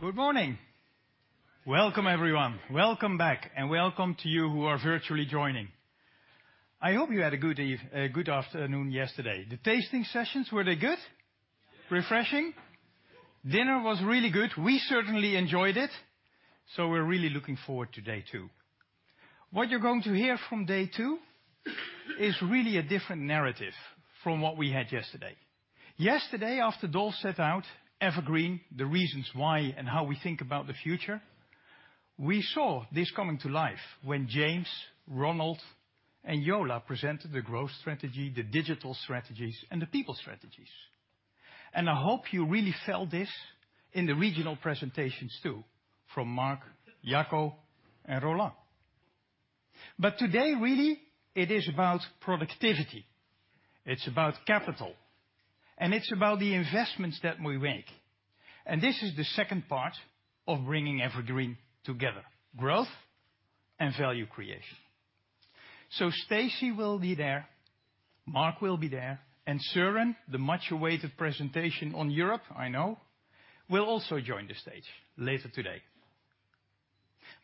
Good morning. Welcome, everyone. Welcome back, welcome to you who are virtually joining. I hope you had a good eve, a good afternoon yesterday. The tasting sessions, were they good? Refreshing? Dinner was really good. We certainly enjoyed it. We're really looking forward to day two. What you're going to hear from day two is really a different narrative from what we had yesterday. Yesterday, after Dolf set out EverGreen, the reasons why and how we think about the future, we saw this coming to life when James, Ronald, and Jola presented the growth strategy, the digital strategies, and the people strategies. I hope you really felt this in the regional presentations too, from Marc, Jacco, and Roland. Today, really, it is about productivity. It's about capital, and it's about the investments that we make. This is the second part of bringing EverGreen together, growth and value creation. Stacey will be there, Marc will be there, and Søren, the much awaited presentation on Europe, I know, will also join the stage later today.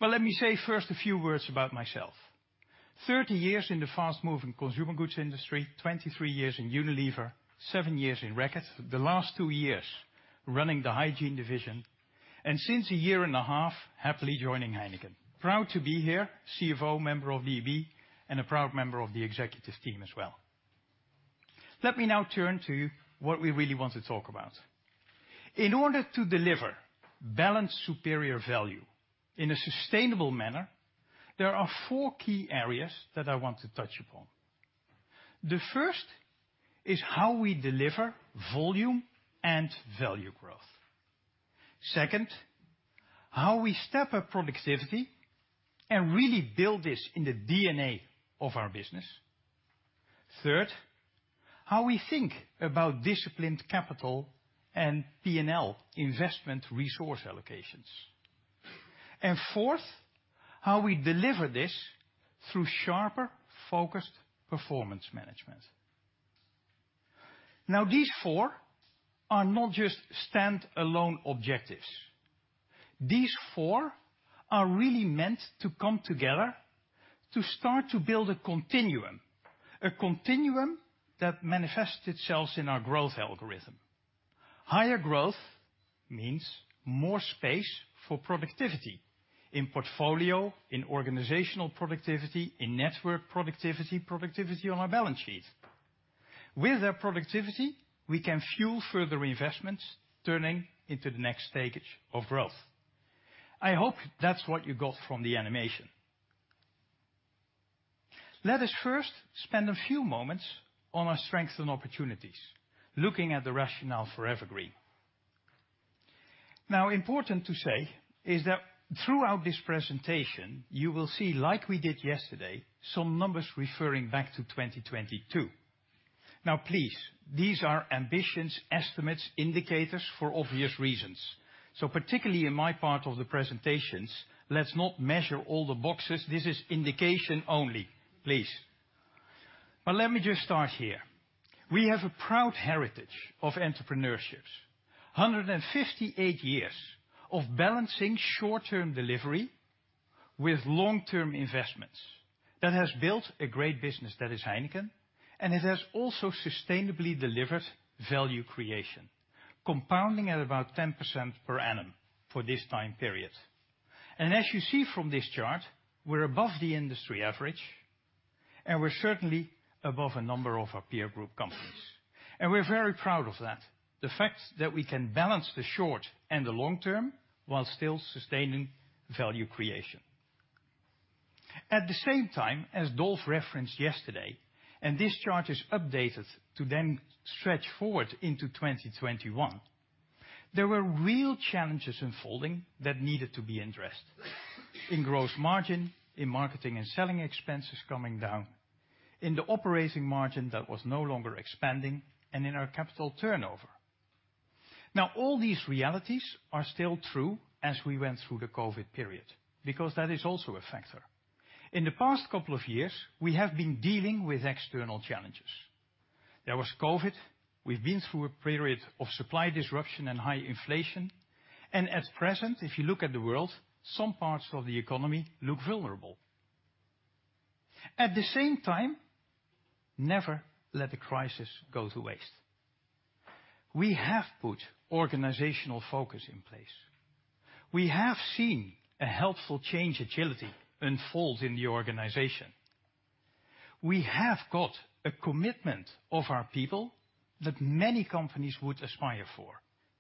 Let me say first a few words about myself. 30 years in the fast-moving consumer goods industry, 23 years in Unilever, seven years in Reckitt. The last two years running the hygiene division, and since a year and a half, happily joining Heineken. Proud to be here, CFO, member of the EB, and a proud member of the Executive Team as well. Let me now turn to what we really want to talk about. In order to deliver balanced superior value in a sustainable manner, there are four key areas that I want to touch upon. The first is how we deliver volume and value growth. Second, how we step up productivity and really build this in the DNA of our business. Third, how we think about disciplined capital and P&L investment resource allocations. Fourth, how we deliver this through sharper focused performance management. These four are not just standalone objectives. These four are really meant to come together to start to build a continuum, a continuum that manifests itself in our growth algorithm. Higher growth means more space for productivity in portfolio, in organizational productivity, in network productivity on our balance sheet. With that productivity, we can fuel further investments, turning into the next stage of growth. I hope that's what you got from the animation. Let us first spend a few moments on our strengths and opportunities, looking at the rationale for EverGreen. Important to say is that throughout this presentation, you will see, like we did yesterday, some numbers referring back to 2022. Please, these are ambitions, estimates, indicators for obvious reasons. Particularly in my part of the presentations, let's not measure all the boxes. This is indication only, please. Let me just start here. We have a proud heritage of entrepreneurships. 158 years of balancing short-term delivery with long-term investments that has built a great business that is Heineken, and it has also sustainably delivered value creation, compounding at about 10% per annum for this time period. As you see from this chart, we're above the industry average, and we're certainly above a number of our peer group companies. We're very proud of that, the fact that we can balance the short and the long term while still sustaining value creation. At the same time, as Dolf referenced yesterday, and this chart is updated to then stretch forward into 2021, there were real challenges unfolding that needed to be addressed in gross margin, in marketing and selling expenses coming down, in the operating margin that was no longer expanding, and in our capital turnover. All these realities are still true as we went through the COVID period, because that is also a factor. In the past couple of years, we have been dealing with external challenges. There was COVID. We've been through a period of supply disruption and high inflation. At present, if you look at the world, some parts of the economy look vulnerable. At the same time, never let a crisis go to waste. We have put organizational focus in place. We have seen a helpful change agility unfold in the organization. We have got a commitment of our people that many companies would aspire for.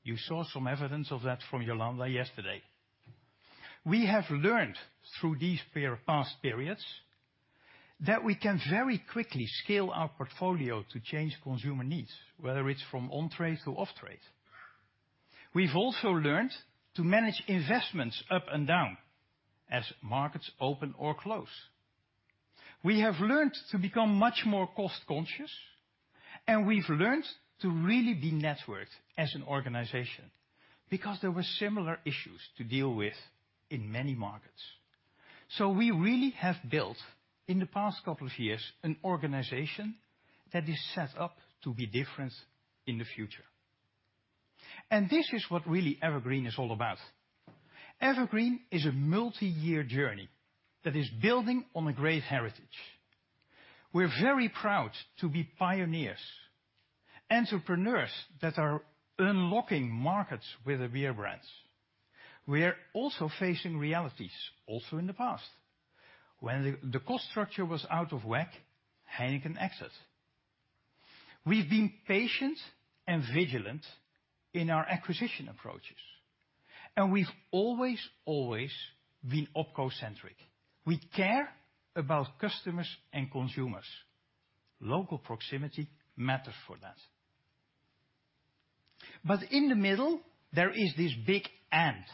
You saw some evidence of that from Yolanda yesterday. We have learned through these past periods that we can very quickly scale our portfolio to change consumer needs, whether it's from on-trade to off-trade. We've also learned to manage investments up and down as markets open or close. We have learned to become much more cost-conscious, and we've learned to really be networked as an organization because there were similar issues to deal with in many markets. We really have built, in the past couple of years, an organization that is set up to be different in the future. This is what really EverGreen is all about. EverGreen is a multi-year journey that is building on a great heritage. We're very proud to be pioneers, entrepreneurs that are unlocking markets with their beer brands. We are also facing realities, also in the past. When the cost structure was out of whack, Heineken exit. We've been patient and vigilant in our acquisition approaches. We've always been OpCo-centric. We care about customers and consumers. Local proximity matters for that. In the middle, there is this big and.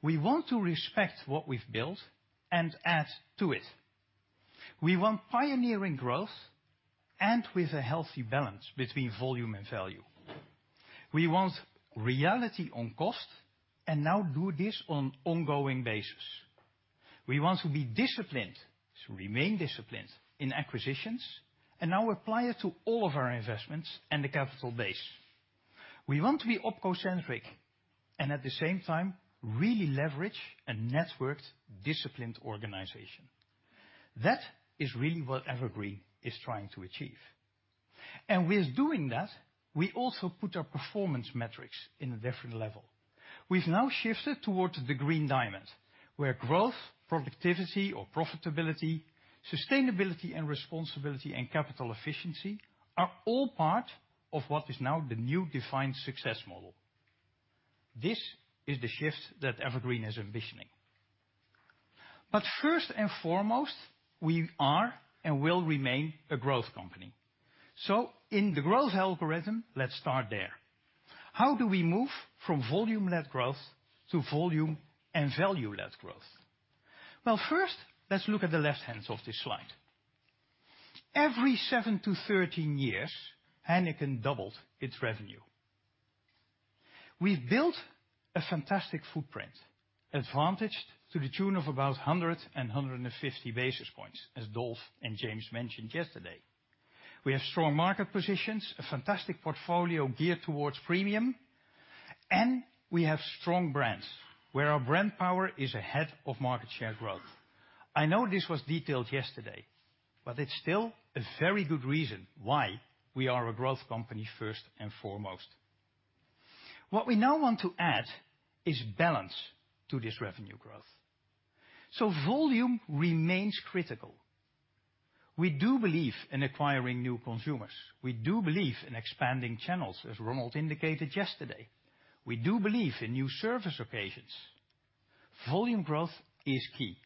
We want to respect what we've built and add to it. We want pioneering growth and with a healthy balance between volume and value. We want reality on cost, now do this on ongoing basis. We want to be disciplined, to remain disciplined in acquisitions, now apply it to all of our investments and the capital base. We want to be OpCo-centric, at the same time, really leverage a networked, disciplined organization. That is really what EverGreen is trying to achieve. With doing that, we also put our performance metrics in a different level. We've now shifted towards the Green Diamond, where growth, productivity or profitability, sustainability and responsibility, and capital efficiency are all part of what is now the new defined success model. This is the shift that EverGreen is envisioning. First and foremost, we are and will remain a growth company. In the growth algorithm, let's start there. How do we move from volume-led growth to volume and value-led growth? First, let's look at the left hands of this slide. Every seven-13 years, Heineken doubled its revenue. We've built a fantastic footprint, advantaged to the tune of about 150 basis points, as Dolf and James mentioned yesterday. We have strong market positions, a fantastic portfolio geared towards premium, and we have strong brands, where our brand power is ahead of market share growth. I know this was detailed yesterday, but it's still a very good reason why we are a growth company first and foremost. What we now want to add is balance to this revenue growth. Volume remains critical. We do believe in acquiring new consumers. We do believe in expanding channels, as Ronald indicated yesterday. We do believe in new service occasions. Volume growth is key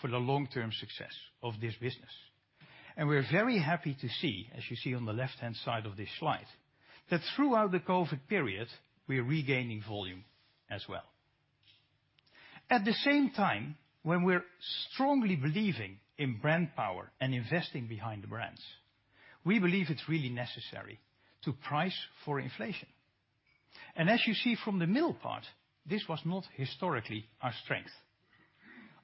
for the long-term success of this business. We're very happy to see, as you see on the left-hand side of this slide, that throughout the COVID period, we are regaining volume as well. At the same time, when we're strongly believing in brand power and investing behind the brands, we believe it's really necessary to price for inflation. As you see from the middle part, this was not historically our strength.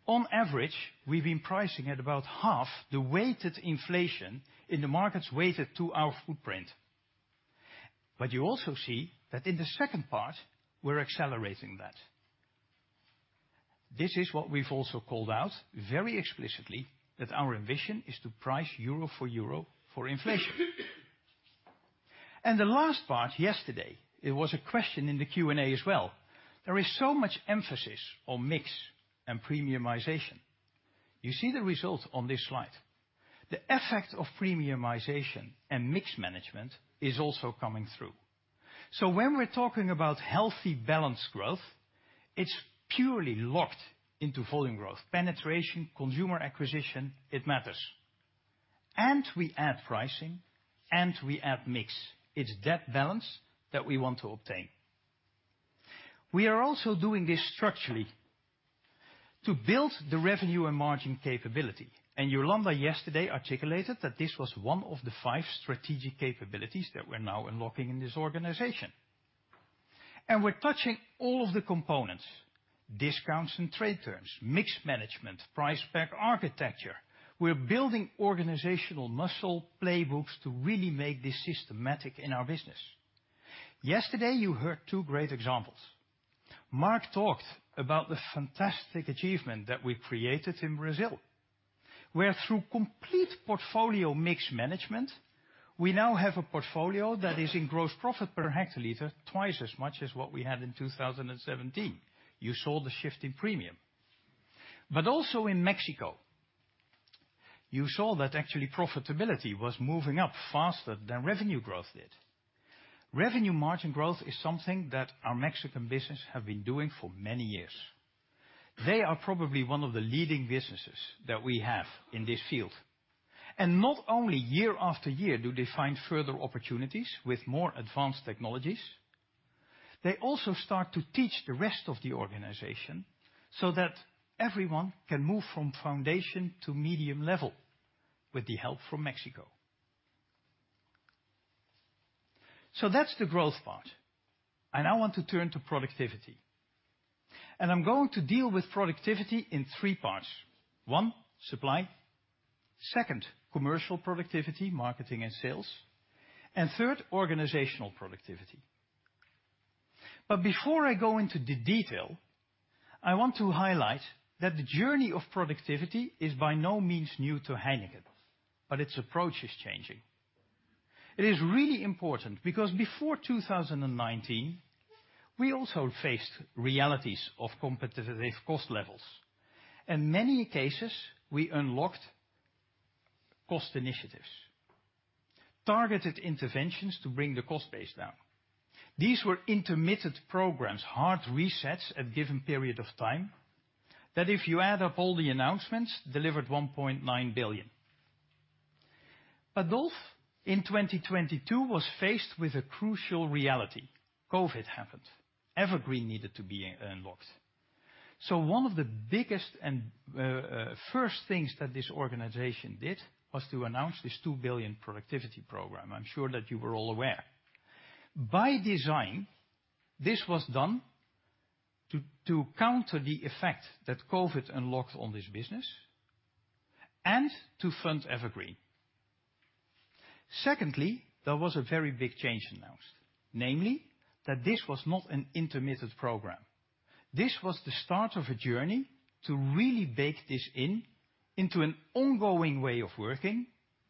On average, we've been pricing at about half the weighted inflation in the markets weighted to our footprint. You also see that in the second part, we're accelerating that. This is what we've also called out very explicitly that our ambition is to price euro for euro for inflation. The last part, yesterday, it was a question in the Q&A as well. There is so much emphasis on mix and premiumization. You see the results on this slide. The effect of premiumization and mix management is also coming through. When we're talking about healthy, balanced growth, it's purely locked into volume growth. Penetration, consumer acquisition, it matters. We add pricing, and we add mix. It's that balance that we want to obtain. We are also doing this structurally to build the revenue and margin capability. Yolanda yesterday articulated that this was one of the five strategic capabilities that we're now unlocking in this organization. We're touching all of the components: discounts and trade terms, mix management, price-pack architecture. We're building organizational muscle playbooks to really make this systematic in our business. Yesterday, you heard two great examples. Marc talked about the fantastic achievement that we created in Brazil, where through complete portfolio mix management, we now have a portfolio that is in gross profit per hectare liter twice as much as what we had in 2017. You saw the shift in premium. Also in Mexico, you saw that actually profitability was moving up faster than revenue growth did. Revenue margin growth is something that our Mexican business have been doing for many years. They are probably one of the leading businesses that we have in this field. Not only year after year do they find further opportunities with more advanced technologies, they also start to teach the rest of the organization so that everyone can move from foundation to medium level with the help from Mexico. That's the growth part. I now want to turn to productivity, I'm going to deal with productivity in three parts. One, supply. Second, commercial productivity, marketing and sales. Third, organizational productivity. Before I go into the detail, I want to highlight that the journey of productivity is by no means new to Heineken, but its approach is changing. It is really important because before 2019, we also faced realities of competitive cost levels. In many cases, we unlocked cost initiatives, targeted interventions to bring the cost base down. These were intermittent programs, hard resets at a given period of time, that if you add up all the announcements, delivered 1.9 billion. Those in 2022 was faced with a crucial reality. COVID happened. EverGreen needed to be unlocked. One of the biggest and first things that this organization did was to announce this 2 billion productivity program. I'm sure that you were all aware. By design, this was done to counter the effect that COVID unlocked on this business and to fund EverGreen. Secondly, there was a very big change announced, namely that this was not an intermittent program. This was the start of a journey to really bake this in into an ongoing way of working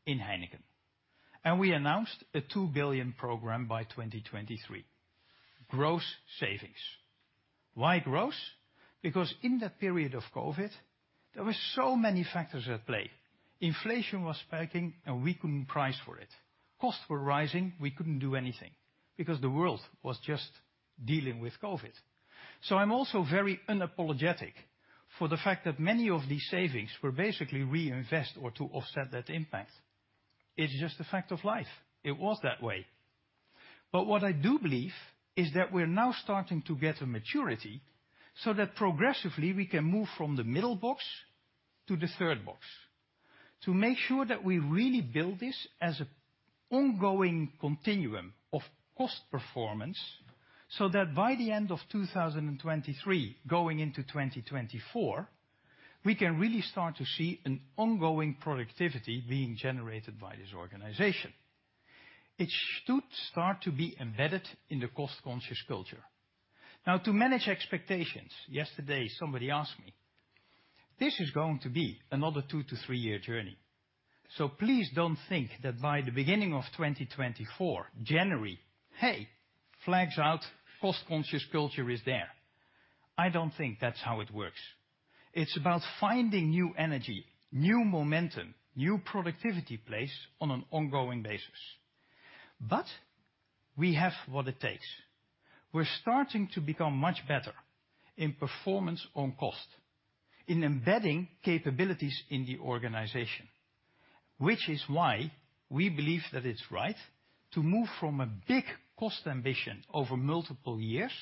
in Heineken. We announced a 2 billion program by 2023. Gross savings. Why gross? In that period of COVID, there were so many factors at play. Inflation was spiking, and we couldn't price for it. Costs were rising. We couldn't do anything because the world was just dealing with COVID. I'm also very unapologetic for the fact that many of these savings were basically reinvest or to offset that impact. It's just a fact of life. It was that way. What I do believe is that we're now starting to get a maturity so that progressively we can move from the middle box to the third box to make sure that we really build this as an ongoing continuum of cost performance, so that by the end of 2023, going into 2024, we can really start to see an ongoing productivity being generated by this organization. It should start to be embedded in the cost-conscious culture. To manage expectations, yesterday somebody asked me, this is going to be another two-three-year journey. Please don't think that by the beginning of 2024, January, hey, flags out, cost-conscious culture is there. I don't think that's how it works. It's about finding new energy, new momentum, new productivity place on an ongoing basis. We have what it takes. We're starting to become much better in performance on cost, in embedding capabilities in the organization, which is why we believe that it's right to move from a big cost ambition over multiple years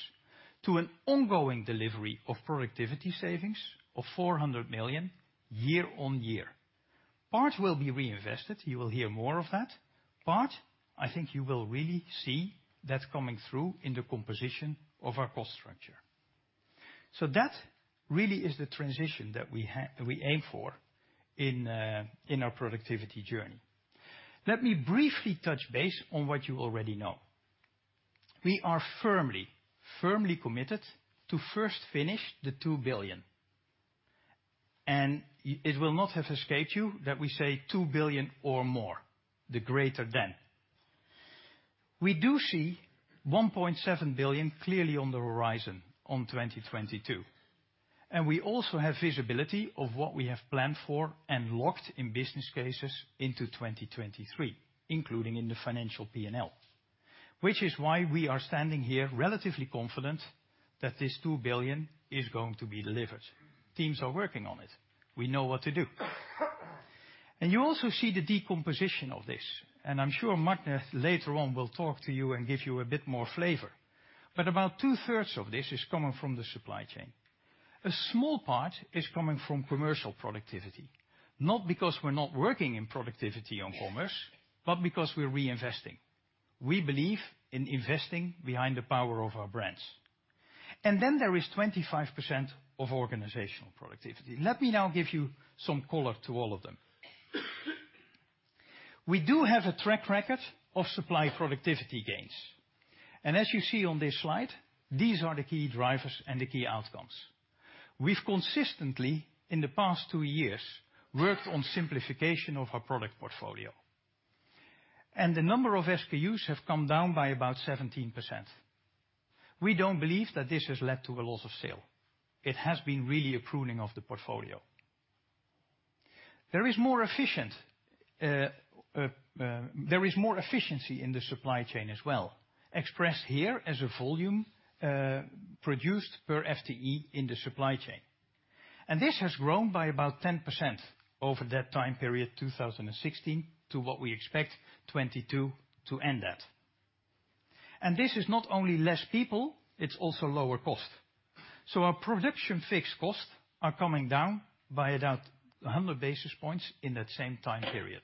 to an ongoing delivery of productivity savings of 400 million year-on-year. Part will be reinvested. You will hear more of that. Part, I think you will really see that coming through in the composition of our cost structure. That really is the transition that we aim for in our productivity journey. Let me briefly touch base on what you already know. We are firmly committed to first finish the 2 billion. It will not have escaped you that we say 2 billion or more, the greater than. We do see 1.7 billion clearly on the horizon on 2022, we also have visibility of what we have planned for and locked in business cases into 2023, including in the financial P&L. This is why we are standing here relatively confident that this 2 billion is going to be delivered. Teams are working on it. We know what to do. You also see the decomposition of this, and I'm sure Magne, later on, will talk to you and give you a bit more flavor. About 2/3 of this is coming from the supply chain. A small part is coming from commercial productivity, not because we're not working in productivity on commerce, but because we're reinvesting. We believe in investing behind the power of our brands. There is 25% of organizational productivity. Let me now give you some color to all of them. We do have a track record of supply productivity gains. As you see on this slide, these are the key drivers and the key outcomes. We've consistently, in the past two years, worked on simplification of our product portfolio, and the number of SKUs have come down by about 17%. We don't believe that this has led to a loss of sale. It has been really a pruning of the portfolio. There is more efficiency in the supply chain as well, expressed here as a volume produced per FTE in the supply chain. This has grown by about 10% over that time period, 2016, to what we expect 2022 to end at. This is not only less people, it's also lower cost. Our production fixed costs are coming down by about 100 basis points in that same time period.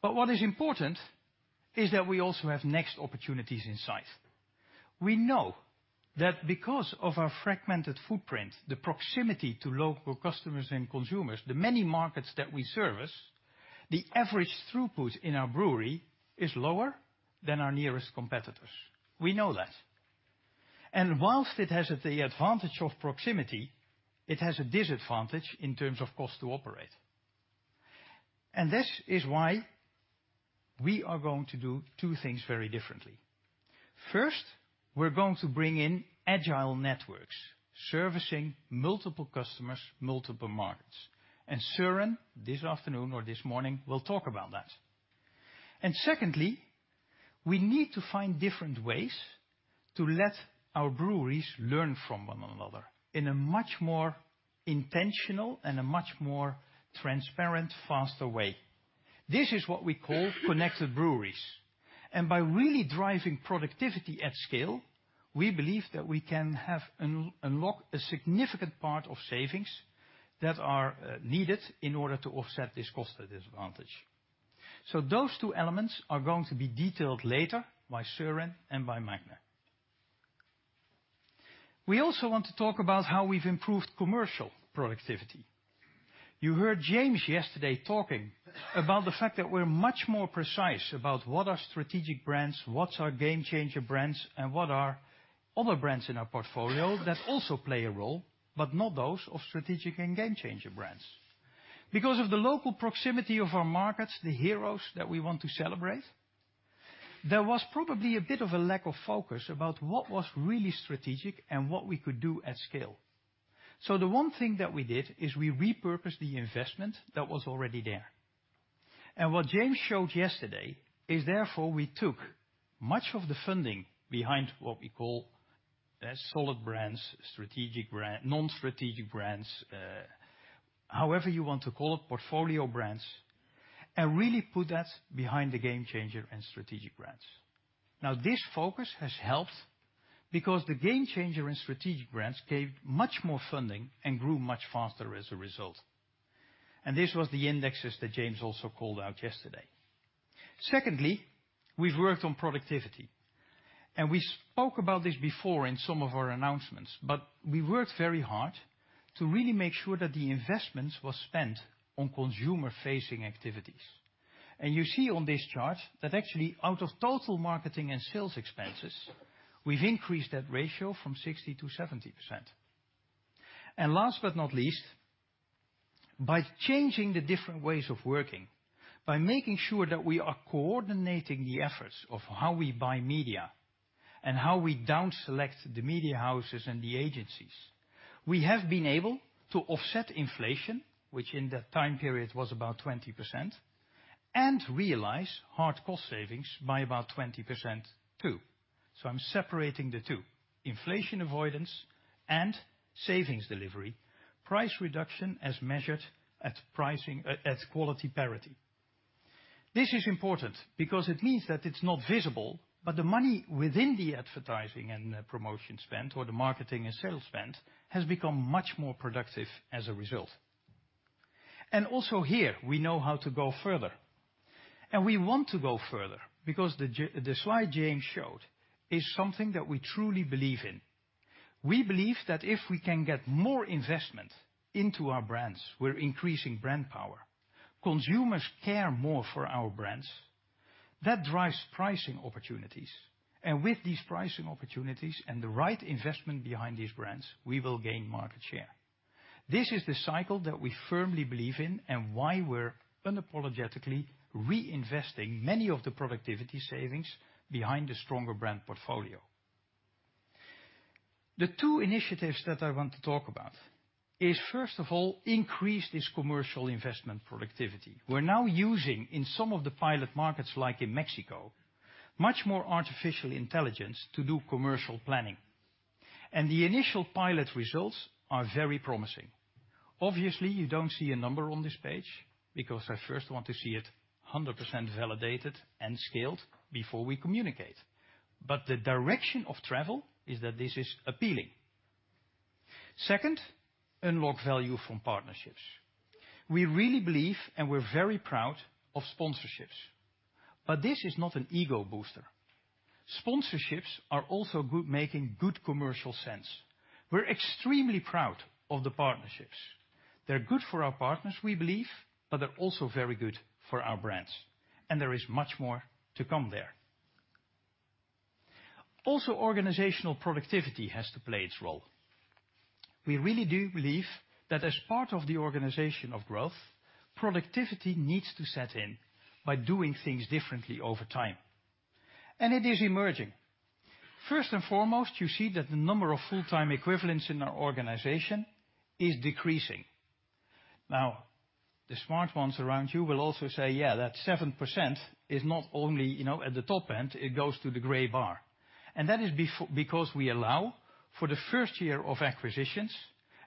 What is important is that we also have next opportunities in sight. We know that because of our fragmented footprint, the proximity to local customers and consumers, the many markets that we service, the average throughput in our brewery is lower than our nearest competitors. We know that. Whilst it has the advantage of proximity, it has a disadvantage in terms of cost to operate. This is why we are going to do two things very differently. First, we're going to bring in agile networks servicing multiple customers, multiple markets. Søren, this afternoon or this morning, will talk about that. Secondly, we need to find different ways to let our breweries learn from one another in a much more intentional and a much more transparent, faster way. This is what we call Connected Breweries. By really driving productivity at scale, we believe that we can unlock a significant part of savings that are needed in order to offset this cost disadvantage. Those two elements are going to be detailed later by Søren and by Magne. We also want to talk about how we've improved commercial productivity. You heard James yesterday talking about the fact that we're much more precise about what are strategic brands, what's our game-changer brands, and what are other brands in our portfolio that also play a role, but not those of strategic and game-changer brands. Because of the local proximity of our markets, the heroes that we want to celebrate, there was probably a bit of a lack of focus about what was really strategic and what we could do at scale. The one thing that we did is we repurposed the investment that was already there. What James showed yesterday is therefore, we took much of the funding behind what we call as solid brands, strategic brand, non-strategic brands, however you want to call it, portfolio brands, and really put that behind the game-changer and strategic brands. Now, this focus has helped because the game-changer and strategic brands gained much more funding and grew much faster as a result. This was the indexes that James also called out yesterday. Secondly, we've worked on productivity, and we spoke about this before in some of our announcements, but we worked very hard to really make sure that the investments were spent on consumer-facing activities. You see on this chart that actually out of total marketing and sales expenses, we've increased that ratio from 60%-70%. Last but not least, by changing the different ways of working, by making sure that we are coordinating the efforts of how we buy media and how we down select the media houses and the agencies, we have been able to offset inflation, which in that time period was about 20%, and realize hard cost savings by about 20% too. I'm separating the two, inflation avoidance and savings delivery, price reduction as measured at pricing, at quality parity. This is important because it means that it's not visible, but the money within the advertising and promotion spend or the marketing and sales spend has become much more productive as a result. Also here, we know how to go further, and we want to go further because the slide James showed is something that we truly believe in. We believe that if we can get more investment into our brands, we're increasing brand power. Consumers care more for our brands. That drives pricing opportunities. With these pricing opportunities and the right investment behind these brands, we will gain market share. This is the cycle that we firmly believe in and why we're unapologetically reinvesting many of the productivity savings behind the stronger brand portfolio. The two initiatives that I want to talk about is, first of all, increase this commercial investment productivity. We're now using in some of the pilot markets, like in Mexico, much more artificial intelligence to do commercial planning, and the initial pilot results are very promising. Obviously, you don't see a number on this page because I first want to see it 100% validated and scaled before we communicate, but the direction of travel is that this is appealing. Second, unlock value from partnerships. We really believe, and we're very proud of sponsorships, but this is not an ego booster. Sponsorships are also making good commercial sense. We're extremely proud of the partnerships. They're good for our partners, we believe, but they're also very good for our brands, and there is much more to come there. Also, organizational productivity has to play its role. We really do believe that as part of the organization of growth, productivity needs to set in by doing things differently over time, and it is emerging. First and foremost, you see that the number of full-time equivalents in our organization is decreasing. The smart ones around you will also say, "Yeah, that 7% is not only, you know, at the top end, it goes to the gray bar." That is because we allow for the first year of acquisitions.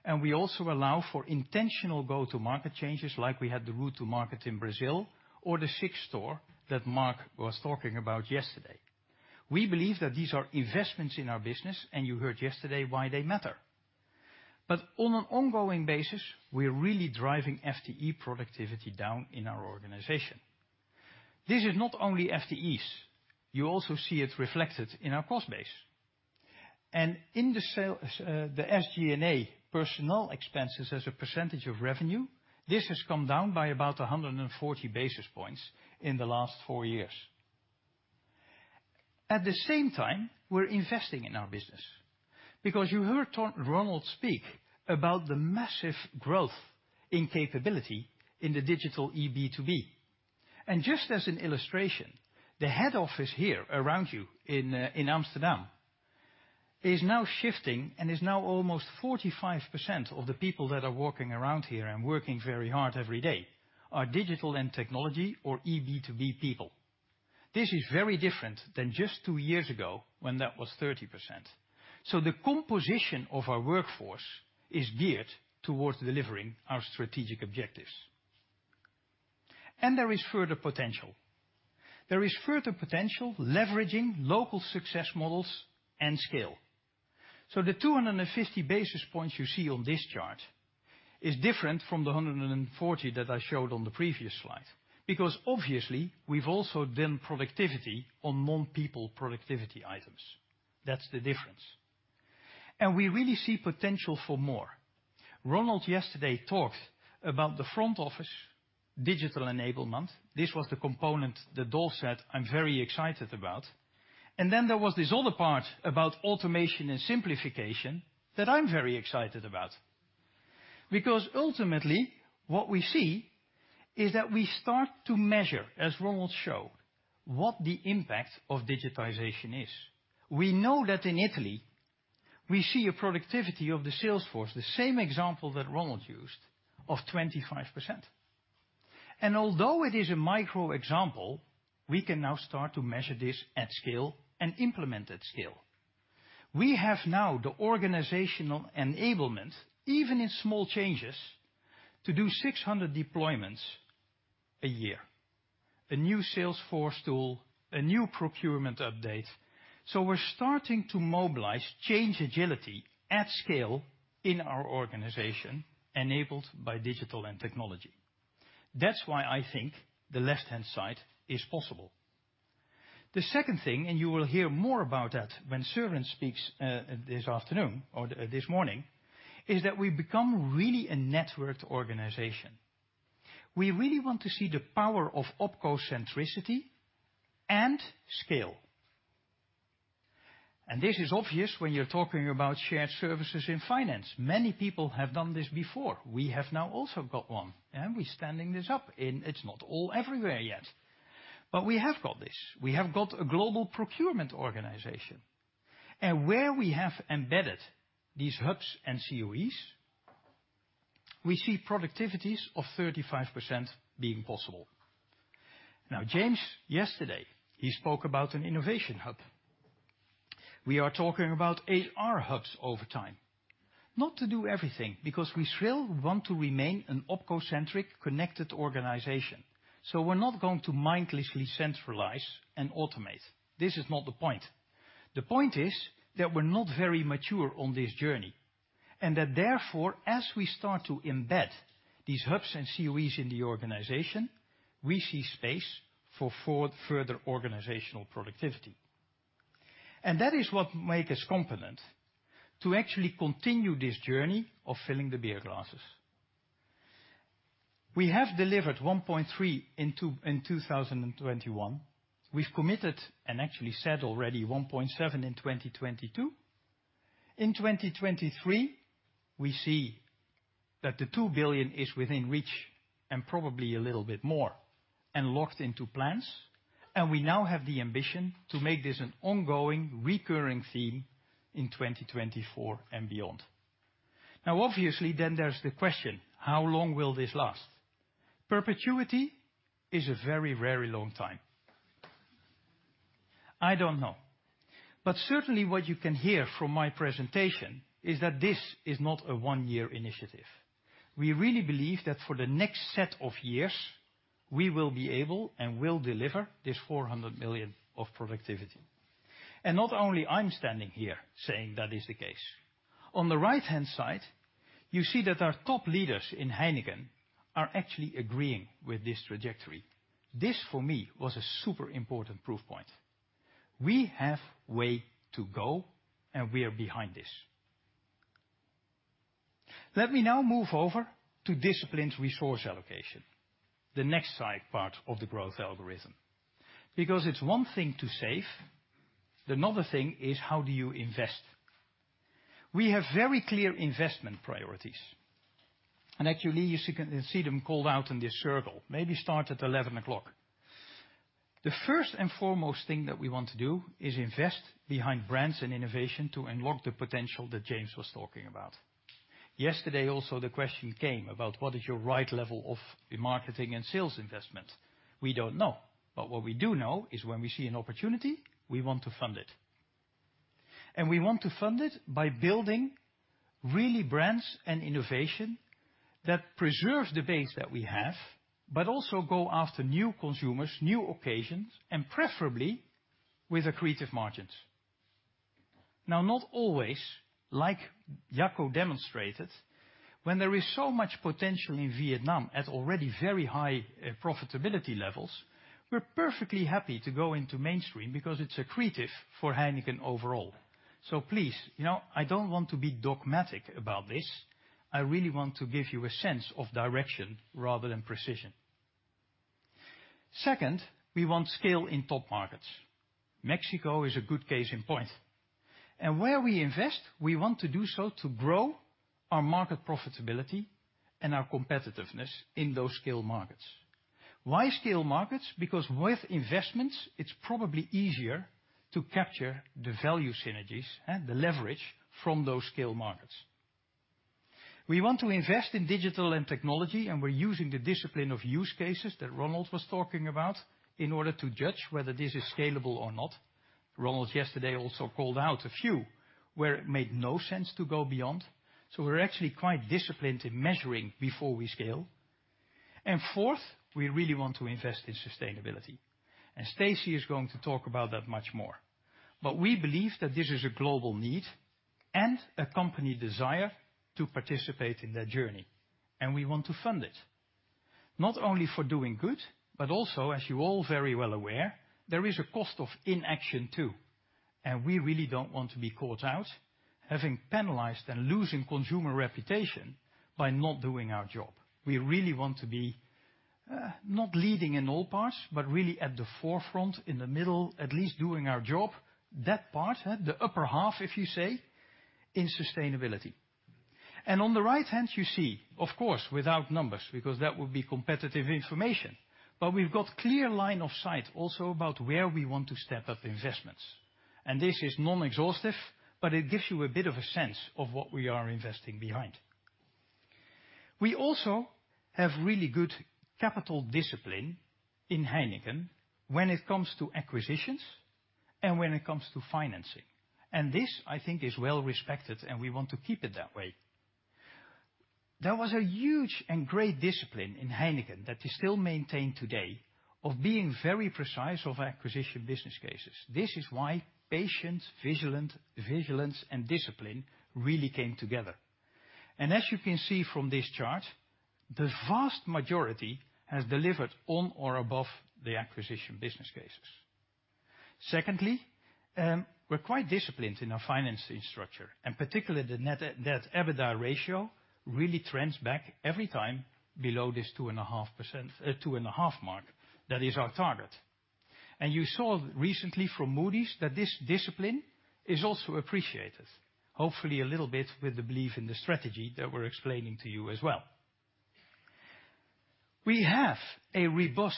And we also allow for intentional go-to-market changes like we had the route to market in Brazil or the sixth store that Marc was talking about yesterday. We believe that these are investments in our business, and you heard yesterday why they matter. On an ongoing basis, we're really driving FTE productivity down in our organization. This is not only FTEs, you also see it reflected in our cost base. In the SG&A personnel expenses as a percentage of revenue, this has come down by about 140 basis points in the last four years. At the same time, we're investing in our business because you heard Ronald speak about the massive growth in capability in the digital eB2B. Just as an illustration, the head office here around you in Amsterdam is now shifting and is now almost 45% of the people that are walking around here and working very hard every day are digital and technology or eB2B people. This is very different than just two years ago when that was 30%. The composition of our workforce is geared towards delivering our strategic objectives. There is further potential. There is further potential leveraging local success models and scale. The 250 basis points you see on this chart is different from the 140 that I showed on the previous slide because obviously we've also done productivity on non-people productivity items. That's the difference. We really see potential for more. Ronald yesterday talked about the front office digital enablement. This was the component that Dolf said, "I'm very excited about." There was this other part about automation and simplification that I'm very excited about. Ultimately what we see is that we start to measure, as Ronald showed, what the impact of digitization is. We know that in Italy we see a productivity of the sales force, the same example that Ronald used, of 25%. Although it is a micro example, we can now start to measure this at scale and implement at scale. We have now the organizational enablement, even in small changes, to do 600 deployments a year, a new sales force tool, a new procurement update. We're starting to mobilize change agility at scale in our organization enabled by digital and technology. That's why I think the left-hand side is possible. The second thing, and you will hear more about that when Søren speaks, this afternoon or, this morning, is that we become really a networked organization. We really want to see the power of OpCo centricity and scale. This is obvious when you're talking about shared services in finance. Many people have done this before. We have now also got one, and we're standing this up in... It's not all everywhere yet, we have got this. We have got a global procurement organization. Where we have embedded these hubs and COEs, we see productivities of 35% being possible. Now, James yesterday, he spoke about an innovation hub. We are talking about AR hubs over time. Not to do everything, because we still want to remain an OpCo-centric connected organization. We're not going to mindlessly centralize and automate. This is not the point. The point is that we're not very mature on this journey, and that therefore, as we start to embed these hubs and COEs in the organization, we see space for further organizational productivity. That is what make us confident to actually continue this journey of filling the beer glasses. We have delivered 1.3 in 2021. We've committed and actually said already 1.7 billion in 2022. In 2023, we see that the 2 billion is within reach and probably a little bit more and locked into plans. We now have the ambition to make this an ongoing, recurring theme in 2024 and beyond. Obviously then there's the question: how long will this last? Perpetuity is a very, very long time. I don't know. Certainly what you can hear from my presentation is that this is not a one-year initiative. We really believe that for the next set of years, we will be able and will deliver this 400 million of productivity. Not only I'm standing here saying that is the case. On the right-hand side, you see that our top leaders in Heineken are actually agreeing with this trajectory. This, for me, was a super important proof point. We have way to go, and we are behind this. Let me now move over to disciplined resource allocation, the next side part of the growth algorithm. It's one thing to save, another thing is how do you invest? We have very clear investment priorities, actually you can see them called out in this circle. Maybe start at 11 o'clock. The first and foremost thing that we want to do is invest behind brands and innovation to unlock the potential that James was talking about. Yesterday also, the question came about what is your right level of marketing and sales investment. We don't know. What we do know is when we see an opportunity, we want to fund it. We want to fund it by building really brands and innovation that preserves the base that we have, but also go after new consumers, new occasions, and preferably with accretive margins. Not always, like Jacco demonstrated, when there is so much potential in Vietnam at already very high profitability levels, we're perfectly happy to go into mainstream because it's accretive for Heineken overall. Please, you know, I don't want to be dogmatic about this. I really want to give you a sense of direction rather than precision. Second, we want scale in top markets. Mexico is a good case in point. Where we invest, we want to do so to grow our market profitability and our competitiveness in those scale markets. Why scale markets? With investments, it's probably easier to capture the value synergies and the leverage from those scale markets. We want to invest in digital and technology, and we're using the discipline of use cases that Ronald was talking about in order to judge whether this is scalable or not. Ronald yesterday also called out a few where it made no sense to go beyond. We're actually quite disciplined in measuring before we scale. Fourth, we really want to invest in sustainability, and Stacey is going to talk about that much more. We believe that this is a global need and a company desire to participate in that journey, and we want to fund it, not only for doing good, but also, as you're all very well aware, there is a cost of inaction too. We really don't want to be caught out, having penalized and losing consumer reputation by not doing our job. We really want to be not leading in all parts, but really at the forefront in the middle, at least doing our job. That part, the upper half, if you say, in sustainability. On the right-hand you see, of course, without numbers, because that would be competitive information, but we've got clear line of sight also about where we want to step up investments. This is non-exhaustive, but it gives you a bit of a sense of what we are investing behind. We also have really good capital discipline in Heineken when it comes to acquisitions and when it comes to financing. This, I think, is well respected, and we want to keep it that way. There was a huge and great discipline in Heineken that is still maintained today of being very precise of acquisition business cases. This is why patience, vigilance, and discipline really came together. As you can see from this chart, the vast majority has delivered on or above the acquisition business cases. Secondly, we're quite disciplined in our financing structure, and particularly the net debt-EBITDA ratio really trends back every time below this 2.5 mark. That is our target. You saw recently from Moody's that this discipline is also appreciated, hopefully a little bit with the belief in the strategy that we're explaining to you as well. We have a robust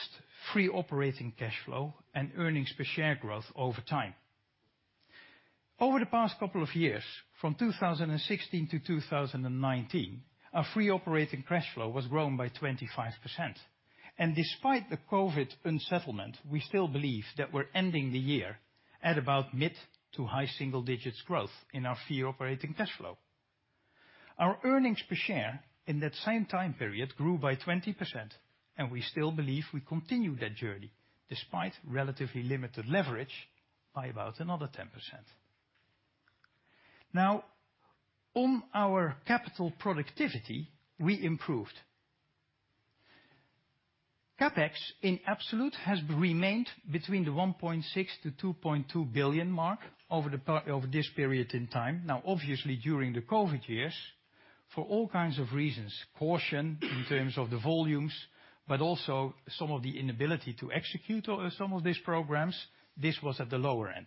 free operating cash flow and earnings per share growth over time. Over the past couple of years, from 2016 to 2019, our free operating cash flow was grown by 25%. Despite the COVID unsettlement, we still believe that we're ending the year at about mid to high single digits growth in our free operating cash flow. Our earnings per share in that same time period grew by 20%, and we still believe we continue that journey despite relatively limited leverage by about another 10%. Now, on our capital productivity, we improved. CapEx in absolute has remained between the 1.6 billion-2.2 billion mark over this period in time. Now, obviously during the COVID years, for all kinds of reasons, caution in terms of the volumes, but also some of the inability to execute on some of these programs, this was at the lower end.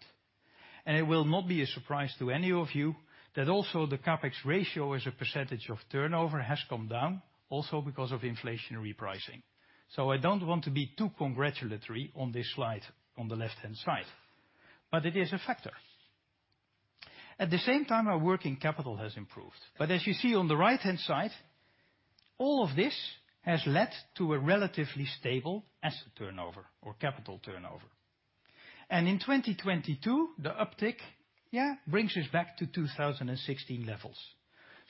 It will not be a surprise to any of you that also the CapEx ratio as a percentage of turnover has come down, also because of inflationary pricing. I don't want to be too congratulatory on this slide on the left-hand side, but it is a factor. At the same time, our working capital has improved. As you see on the right-hand side, all of this has led to a relatively stable asset turnover or capital turnover. In 2022, the uptick brings us back to 2016 levels.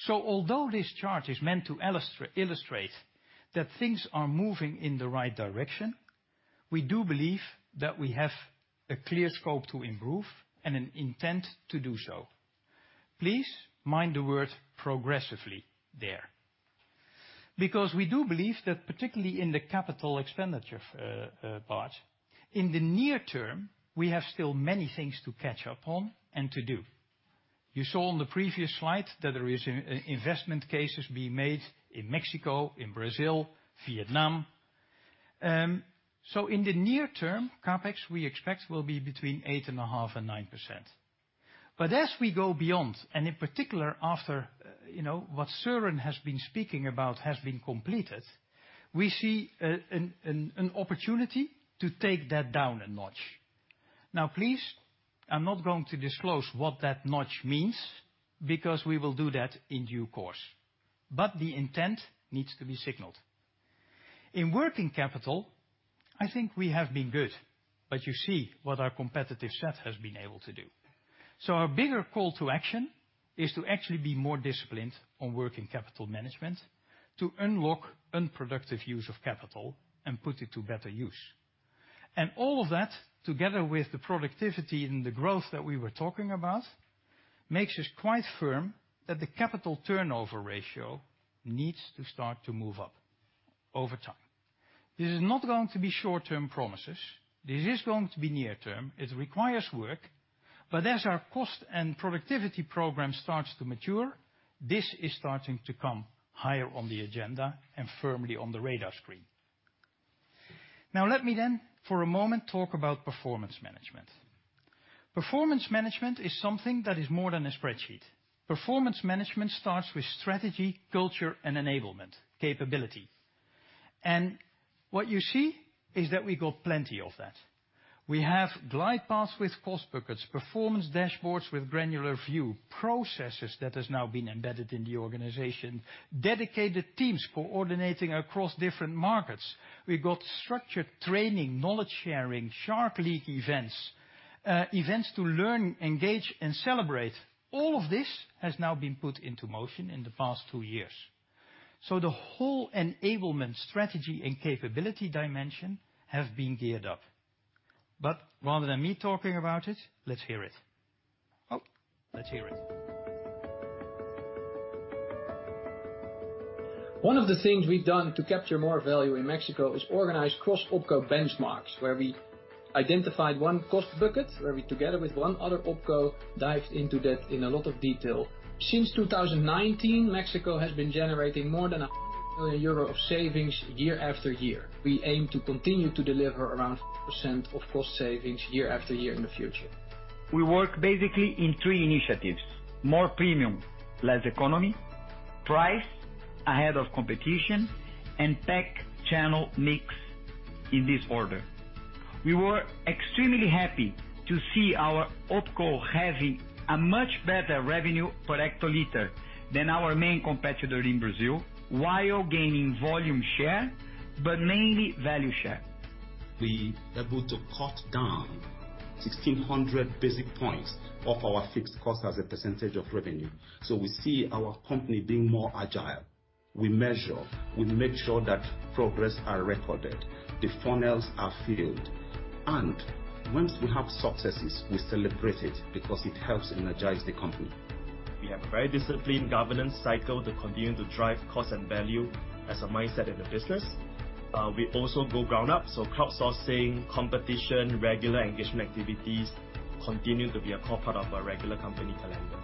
Although this chart is meant to illustrate that things are moving in the right direction, we do believe that we have a clear scope to improve and an intent to do so. Please mind the word progressively there, because we do believe that particularly in the capital expenditure part, in the near term, we have still many things to catch up on and to do. You saw on the previous slide that there is investment cases being made in Mexico, in Brazil, Vietnam. In the near term, CapEx, we expect, will be between 8.5% and 9%. As we go beyond, and in particular, after, you know, what Søren has been speaking about has been completed, we see an opportunity to take that down a notch. Please, I'm not going to disclose what that notch means because we will do that in due course. The intent needs to be signaled. In working capital, I think we have been good. You see what our competitive set has been able to do. Our bigger call to action is to actually be more disciplined on working capital management to unlock unproductive use of capital and put it to better use. All of that, together with the productivity and the growth that we were talking about, makes us quite firm that the capital turnover ratio needs to start to move up over time. This is not going to be short-term promises. This is going to be near-term. It requires work. As our cost and productivity program starts to mature, this is starting to come higher on the agenda and firmly on the radar screen. Let me for a moment talk about performance management. Performance management is something that is more than a spreadsheet. Performance management starts with strategy, culture, and enablement capability. What you see is that we got plenty of that. We have glide paths with cost buckets, performance dashboards with granular view, processes that has now been embedded in the organization, dedicated teams coordinating across different markets. We've got structured training, knowledge-sharing, Shark League events to learn, engage, and celebrate. All of this has now been put into motion in the past two years. The whole enablement strategy and capability dimension have been geared up. Rather than me talking about it, let's hear it. Oh, let's hear it. One of the things we've done to capture more value in Mexico is organize cross OpCo benchmarks, where we identified one cost bucket, where we together with one other OpCo dived into that in a lot of detail. Since 2019, Mexico has been generating more than million euro of savings year after year. We aim to continue to deliver around percent of cost savings year after year in the future. We work basically in three initiatives: more premium, less economy, price ahead of competition, and tech channel mix in this order. We were extremely happy to see our OpCo having a much better revenue per hectoliter than our main competitor in Brazil while gaining volume share, but mainly value share. We are able to cut down 1,600 basis points of our fixed cost as a percentage of revenue. We see our company being more agile. We measure. We make sure that progress are recorded, the funnels are filled, and once we have successes, we celebrate it because it helps energize the company. We have very disciplined governance cycle to continue to drive cost and value as a mindset in the business. We also go ground up, so crowdsourcing, competition, regular engagement activities continue to be a core part of our regular company calendar.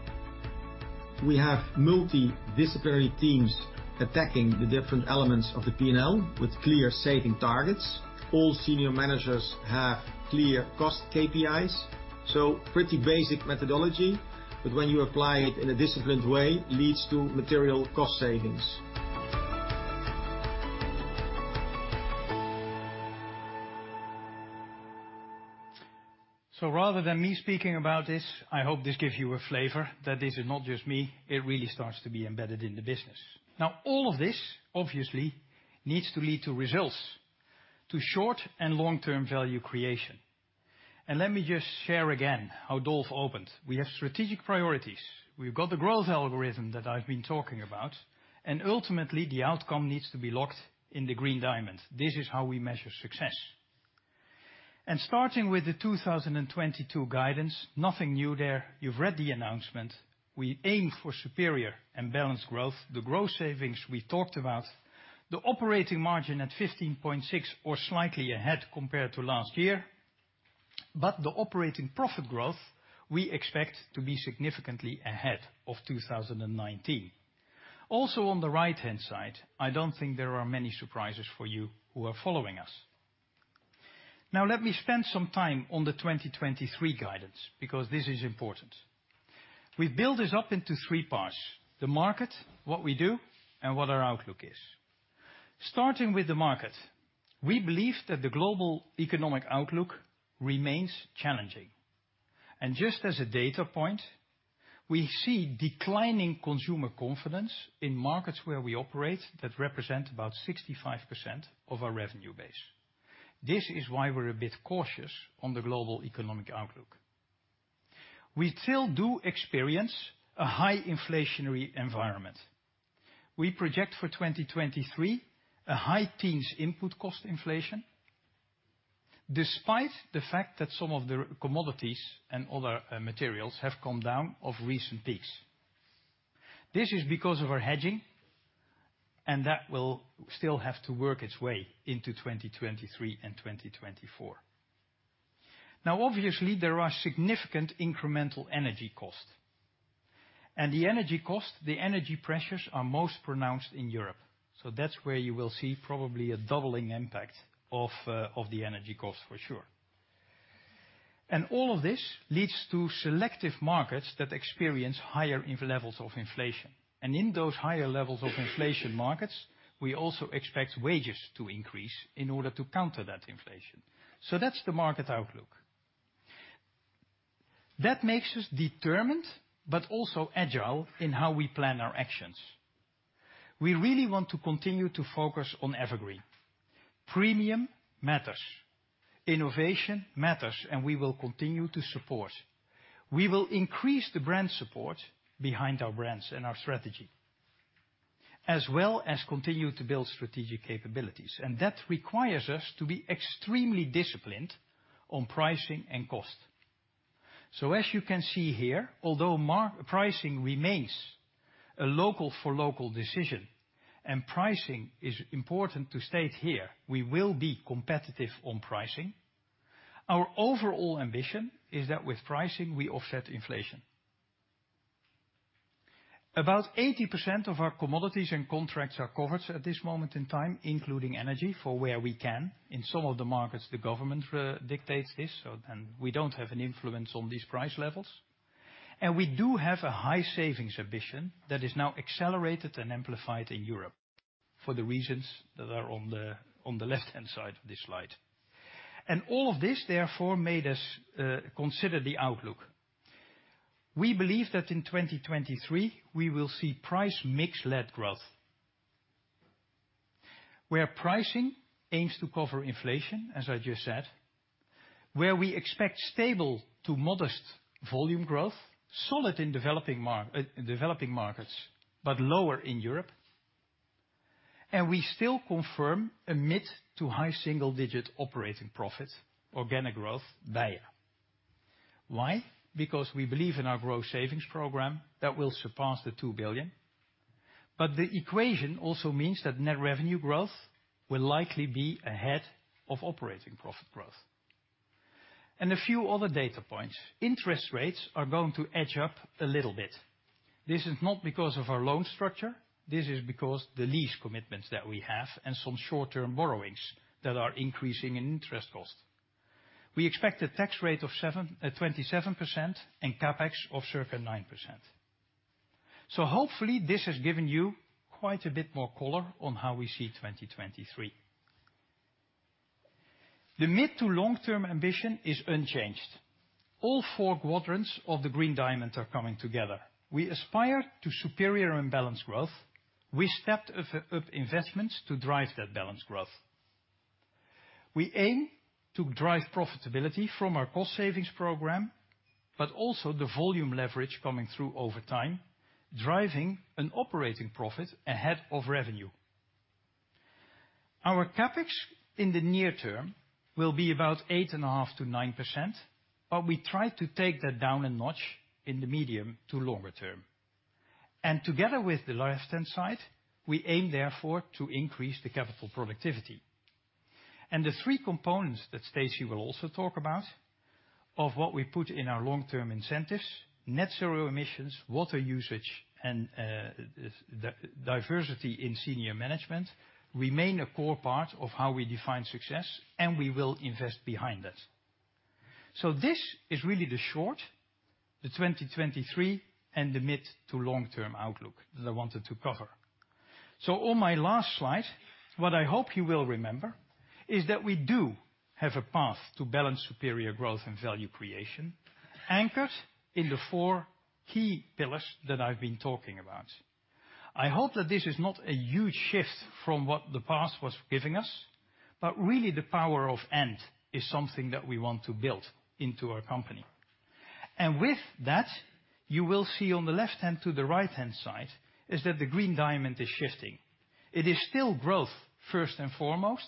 We have multidisciplinary teams attacking the different elements of the P&L with clear saving targets. All senior managers have clear cost KPIs. Pretty basic methodology, but when you apply it in a disciplined way, leads to material cost savings. Rather than me speaking about this, I hope this gives you a flavor that this is not just me, it really starts to be embedded in the business. All of this obviously needs to lead to results, to short and long-term value creation. Let me just share again how Dolf opened. We have strategic priorities. We've got the growth algorithm that I've been talking about, and ultimately the outcome needs to be locked in the Green Diamond. This is how we measure success. Starting with the 2022 guidance, nothing new there. You've read the announcement. We aim for superior and balanced growth. The growth savings we talked about. The operating margin at 15.6 or slightly ahead compared to last year. The operating profit growth we expect to be significantly ahead of 2019. On the right-hand side, I don't think there are many surprises for you who are following us. Let me spend some time on the 2023 guidance because this is important. We build this up into three parts: the market, what we do, and what our outlook is. Starting with the market, we believe that the global economic outlook remains challenging. Just as a data point, we see declining consumer confidence in markets where we operate that represent about 65% of our revenue base. This is why we're a bit cautious on the global economic outlook. We still do experience a high inflationary environment. We project for 2023 a high teens input cost inflation despite the fact that some of the commodities and other materials have come down of recent peaks. This is because of our hedging, and that will still have to work its way into 2023 and 2024. Obviously there are significant incremental energy costs. The energy costs, the energy pressures are most pronounced in Europe. That's where you will see probably a doubling impact of the energy costs for sure. All of this leads to selective markets that experience higher in levels of inflation. In those higher levels of inflation markets, we also expect wages to increase in order to counter that inflation. That's the market outlook. That makes us determined, but also agile in how we plan our actions. We really want to continue to focus on EverGreen. Premium matters, innovation matters, we will continue to support. We will increase the brand support behind our brands and our strategy, as well as continue to build strategic capabilities. That requires us to be extremely disciplined on pricing and cost. As you can see here, although pricing remains a local for local decision, and pricing is important to state here, we will be competitive on pricing. Our overall ambition is that with pricing, we offset inflation. About 80% of our commodities and contracts are covered at this moment in time, including energy, for where we can. In some of the markets, the government dictates this, we don't have an influence on these price levels. We do have a high savings ambition that is now accelerated and amplified in Europe for the reasons that are on the, on the left-hand side of this slide. All of this, therefore, made us consider the outlook. We believe that in 2023 we will see price mix-led growth, where pricing aims to cover inflation, as I just said, where we expect stable to modest volume growth, solid in developing markets, but lower in Europe, and we still confirm a mid to high single-digit operating profit organic growth by year. Why? Because we believe in our growth savings program that will surpass 2 billion. The equation also means that net revenue growth will likely be ahead of operating profit growth. A few other data points. Interest rates are going to edge up a little bit. This is not because of our loan structure, this is because the lease commitments that we have and some short-term borrowings that are increasing in interest cost. We expect a tax rate of 27% and CapEx of circa 9%. Hopefully, this has given you quite a bit more color on how we see 2023. The mid to long-term ambition is unchanged. All four quadrants of the Green Diamond are coming together. We aspire to superior and balanced growth. We stepped up investments to drive that balanced growth. We aim to drive profitability from our cost savings program, also the volume leverage coming through over time, driving an operating profit ahead of revenue. Our CapEx in the near term will be about 8.5%-9%, we try to take that down a notch in the medium to longer term. Together with the left-hand side, we aim, therefore, to increase the capital productivity. The three components that Stacey will also talk about of what we put in our long-term incentives, net zero emissions, water usage and diversity in senior management remain a core part of how we define success, and we will invest behind that. This is really the short, the 2023, and the mid to long-term outlook that I wanted to cover. On my last slide, what I hope you will remember is that we do have a path to balance superior growth and value creation anchored in the four key pillars that I've been talking about. I hope that this is not a huge shift from what the past was giving us, but really the power of end is something that we want to build into our company. With that, you will see on the left hand to the right-hand side, is that the Green Diamond is shifting. It is still growth first and foremost,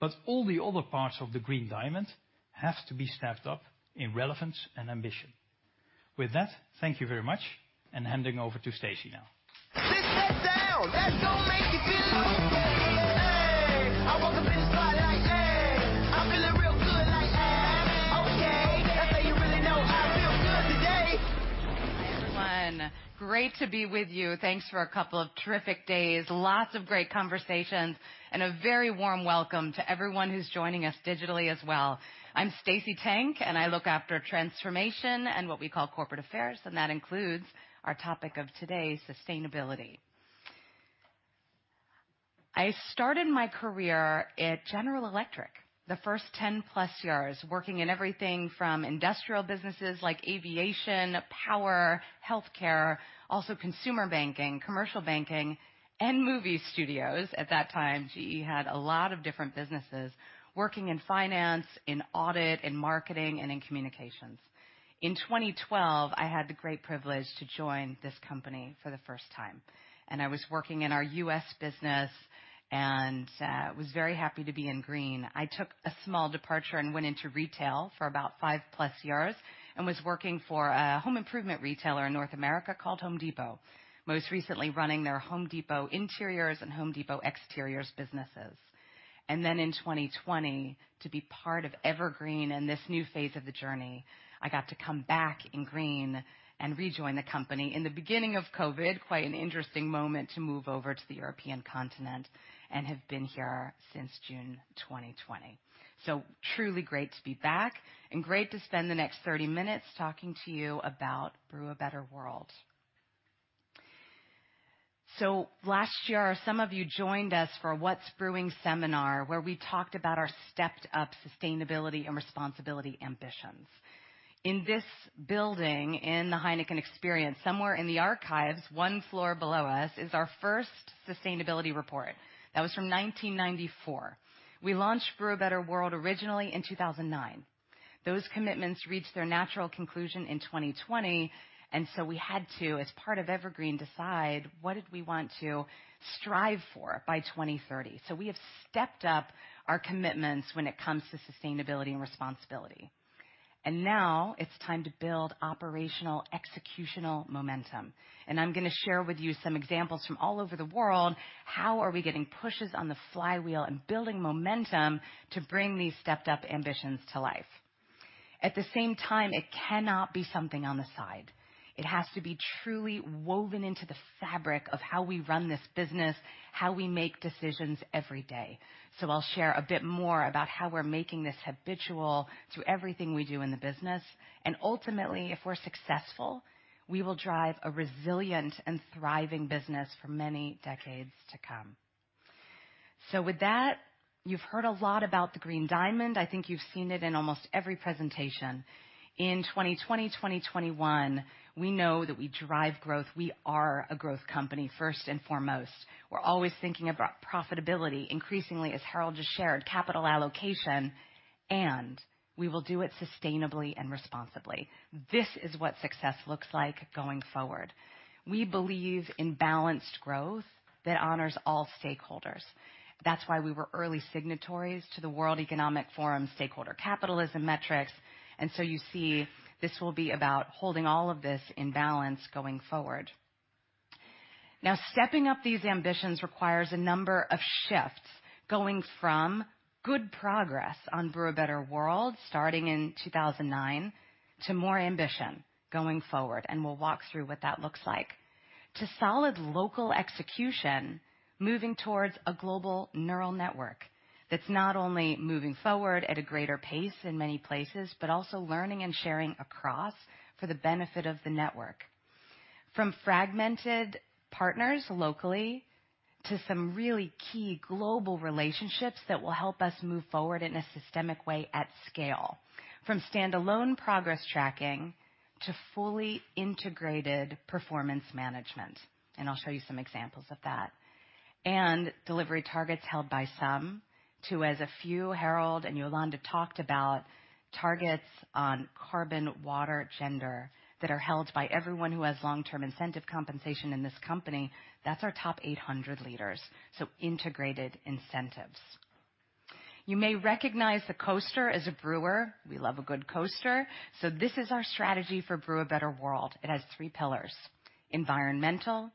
but all the other parts of the Green Diamond have to be stepped up in relevance and ambition. With that, thank you very much, and handing over to Stacey now. Everyone, great to be with you. Thanks for a couple of terrific days, lots of great conversations, and a very warm welcome to everyone who's joining us digitally as well. I'm Stacey Tank, and I look after transformation and what we call corporate affairs, and that includes our topic of today, sustainability. I started my career at General Electric, the first 10+ years working in everything from industrial businesses like aviation, power, healthcare, also consumer banking, commercial banking, and movie studios. At that time, GE had a lot of different businesses working in finance, in audit, in marketing, and in communications. In 2012, I had the great privilege to join this company for the first time, and I was working in our U.S. business, and was very happy to be in green. I took a small departure and went into retail for about five plus years and was working for a home improvement retailer in North America called Home Depot, most recently running their Home Depot Interiors and Home Depot Exteriors businesses. Then in 2020, to be part of EverGreen and this new phase of the journey, I got to come back in green and rejoin the company in the beginning of COVID. Quite an interesting moment to move over to the European continent, have been here since June 2020. Truly great to be back and great to spend the next 30 minutes talking to you about Brew a Better World. Last year, some of you joined us for What's Brewing seminar, where we talked about our stepped-up sustainability and responsibility ambitions. In this building, in the Heineken experience, somewhere in the archives, one floor below us is our first sustainability report. That was from 1994. We launched Brew a Better World originally in 2009. Those commitments reached their natural conclusion in 2020. We had to, as part of EverGreen, decide what did we want to strive for by 2030. We have stepped up our commitments when it comes to sustainability and responsibility. Now it's time to build operational executional momentum. I'm gonna share with you some examples from all over the world. How are we getting pushes on the flywheel and building momentum to bring these stepped-up ambitions to life? At the same time, it cannot be something on the side. It has to be truly woven into the fabric of how we run this business, how we make decisions every day. I'll share a bit more about how we're making this habitual to everything we do in the business. Ultimately, if we're successful, we will drive a resilient and thriving business for many decades to come. With that, you've heard a lot about the Green Diamond. I think you've seen it in almost every presentation. In 2020, 2021, we know that we drive growth. We are a growth company, first and foremost. We're always thinking about profitability, increasingly, as Harold just shared, capital allocation, and we will do it sustainably and responsibly. This is what success looks like going forward. We believe in balanced growth that honors all stakeholders. That's why we were early signatories to the World Economic Forum stakeholder capitalism metrics. You see, this will be about holding all of this in balance going forward. Stepping up these ambitions requires a number of shifts, going from good progress on Brew a Better World, starting in 2009, to more ambition going forward, and we'll walk through what that looks like. To solid local execution, moving towards a global neural network that's not only moving forward at a greater pace in many places, but also learning and sharing across for the benefit of the network. From fragmented partners locally to some really key global relationships that will help us move forward in a systemic way at scale. From standalone progress tracking to fully integrated performance management, and I'll show you some examples of that. Delivery targets held by some to, as a few, Harold and Yolanda talked about targets on carbon, water, gender, that are held by everyone who has long-term incentive compensation in this company. That's our top 800 leaders, integrated incentives. You may recognize the coaster. As a brewer, we love a good coaster. This is our strategy for Brew a Better World. It has three pillars, environmental,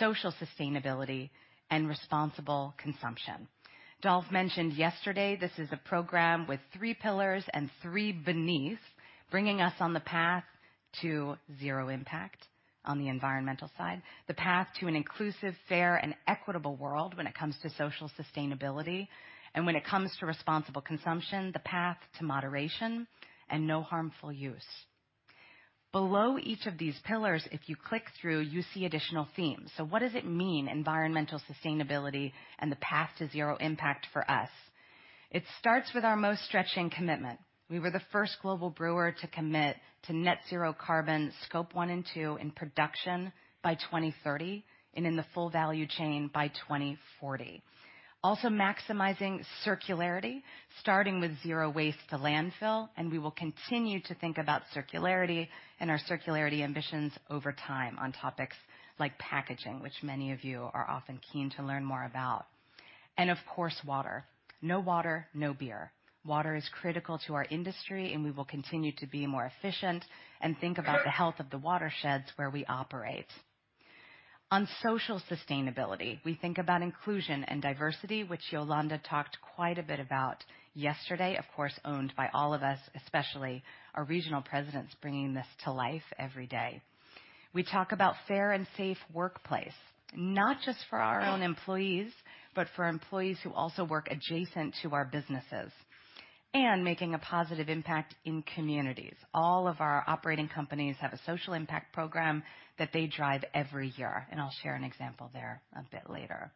social sustainability, and responsible consumption. Dolf mentioned yesterday, this is a program with three pillars and three beneath, bringing us on the path to zero impact on the environmental side, the path to an inclusive, fair, and equitable world when it comes to social sustainability, and when it comes to responsible consumption, the path to moderation and no harmful use. Below each of these pillars, if you click through, you see additional themes. What does it mean, environmental sustainability and the path to zero impact for us? It starts with our most stretching commitment. We were the first global brewer to commit to net zero carbon, Scope 1 and 2 in production by 2030 and in the full value chain by 2040. Maximizing circularity, starting with zero waste to landfill, and we will continue to think about circularity and our circularity ambitions over time on topics like packaging, which many of you are often keen to learn more about. Of course, water. No water, no beer. Water is critical to our industry, and we will continue to be more efficient and think about the health of the watersheds where we operate. On social sustainability, we think about inclusion and diversity, which Yolanda talked quite a bit about yesterday, of course, owned by all of us, especially our regional presidents, bringing this to life every day. We talk about fair and safe workplace, not just for our own employees, but for employees who also work adjacent to our businesses and making a positive impact in communities. All of our operating companies have a social impact program that they drive every year. I'll share an example there a bit later.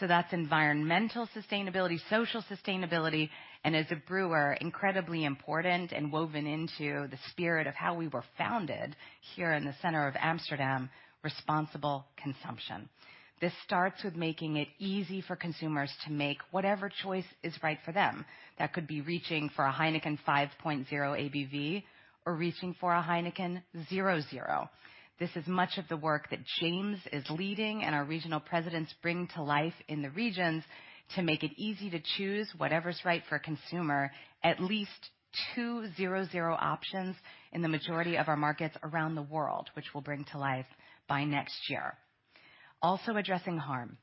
That's environmental sustainability, social sustainability, and as a brewer, incredibly important and woven into the spirit of how we were founded here in the center of Amsterdam, responsible consumption. This starts with making it easy for consumers to make whatever choice is right for them. That could be reaching for a Heineken 5.0 ABV or reaching for a Heineken 0.0. This is much of the work that James is leading and our regional presidents bring to life in the regions to make it easy to choose whatever's right for a consumer, at least two 0.0 options in the majority of our markets around the world, which we'll bring to life by next year. Addressing harm.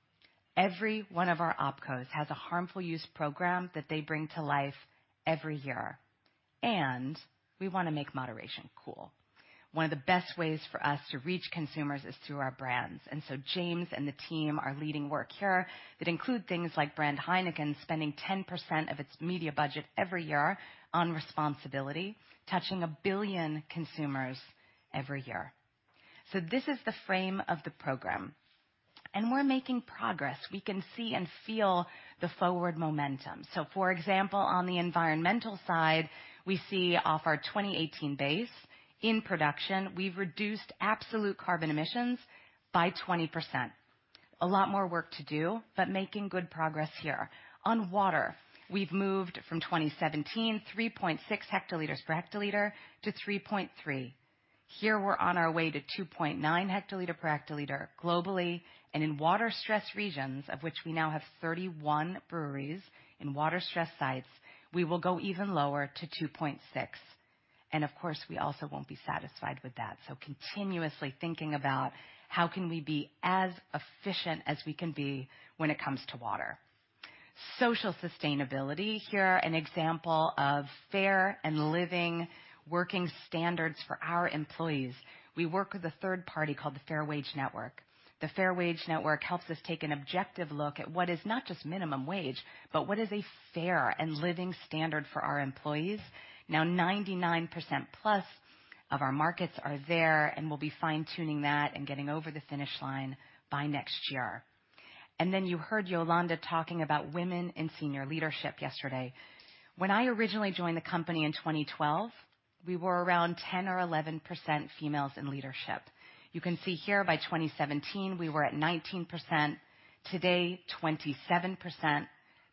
Every one of our OpCos has a harmful use program that they bring to life every year. We wanna make moderation cool. One of the best ways for us to reach consumers is through our brands. James and the team are leading work here that include things like brand Heineken spending 10% of its media budget every year on responsibility, touching 1 billion consumers every year. This is the frame of the program, and we're making progress. We can see and feel the forward momentum. For example, on the environmental side, we see off our 2018 base in production, we've reduced absolute carbon emissions by 20%. A lot more work to do, but making good progress here. On water, we've moved from 2017 3.6 hectoliters per hectoliter to 3.3. Here we're on our way to 2.9 hectoliter per hectoliter globally and in water-stressed regions, of which we now have 31 breweries in water-stressed sites, we will go even lower to 2.6. Of course, we also won't be satisfied with that. continuously thinking about how can we be as efficient as we can be when it comes to water. Social sustainability. Here, an example of fair and living working standards for our employees. We work with a third party called The Fair Wage Network. The Fair Wage Network helps us take an objective look at what is not just minimum wage, but what is a fair and living standard for our employees. 99%+ of our markets are there, and we'll be fine-tuning that and getting over the finish line by next year. You heard Yolanda talking about women in senior leadership yesterday. When I originally joined the company in 2012, we were around 10% or 11% females in leadership. You can see here by 2017, we were at 19%. Today, 27%.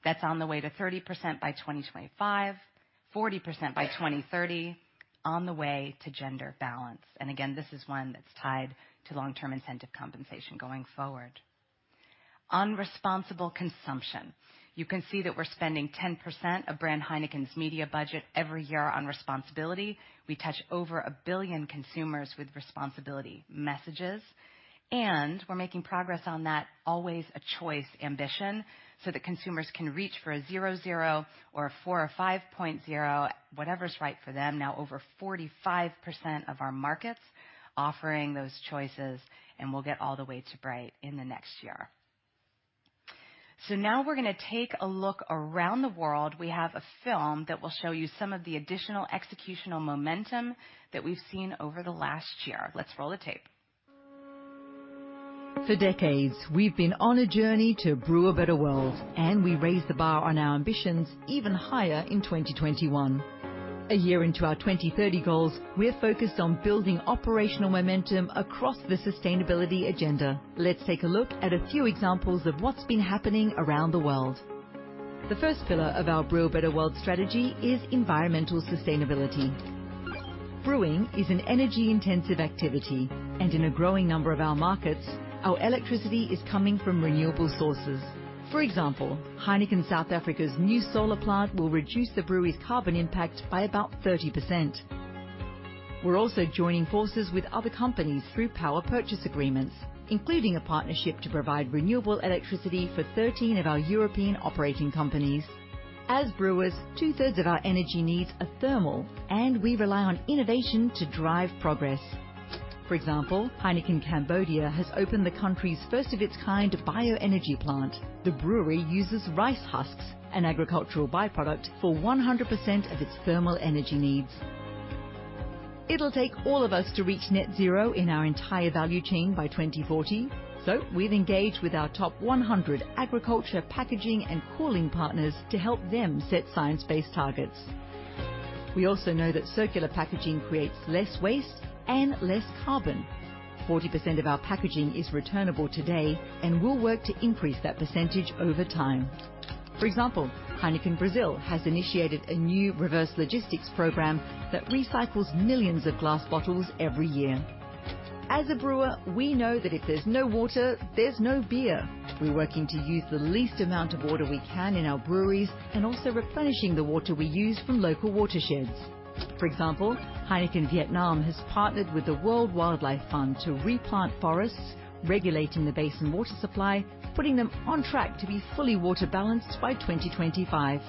That's on the way to 30% by 2025, 40% by 2030, on the way to gender balance. This is one that's tied to long-term incentive compensation going forward. On responsible consumption. You can see that we're spending 10% of Brand Heineken's media budget every year on responsibility. We touch over 1 billion consumers with responsibility messages, and we're making progress on that, always a choice ambition, so that consumers can reach for a 0.0 or a 4.0 or 5.0, whatever is right for them. Now over 45% of our markets offering those choices, and we'll get all the way to bright in the next year. Now we're gonna take a look around the world. We have a film that will show you some of the additional executional momentum that we've seen over the last year. Let's roll the tape. For decades, we've been on a journey to Brew a Better World, and we raised the bar on our ambitions even higher in 2021. A year into our 2030 goals, we are focused on building operational momentum across the sustainability agenda. Let's take a look at a few examples of what's been happening around the world. The first pillar of our Brew a Better World strategy is environmental sustainability. Brewing is an energy-intensive activity, and in a growing number of our markets, our electricity is coming from renewable sources. For example, Heineken South Africa's new solar plant will reduce the brewery's carbon impact by about 30%. We're also joining forces with other companies through power purchase agreements, including a partnership to provide renewable electricity for 13 of our European operating companies. As brewers, 2/3 of our energy needs are thermal, and we rely on innovation to drive progress. For example, HEINEKEN Cambodia has opened the country's first of its kind bioenergy plant. The brewery uses rice husks, an agricultural byproduct, for 100% of its thermal energy needs. It'll take all of us to reach net zero in our entire value chain by 2040. We've engaged with our top 100 agriculture, packaging, and cooling partners to help them set science-based targets. We also know that circular packaging creates less waste and less carbon. 40% of our packaging is returnable today, and we'll work to increase that percentage over time. For example, Heineken Brazil has initiated a new reverse logistics program that recycles millions of glass bottles every year. As a brewer, we know that if there's no water, there's no beer. We're working to use the least amount of water we can in our breweries and also replenishing the water we use from local watersheds. For example, HEINEKEN Vietnam has partnered with the World Wildlife Fund to replant forests, regulating the basin water supply, putting them on track to be fully water balanced by 2025.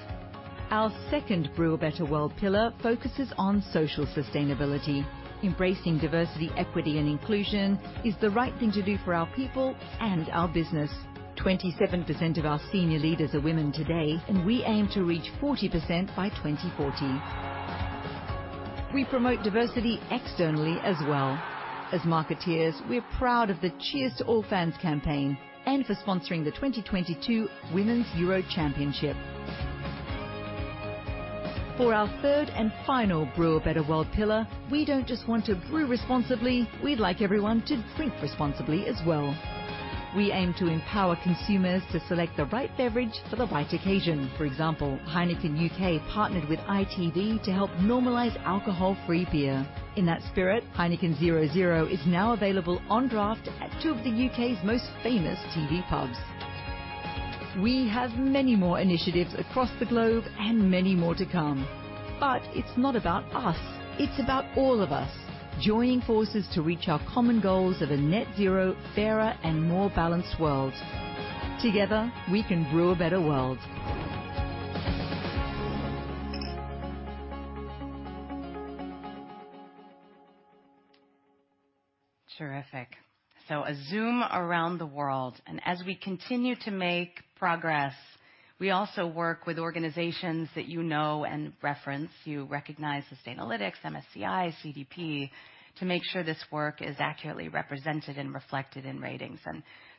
Our second Brew a Better World pillar focuses on social sustainability. Embracing diversity, equity, and inclusion is the right thing to do for our people and our business. 27% of our senior leaders are women today, and we aim to reach 40% by 2040. We promote diversity externally as well. As marketeers, we're proud of the Cheers to All Fans campaign and for sponsoring the 2022 Women's Euro Championship. For our third and final Brew a Better World pillar, we don't just want to brew responsibly, we'd like everyone to drink responsibly as well. We aim to empower consumers to select the right beverage for the right occasion. For example, Heineken U.K. Partnered with ITV to help normalize alcohol-free beer. In that spirit, Heineken 0.0 is now available on draft at two of the U.K.'s most famous TV pubs. We have many more initiatives across the globe and many more to come. But it's not about us, it's about all of us joining forces to reach our common goals of a net zero, fairer, and more balanced world. Together, we can brew a better world. Terrific. A Zoom around the world. As we continue to make progress, we also work with organizations that you know and reference. You recognize Sustainalytics, MSCI, CDP, to make sure this work is accurately represented and reflected in ratings.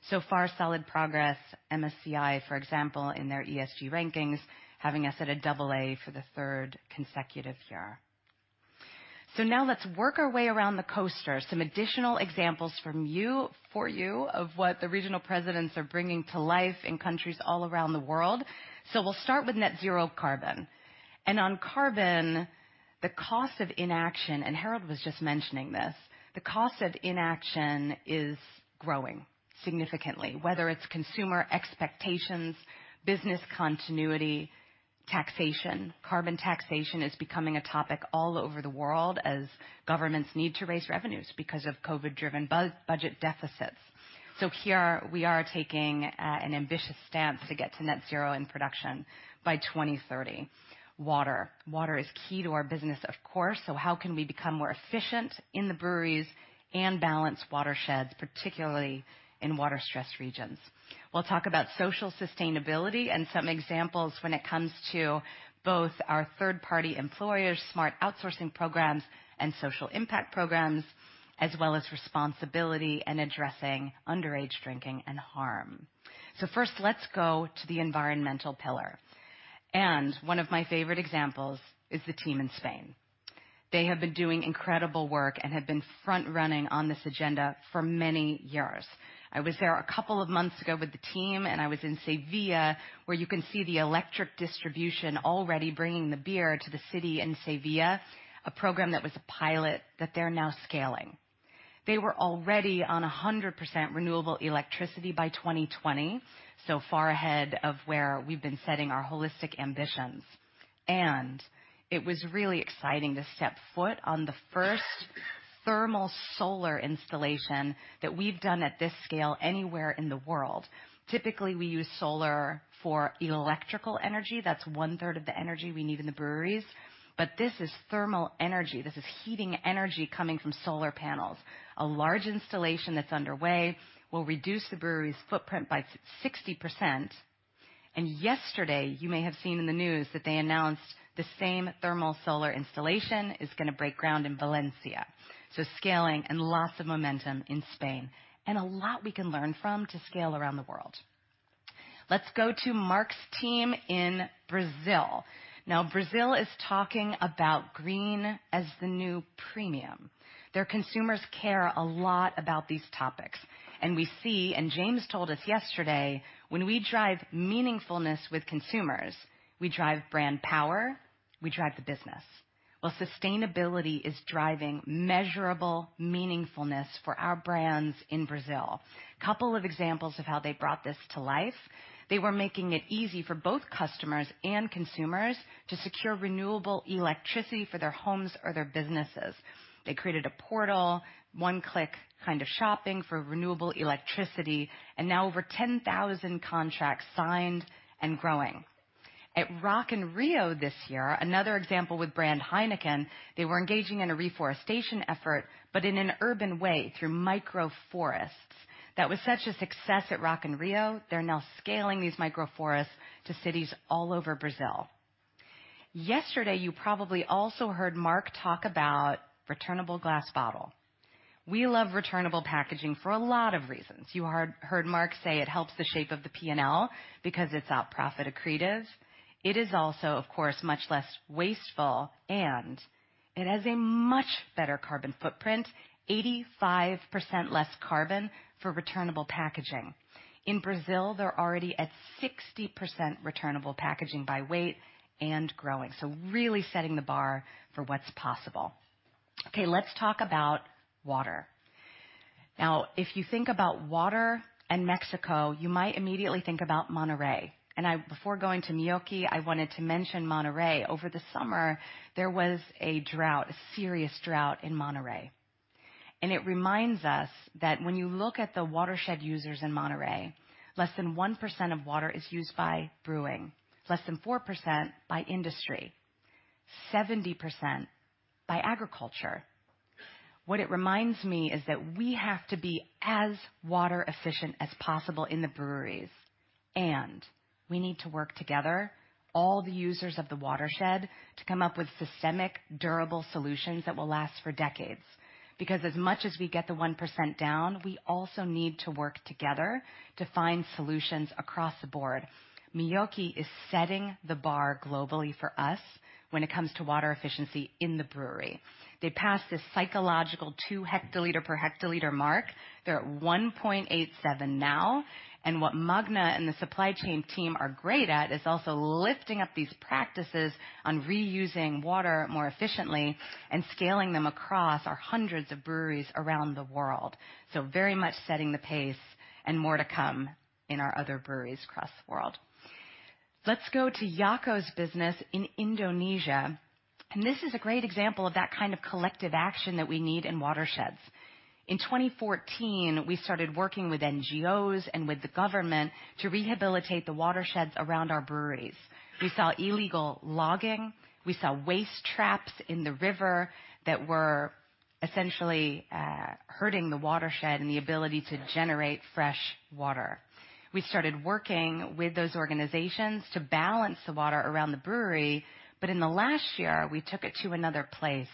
So far, solid progress. MSCI is, for example, in their ESG rankings, having us at a AA for the third consecutive year. Now let's work our way around the coaster. Some additional examples for you of what the regional presidents are bringing to life in countries all around the world. We'll start with net zero carbon. On carbon, the cost of inaction, and Harold was just mentioning this, the cost of inaction is growing significantly, whether it's consumer expectations, business continuity, taxation. Carbon taxation is becoming a topic all over the world as governments need to raise revenues because of COVID-driven budget deficits. Here we are taking an ambitious stance to get to net zero in production by 2030. Water. Water is key to our business, of course. How can we become more efficient in the breweries and balance watersheds, particularly in water stressed regions? We'll talk about social sustainability and some examples when it comes to both our third party employers, smart outsourcing programs and social impact programs, as well as responsibility and addressing underage drinking and harm. First, let's go to the environmental pillar. One of my favorite examples is the team in Spain. They have been doing incredible work and have been front running on this agenda for many years. I was there a couple of months ago with the team. I was in Sevilla, where you can see the electric distribution already bringing the beer to the city in Sevilla, a program that was a pilot that they're now scaling. They were already on 100% renewable electricity by 2020, far ahead of where we've been setting our holistic ambitions. It was really exciting to step foot on the first thermal solar installation that we've done at this scale anywhere in the world. Typically, we use solar for electrical energy. That's 1/3 of the energy we need in the breweries. This is thermal energy. This is heating energy coming from solar panels. A large installation that's underway will reduce the brewery's footprint by 60%. Yesterday, you may have seen in the news that they announced the same thermal solar installation is going to break ground in Valencia. Scaling and lots of momentum in Spain and a lot we can learn from to scale around the world. Let's go to Marc's team in Brazil. Brazil is talking about green as the new premium. Their consumers care a lot about these topics. We see, and James told us yesterday, when we drive meaningfulness with consumers, we drive brand power, we drive the business. Well, sustainability is driving measurable meaningfulness for our brands in Brazil. A couple of examples of how they brought this to life. They were making it easy for both customers and consumers to secure renewable electricity for their homes or their businesses. They created a portal, one click kind of shopping for renewable electricity, now over 10,000 contracts signed and growing. At Rock in Rio this year, another example with brand Heineken, they were engaging in a reforestation effort, in an urban way through micro forests. That was such a success at Rock in Rio, they're now scaling these micro forests to cities all over Brazil. Yesterday, you probably also heard Marc talk about returnable glass bottle. We love returnable packaging for a lot of reasons. You heard Marc say it helps the shape of the P&L because it's out profit accretive. It is also, of course, much less wasteful, it has a much better carbon footprint, 85% less carbon for returnable packaging. In Brazil, they're already at 60% returnable packaging by weight and growing. Really setting the bar for what's possible. Okay, let's talk about water. If you think about water and Mexico, you might immediately think about Monterrey. Before going to Meoqui, I wanted to mention Monterrey. Over the summer, there was a drought, a serious drought in Monterrey. It reminds us that when you look at the watershed users in Monterrey, less than 1% of water is used by brewing, less than 4% by industry, 70% by agriculture. What it reminds me is that we have to be as water efficient as possible in the breweries, and we need to work together, all the users of the watershed, to come up with systemic, durable solutions that will last for decades. As much as we get the 1% down, we also need to work together to find solutions across the board. Meoqui is setting the bar globally for us when it comes to water efficiency in the brewery. They passed this psychological two hectoliter per hectoliter mark. They're at 1.87 now. What Magne and the supply chain team are great at is also lifting up these practices on reusing water more efficiently and scaling them across our hundreds of breweries around the world. Very much setting the pace and more to come in our other breweries across the world. Let's go to Jacco's business in Indonesia. This is a great example of that kind of collective action that we need in watersheds. In 2014, we started working with NGOs and with the government to rehabilitate the watersheds around our breweries. We saw illegal logging. We saw waste traps in the river that were essentially hurting the watershed and the ability to generate fresh water. We started working with those organizations to balance the water around the brewery. In the last year, we took it to another place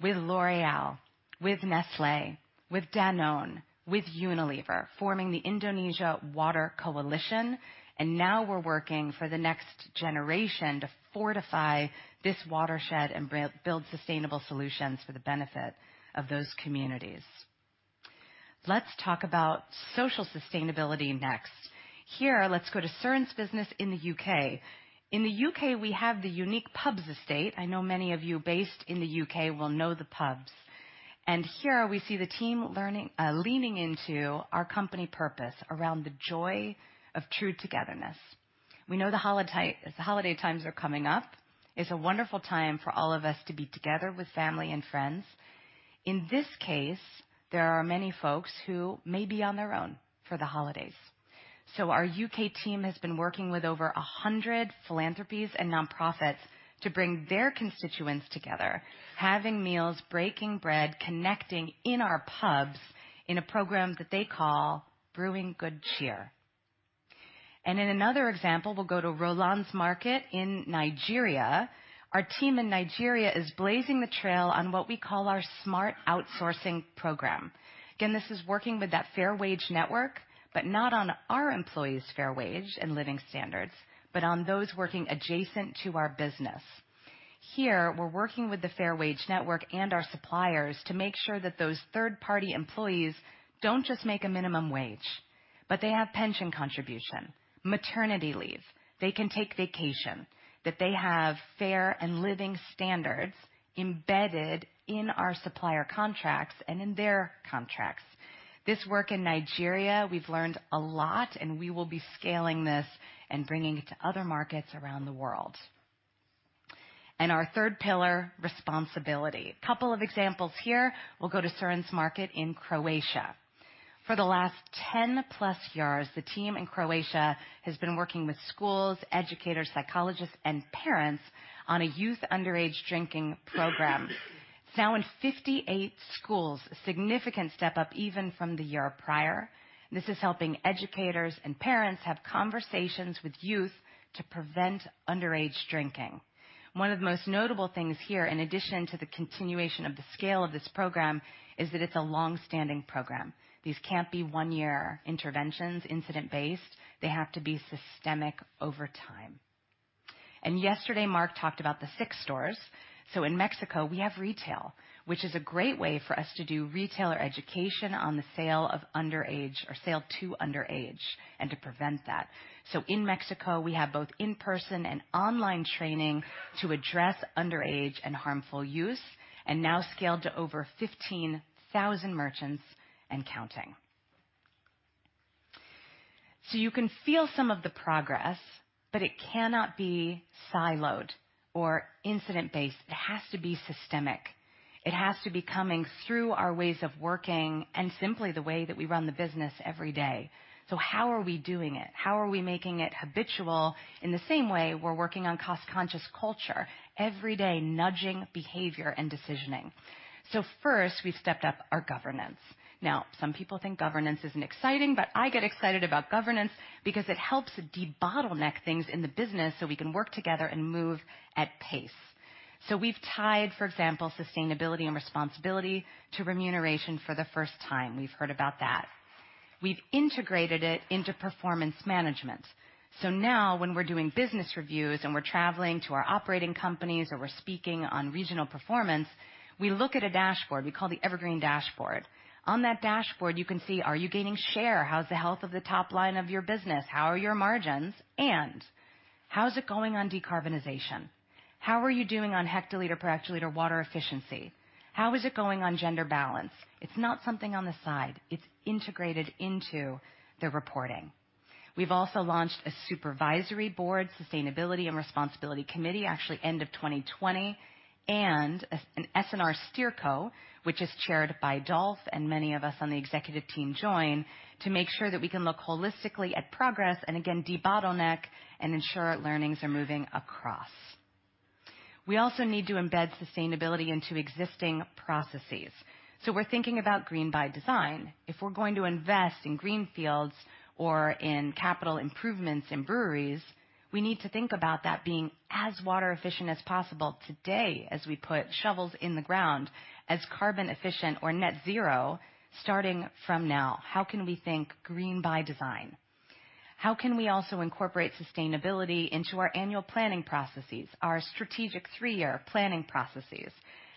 with L'Oréal, with Nestlé, with Danone, with Unilever, forming the Indonesia Water Coalition. Now we're working for the next generation to fortify this watershed and build sustainable solutions for the benefit of those communities. Let's talk about social sustainability next. Here, let's go to Søren's business in the U.K. In the U.K., we have the unique pubs estate. I know many of you based in the U.K. will know the pubs. Here we see the team leaning into our company purpose around the joy of true togetherness. We know the holiday times are coming up. It's a wonderful time for all of us to be together with family and friends. In this case, there are many folks who may be on their own for the holidays. Our U.K. team has been working with over 100 philanthropies and nonprofits to bring their constituents together, having meals, breaking bread, connecting in our pubs in a program that they call Brewing Good Cheer. In another example, we'll go to Roland's market in Nigeria. Our team in Nigeria is blazing the trail on what we call our smart outsourcing program. Again, this is working with that Fair Wage Network, but not on our employees' fair wage and living standards, but on those working adjacent to our business. Here, we're working with the Fair Wage Network and our suppliers to make sure that those third-party employees don't just make a minimum wage, but they have pension contribution, maternity leave, they can take vacation, that they have fair and living standards embedded in our supplier contracts and in their contracts. We will be scaling this and bringing it to other markets around the world. Our third pillar, responsibility. A couple of examples here. We'll go to Søren's market in Croatia. For the last 10+ years, the team in Croatia has been working with schools, educators, psychologists, and parents on a youth underage drinking program. It's now in 58 schools, a significant step up even from the year prior. This is helping educators and parents have conversations with youth to prevent underage drinking. One of the most notable things here, in addition to the continuation of the scale of this program, is that it's a long-standing program. These can't be one-year interventions, incident-based. They have to be systemic over time. Yesterday, Marc talked about the six stores. In Mexico, we have retail, which is a great way for us to do retailer education on the sale of underage or sale to underage and to prevent that. In Mexico, we have both in-person and online training to address underage and harmful use, and now scaled to over 15,000 merchants and counting. You can feel some of the progress, but it cannot be siloed or incident-based. It has to be systemic. It has to be coming through our ways of working and simply the way that we run the business every day. How are we doing it? How are we making it habitual? In the same way, we're working on cost-conscious culture every day, nudging behavior and decisioning. First, we've stepped up our governance. Some people think governance isn't exciting, but I get excited about governance because it helps debottleneck things in the business so we can work together and move at pace. We've tied, for example, sustainability and responsibility to remuneration for the first time. We've heard about that. We've integrated it into performance management. Now when we're doing business reviews and we're traveling to our operating companies or we're speaking on regional performance, we look at a dashboard we call the EverGreen dashboard. On that dashboard, you can see, are you gaining share? How's the health of the top line of your business? How are your margins? How is it going on decarbonization? How are you doing on hectoliter per hectoliter water efficiency? How is it going on gender balance? It's not something on the side. It's integrated into the reporting. We've also launched a supervisory board, Sustainability and Responsibility Committee, actually end of 2020, and an SnR steerco, which is chaired by Dolf, and many of us on the executive team join to make sure that we can look holistically at progress and again, debottleneck and ensure learnings are moving across. We also need to embed sustainability into existing processes. We're thinking about green by design. If we're going to invest in green fields or in capital improvements in breweries, we need to think about that being as water efficient as possible today as we put shovels in the ground as carbon efficient or net zero starting from now. How can we think green by design? How can we also incorporate sustainability into our annual planning processes, our strategic three-year planning processes?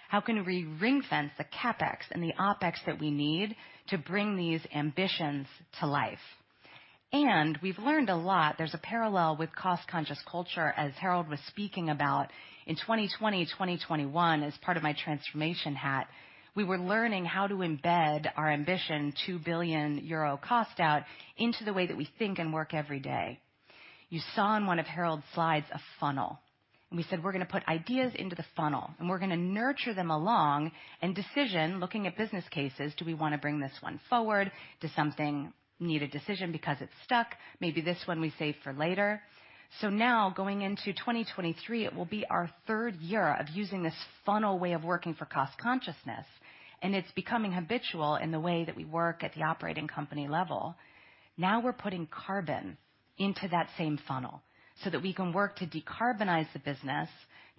How can we ring-fence the CapEx and the OpEx that we need to bring these ambitions to life? We've learned a lot. There's a parallel with cost-conscious culture, as Harold was speaking about. In 2020, 2021, as part of my transformation hat, we were learning how to embed our ambition, 2 billion euro cost out, into the way that we think and work every day. You saw on one of Harold's slides a funnel, and we said we're gonna put ideas into the funnel, and we're gonna nurture them along and decision, looking at business cases, do we wanna bring this one forward? Does something need a decision because it's stuck? Maybe this one we save for later. Now going into 2023, it will be our third year of using this funnel way of working for cost consciousness, and it's becoming habitual in the way that we work at the operating company level. Now we're putting carbon into that same funnel so that we can work to decarbonize the business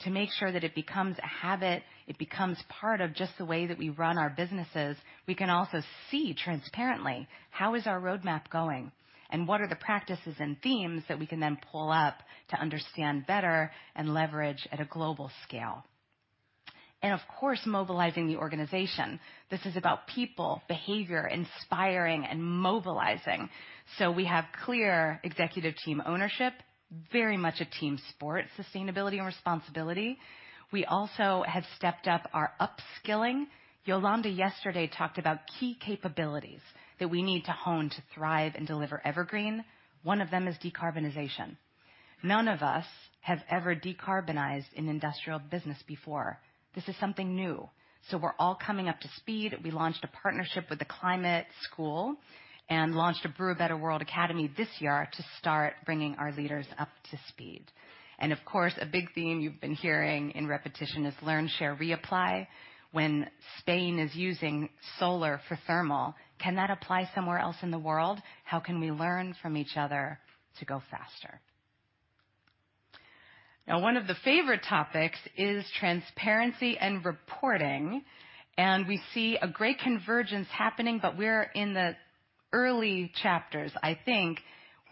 to make sure that it becomes a habit, it becomes part of just the way that we run our businesses. We can also see transparently how is our roadmap going and what are the practices and themes that we can then pull up to understand better and leverage at a global scale. Of course, mobilizing the organization. This is about people, behavior, inspiring and mobilizing. We have clear executive team ownership, very much a team sport, sustainability and responsibility. We also have stepped up our upskilling. Yolanda yesterday talked about key capabilities that we need to hone to thrive and deliver EverGreen. One of them is decarbonization. None of us have ever decarbonized an industrial business before. This is something new. We're all coming up to speed. We launched a partnership with The Climate School and launched a Brew A Better World Academy this year to start bringing our leaders up to speed. Of course, a big theme you've been hearing in repetition is learn, share, reapply. When Spain is using solar for thermal, can that apply somewhere else in the world? How can we learn from each other to go faster? Now, one of the favorite topics is transparency and reporting, and we see a great convergence happening, but we're in the early chapters. I think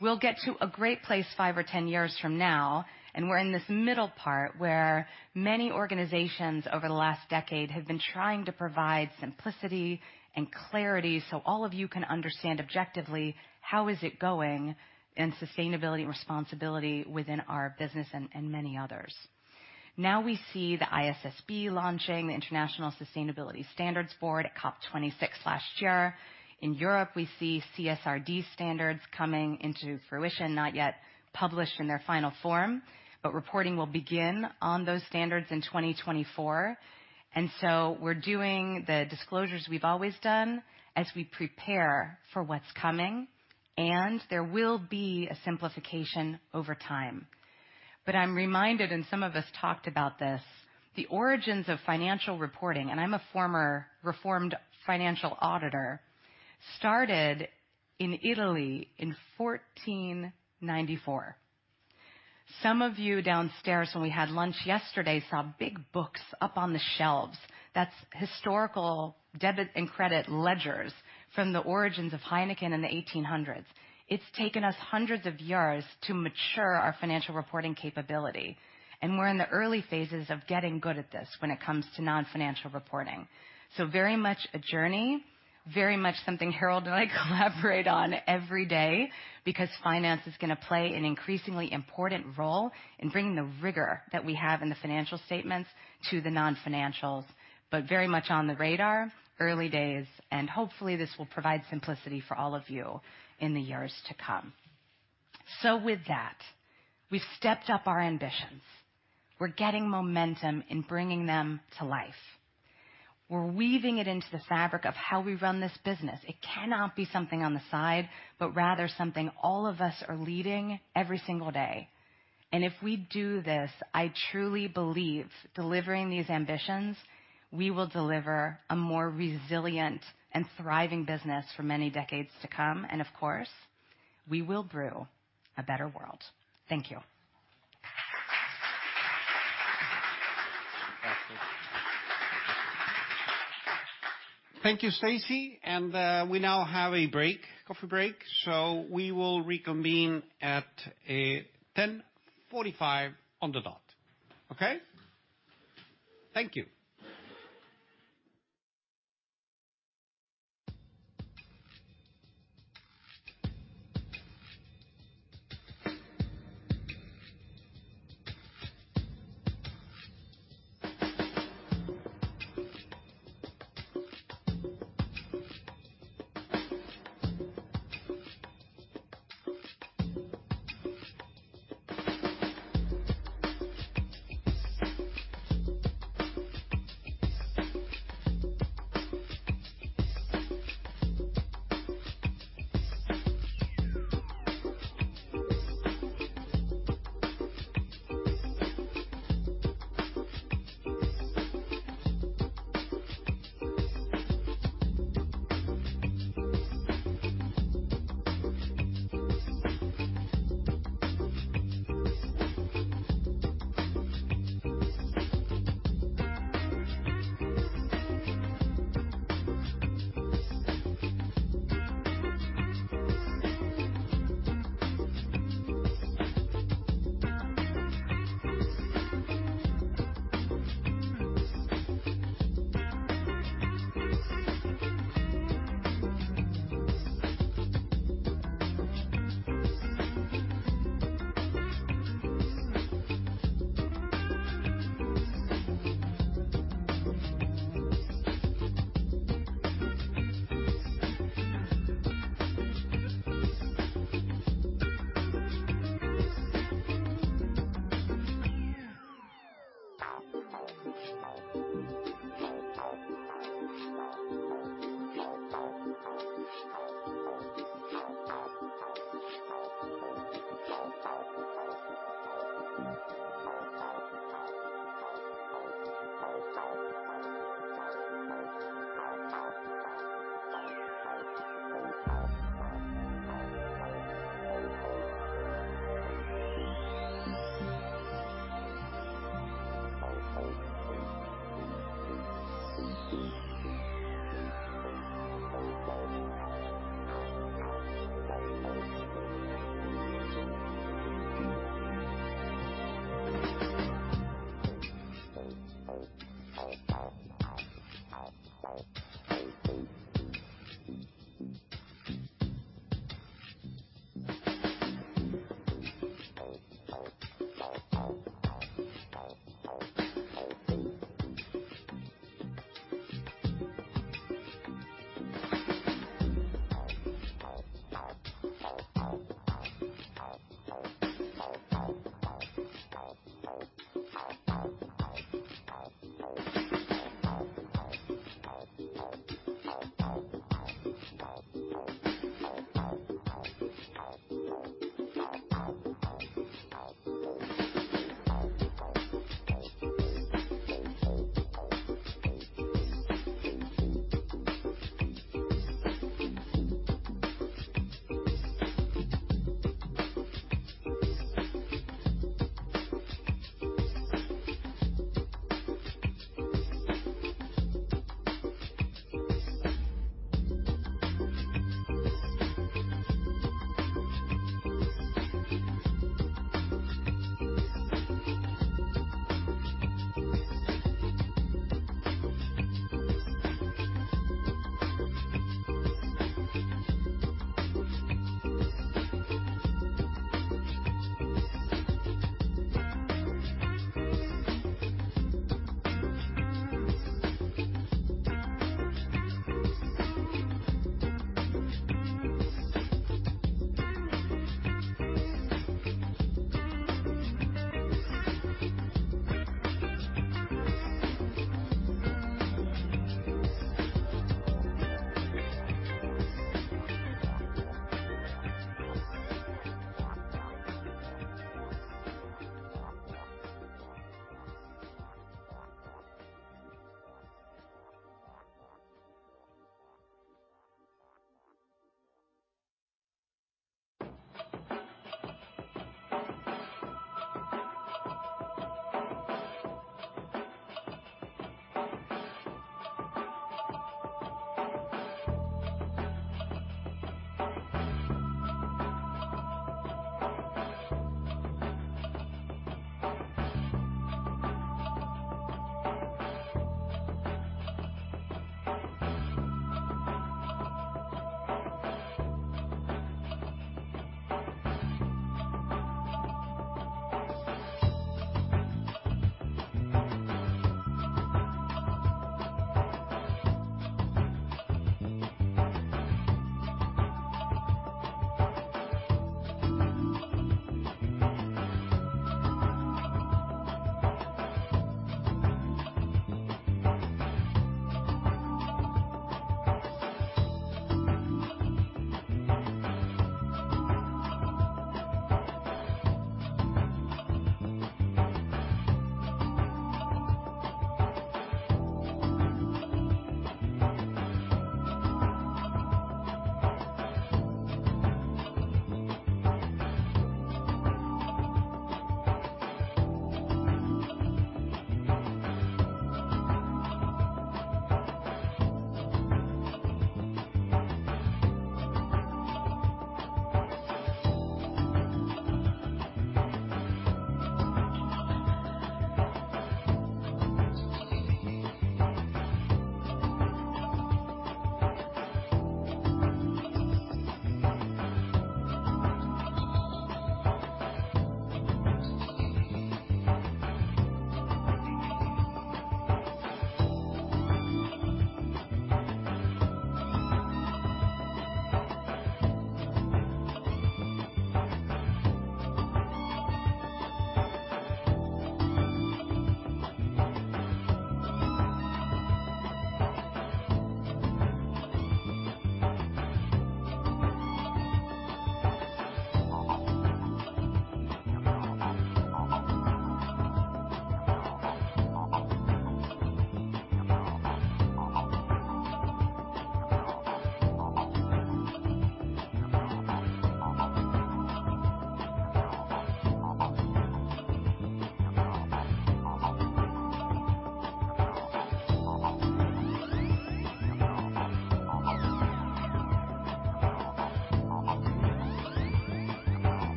we'll get to a great place five or 10 years from now, we're in this middle part where many organizations over the last decade have been trying to provide simplicity and clarity so all of you can understand objectively how is it going in sustainability and responsibility within our business and many others. Now we see the ISSB launching, the International Sustainability Standards Board at COP26 last year. In Europe, we see CSRD standards coming into fruition, not yet published in their final form, but reporting will begin on those standards in 2024. We're doing the disclosures we've always done as we prepare for what's coming, and there will be a simplification over time. I'm reminded, and some of us talked about this, the origins of financial reporting, and I'm a former reformed financial auditor, started in Italy in 1494. Some of you downstairs when we had lunch yesterday, saw big books up on the shelves. That's historical debit and credit ledgers from the origins of Heineken in the 1800s. It's taken us hundreds of years to mature our financial reporting capability, and we're in the early phases of getting good at this when it comes to non-financial reporting. Very much a journey. Very much something Harold and I collaborate on every day because finance is gonna play an increasingly important role in bringing the rigor that we have in the financial statements to the non-financials, but very much on the radar, early days, and hopefully, this will provide simplicity for all of you in the years to come. With that, we've stepped up our ambitions. We're getting momentum in bringing them to life. We're weaving it into the fabric of how we run this business. It cannot be something on the side, but rather something all of us are leading every single day. If we do this, I truly believe delivering these ambitions, we will deliver a more resilient and thriving business for many decades to come, and of course, we will Brew a Better World. Thank you. Thank you, Stacey. We now have a break, coffee break, so we will reconvene at 10:45 on the dot. Okay?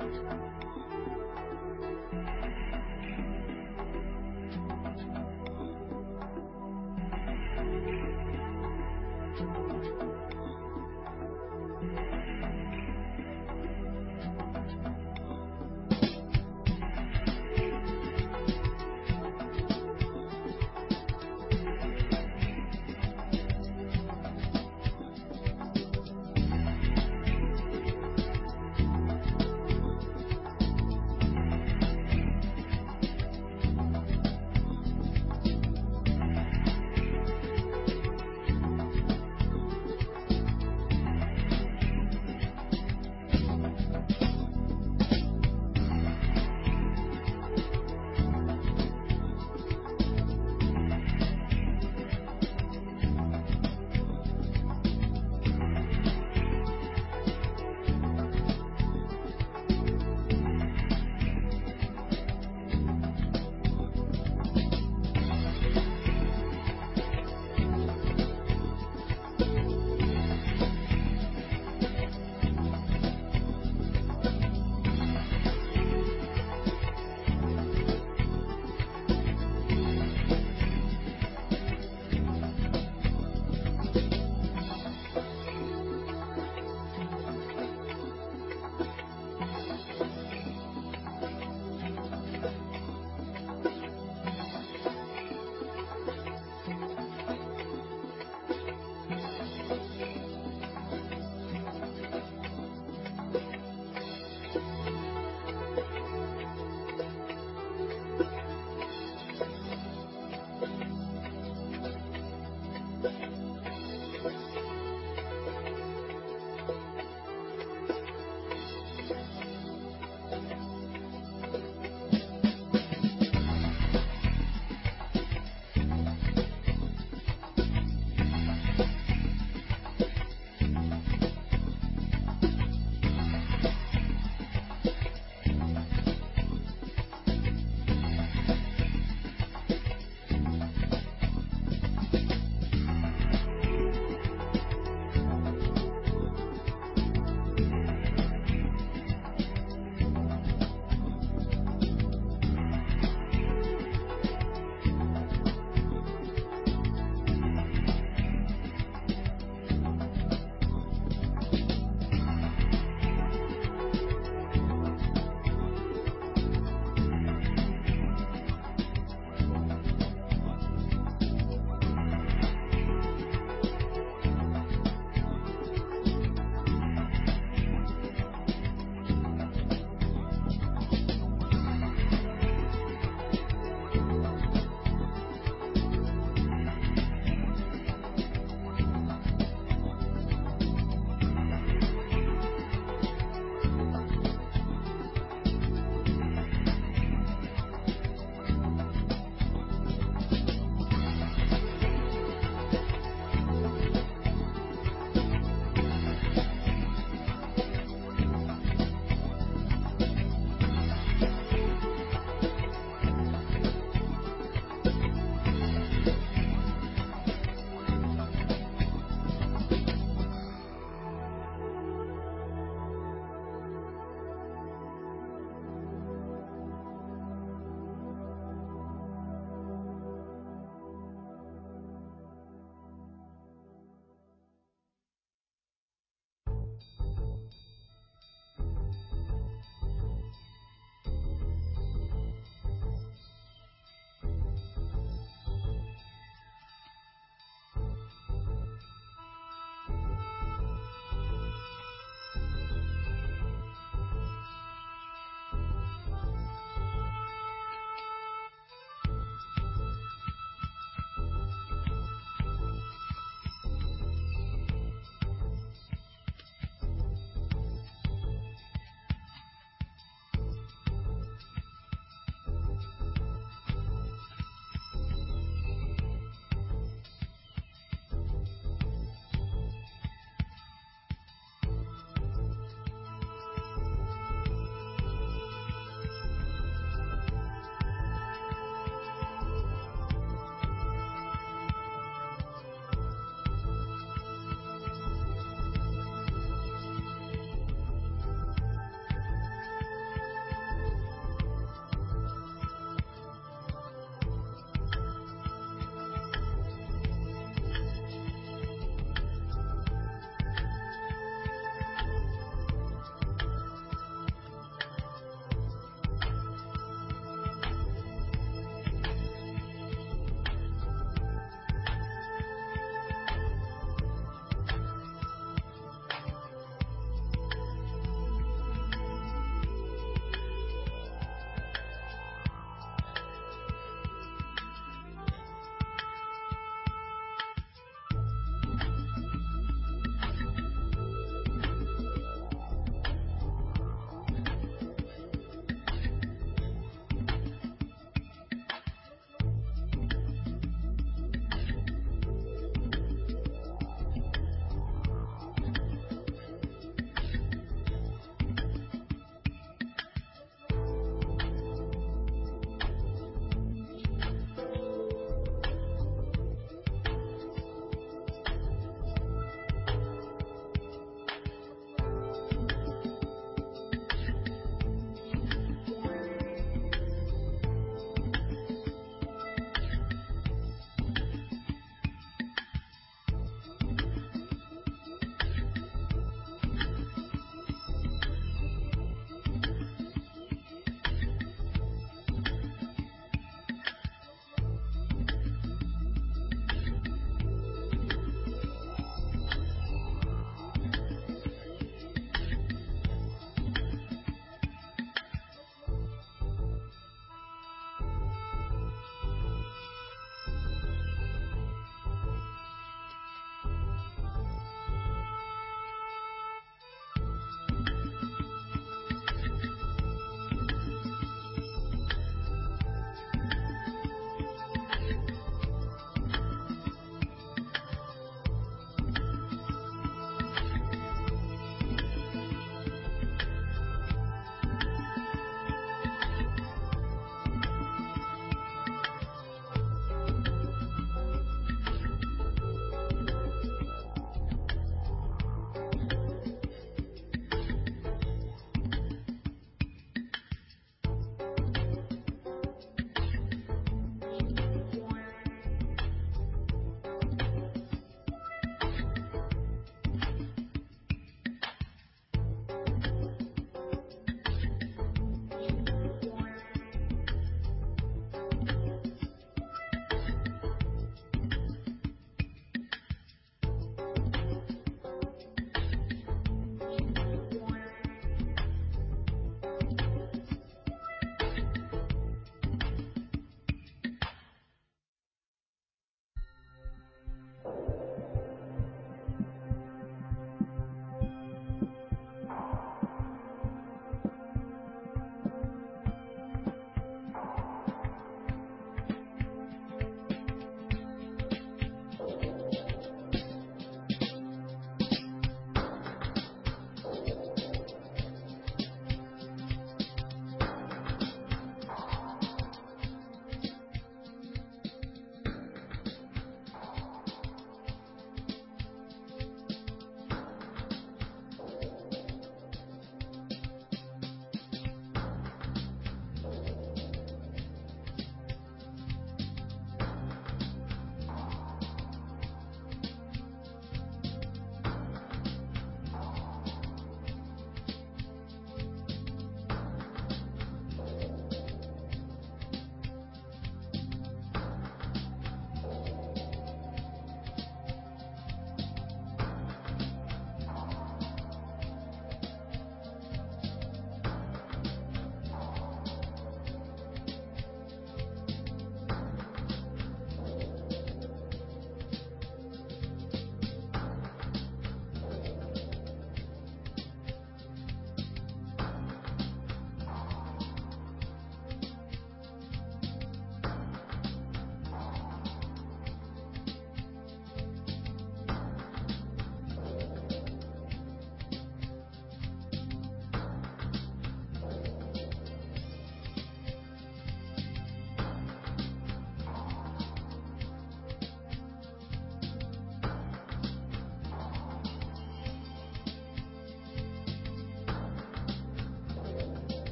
Thank you.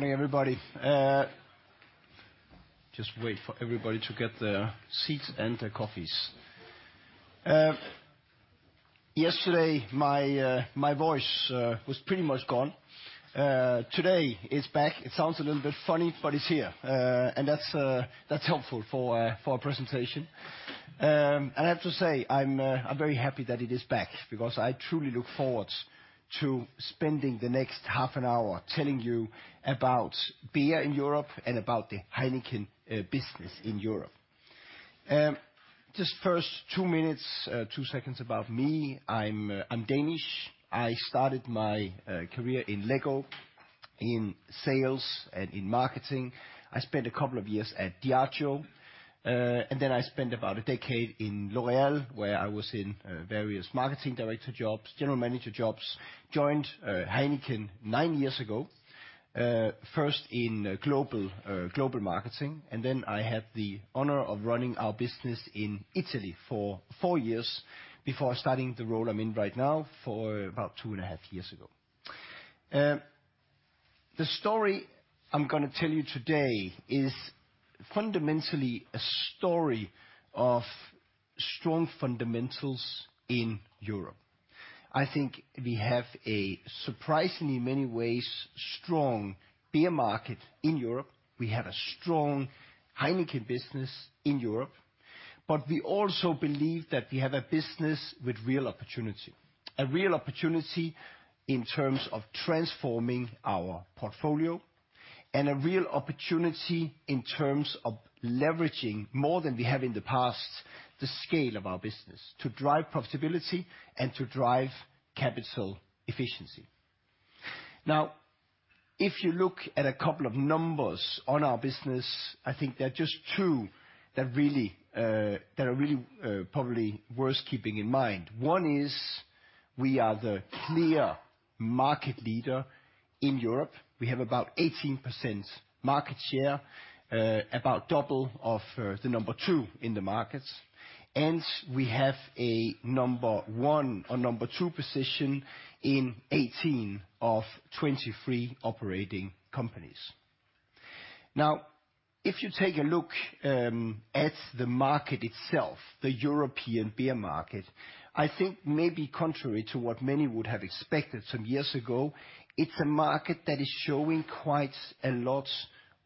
Good morning, everybody. Just wait for everybody to get their seats and their coffees. Yesterday my voice was pretty much gone. Today it's back. It sounds a little bit funny, but it's here. That's helpful for a presentation. I have to say, I'm very happy that it is back because I truly look forward to spending the next half an hour telling you about beer in Europe and about the Heineken business in Europe. Just first two minutes, two seconds about me. I'm Danish. I started my career in LEGO in sales and in marketing. I spent a couple of years at Diageo. Then I spent about a decade in L'Oréal, where I was in various marketing director jobs, general manager jobs. Joined Heineken nine years ago, first in global global marketing, and then I had the honor of running our business in Italy for four years before starting the role I'm in right now for about two and a half years ago. The story I'm gonna tell you today is fundamentally a story of strong fundamentals in Europe. I think we have a, surprisingly in many ways, strong beer market in Europe. We have a strong Heineken business in Europe. We also believe that we have a business with real opportunity. A real opportunity in terms of transforming our portfolio, and a real opportunity in terms of leveraging more than we have in the past, the scale of our business to drive profitability and to drive capital efficiency. If you look at a couple of numbers on our business, I think there are just two that really, that are really, probably worth keeping in mind. One is we are the clear market leader in Europe. We have about 18% market share, about double of the number two in the markets. We have a number one or number two position in 18 of 23 operating companies. If you take a look at the market itself, the European beer market, I think maybe contrary to what many would have expected some years ago, it's a market that is showing quite a lot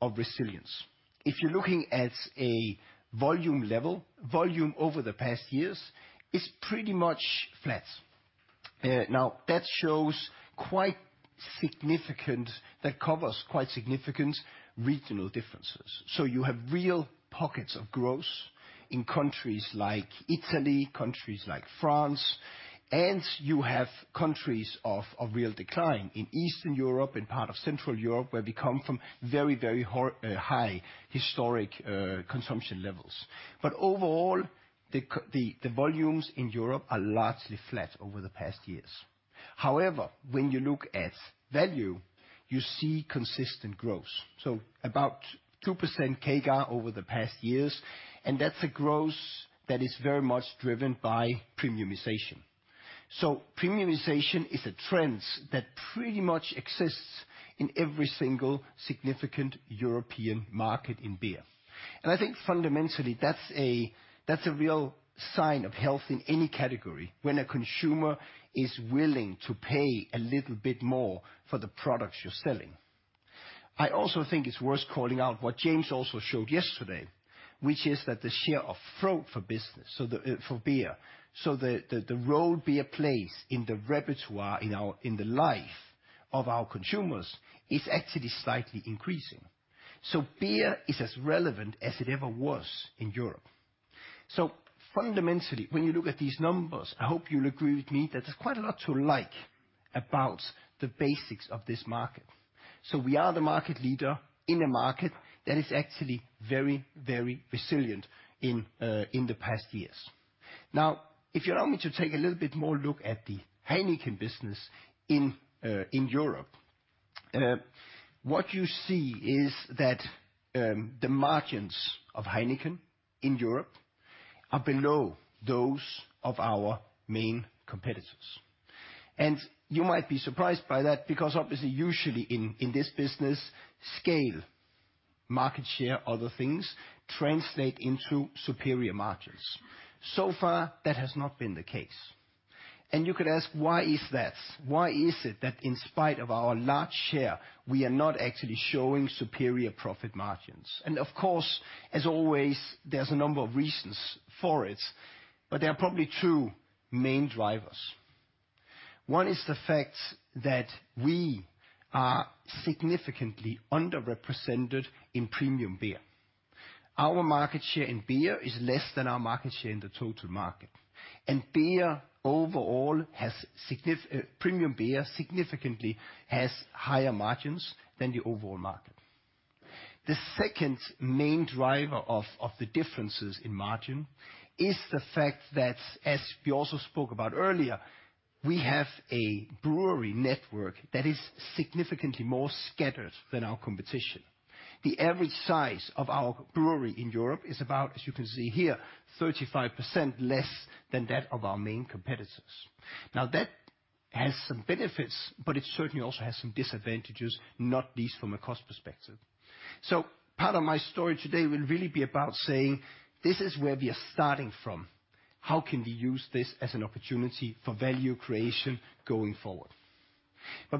of resilience. If you're looking at a volume level, volume over the past years is pretty much flat. That covers quite significant regional differences. You have real pockets of growth in countries like Italy, countries like France. You have countries of real decline in Eastern Europe and part of Central Europe, where we come from very, very high historic consumption levels. Overall, the volumes in Europe are largely flat over the past years. However, when you look at value, you see consistent growth. About 2% CAGR over the past years, and that's a growth that is very much driven by premiumization. Premiumization is a trend that pretty much exists in every single significant European market in beer. I think fundamentally, that's a real sign of health in any category when a consumer is willing to pay a little bit more for the products you're selling. I also think it's worth calling out what James also showed yesterday, which is that the share of throat for business, so the for beer. The role beer plays in the repertoire in our, in the life of our consumers is actually slightly increasing. Beer is as relevant as it ever was in Europe. Fundamentally, when you look at these numbers, I hope you'll agree with me that there's quite a lot to like about the basics of this market. We are the market leader in a market that is actually very, very resilient in the past years. If you allow me to take a little bit more look at the Heineken business in Europe, what you see is that the margins of Heineken in Europe are below those of our main competitors. You might be surprised by that because obviously usually in this business, scale, market share, other things translate into superior margins. So far, that has not been the case. You could ask, why is that? Why is it that in spite of our large share, we are not actually showing superior profit margins? Of course, as always, there's a number of reasons for it, but there are probably two main drivers. One is the fact that we are significantly underrepresented in premium beer. Our market share in beer is less than our market share in the total market. Beer overall has premium beer significantly has higher margins than the overall market. The second main driver of the differences in margin is the fact that, as we also spoke about earlier, we have a brewery network that is significantly more scattered than our competition. The average size of our brewery in Europe is about, as you can see here, 35% less than that of our main competitors. That has some benefits, but it certainly also has some disadvantages, not least from a cost perspective. Part of my story today will really be about saying this is where we are starting from. How can we use this as an opportunity for value creation going forward?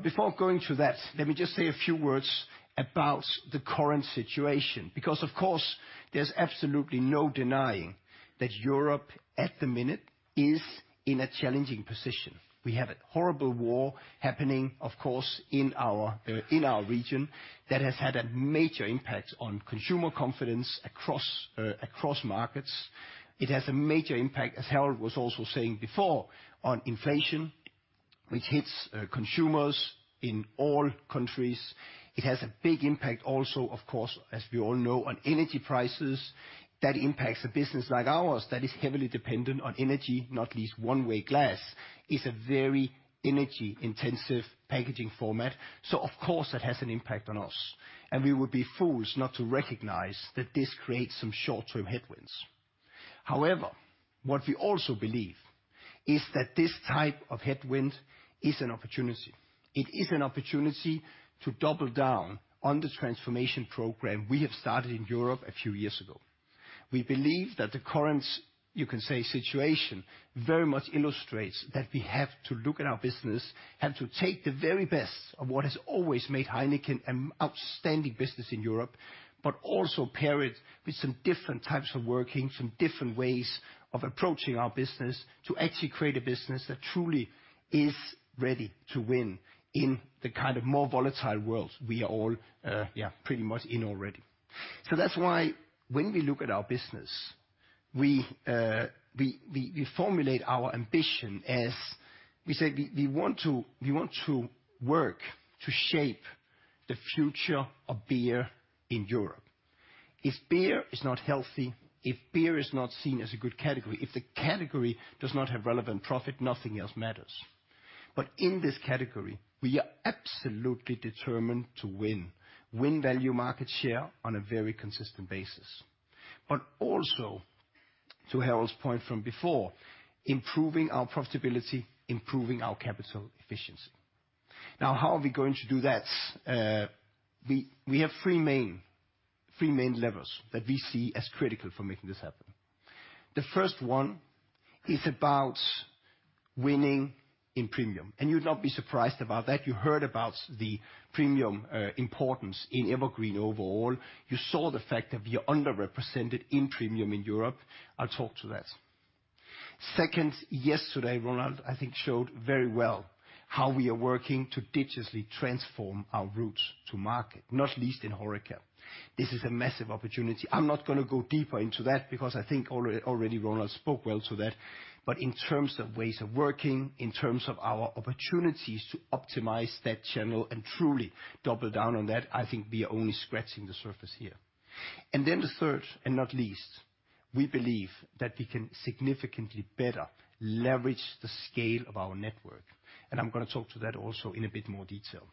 Before going to that, let me just say a few words about the current situation, because of course, there's absolutely no denying that Europe at the minute is in a challenging position. We have a horrible war happening, of course, in our region that has had a major impact on consumer confidence across markets. It has a major impact, as Harold was also saying before, on inflation, which hits consumers in all countries. It has a big impact also, of course, as we all know, on energy prices. That impacts a business like ours that is heavily dependent on energy. Not least one-way glass is a very energy-intensive packaging format. Of course, that has an impact on us, and we would be fools not to recognize that this creates some short-term headwinds. However, what we also believe is that this type of headwind is an opportunity. It is an opportunity to double down on the transformation program we have started in Europe a few years ago. We believe that the current, you can say, situation very much illustrates that we have to look at our business and to take the very best of what has always made Heineken an outstanding business in Europe, but also pair it with some different types of working, some different ways of approaching our business to actually create a business that truly is ready to win in the kind of more volatile world we are all, yeah, pretty much in already. That's why when we look at our business, we formulate our ambition as we say we want to work to shape the future of beer in Europe. If beer is not healthy, if beer is not seen as a good category, if the category does not have relevant profit, nothing else matters. In this category, we are absolutely determined to win value market share on a very consistent basis. Also, to Harold's point from before, improving our profitability, improving our capital efficiency. How are we going to do that? We have three main levers that we see as critical for making this happen. The first one is about winning in premium, you'd not be surprised about that. You heard about the premium importance in EverGreen overall. You saw the fact that we are underrepresented in premium in Europe. I'll talk to that. Second, yesterday, Ronald, I think, showed very well how we are working to digitally transform our routes to market, not least in Horeca. This is a massive opportunity. I'm not gonna go deeper into that because I think already Ronald spoke well to that. In terms of ways of working, in terms of our opportunities to optimize that channel and truly double down on that, I think we are only scratching the surface here. The third, and not least, we believe that we can significantly better leverage the scale of our network, and I'm gonna talk to that also in a bit more detail.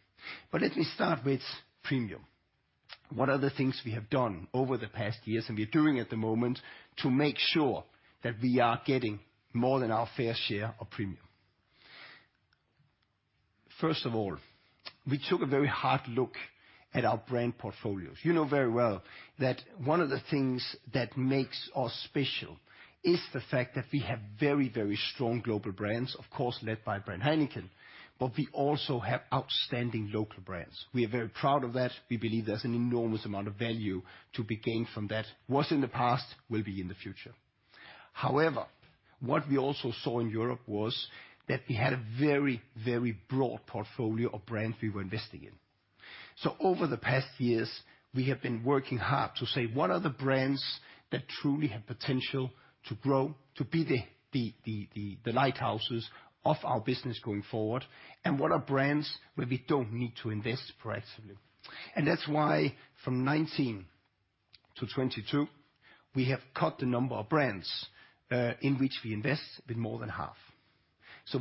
Let me start with premium. What are the things we have done over the past years, and we are doing at the moment to make sure that we are getting more than our fair share of premium? First of all, we took a very hard look at our brand portfolios. You know very well that one of the things that makes us special is the fact that we have very, very strong global brands, of course, led by brand Heineken, but we also have outstanding local brands. We are very proud of that. We believe there's an enormous amount of value to be gained from that. Was in the past, will be in the future. What we also saw in Europe was that we had a very, very broad portfolio of brands we were investing in. Over the past years, we have been working hard to say, what are the brands that truly have potential to grow, to be the lighthouses of our business going forward, and what are brands where we don't need to invest proactively? That's why from 19 to 22, we have cut the number of brands in which we invest with more than half.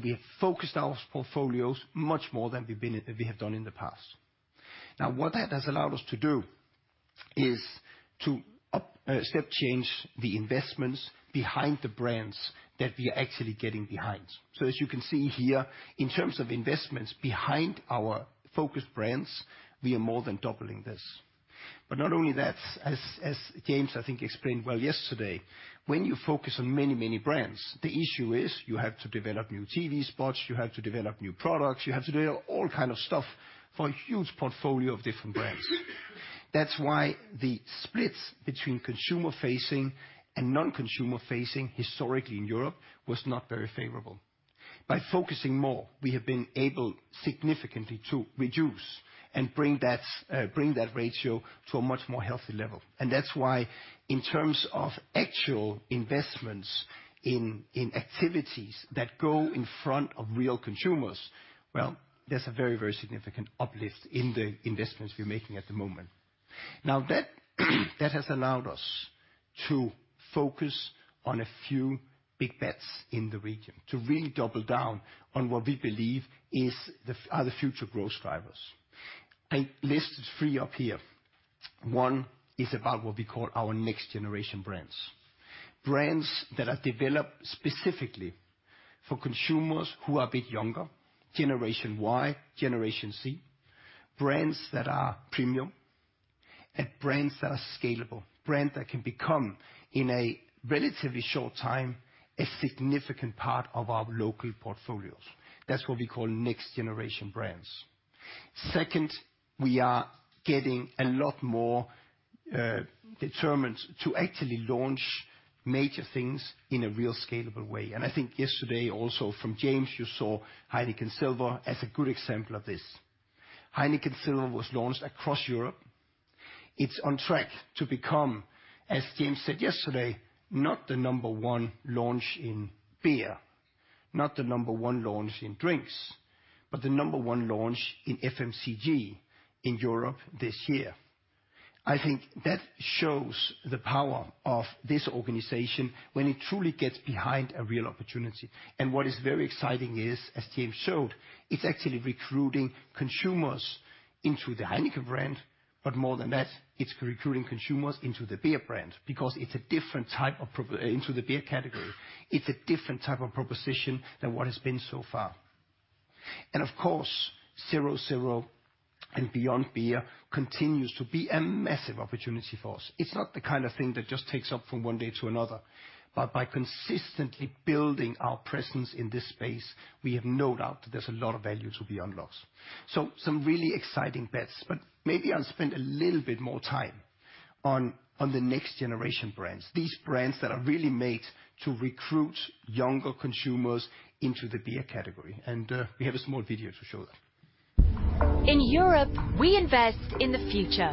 We have focused our portfolios much more than we have done in the past. Now, what that has allowed us to do is to up step change the investments behind the brands that we are actually getting behind. As you can see here, in terms of investments behind our focused brands, we are more than doubling this. Not only that, as James, I think, explained well yesterday, when you focus on many, many brands, the issue is you have to develop new TV spots, you have to develop new products, you have to develop all kind of stuff for a huge portfolio of different brands. That's why the split between consumer-facing and non-consumer-facing historically in Europe was not very favorable. Focusing more, we have been able significantly to reduce and bring that ratio to a much more healthy level. That's why in terms of actual investments in activities that go in front of real consumers, well, there's a very, very significant uplift in the investments we're making at the moment. That has allowed us to focus on a few big bets in the region, to really double down on what we believe are the future growth drivers. I listed three up here. One is about what we call our next generation brands that are developed specifically for consumers who are a bit younger, Generation Y, Generation Z, brands that are premium and brands that are scalable, brand that can become, in a relatively short time, a significant part of our local portfolios. That's what we call next generation brands. Second, we are getting a lot more determined to actually launch major things in a real scalable way. I think yesterday also from James you saw Heineken Silver as a good example of this. Heineken Silver was launched across Europe. It's on track to become, as James said yesterday, not the number one launch in beer, not the number one launch in drinks, but the number one launch in FMCG in Europe this year. I think that shows the power of this organization when it truly gets behind a real opportunity. What is very exciting is, as James showed, it's actually recruiting consumers into the Heineken brand, but more than that, it's recruiting consumers into the beer brand because it's a different type of proposition than what has been so far. Of course, zero zero and beyond beer continues to be a massive opportunity for us. It's not the kind of thing that just takes off from one day to another, but by consistently building our presence in this space, we have no doubt that there's a lot of value to be unlocked. Some really exciting bets. Maybe I'll spend a little bit more time on the next generation brands, these brands that are really made to recruit younger consumers into the beer category, and we have a small video to show that. In Europe, we invest in the future,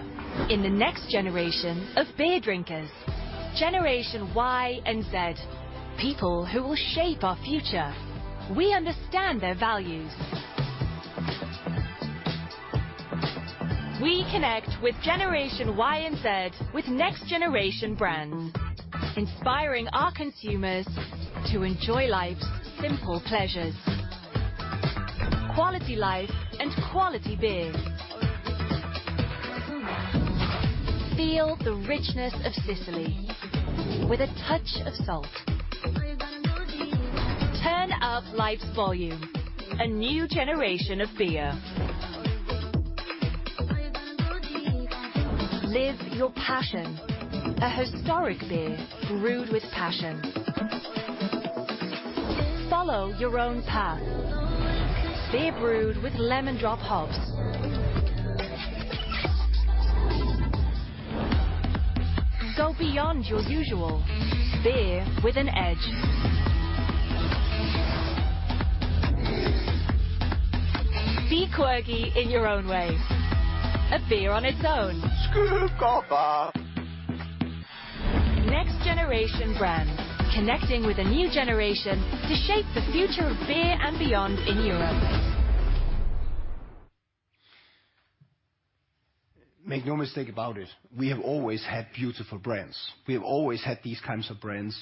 in the next generation of beer drinkers, Generation Y and Z, people who will shape our future. We understand their values. We connect with Generation Y and Z with next generation brands, inspiring our consumers to enjoy life's simple pleasures. Quality life and quality beer. Feel the richness of Sicily with a touch of salt. Turn up life's volume, a new generation of beer. Live your passion, a historic beer brewed with passion. Follow your own path, beer brewed with lemon drop hops. Go beyond your usual, beer with an edge. Be quirky in your own way, a beer on its own. Next generation brands, connecting with a new generation to shape the future of beer and beyond in Europe. Make no mistake about it, we have always had beautiful brands. We have always had these kinds of brands.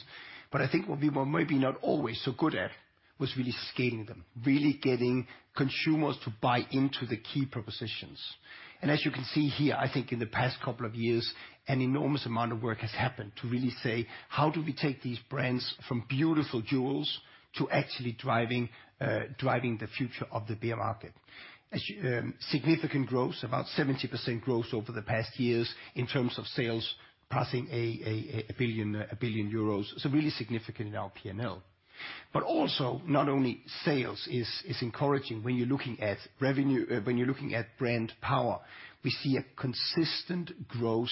I think what we were maybe not always so good at was really scaling them, really getting consumers to buy into the key propositions. As you can see here, I think in the past couple of years, an enormous amount of work has happened to really say, "How do we take these brands from beautiful jewels to actually driving the future of the beer market?" Significant growth, about 70% growth over the past years in terms of sales passing 1 billion euros, so really significant in our P&L. Also, not only sales is encouraging when you're looking at revenue... When you're looking at brand power, we see a consistent growth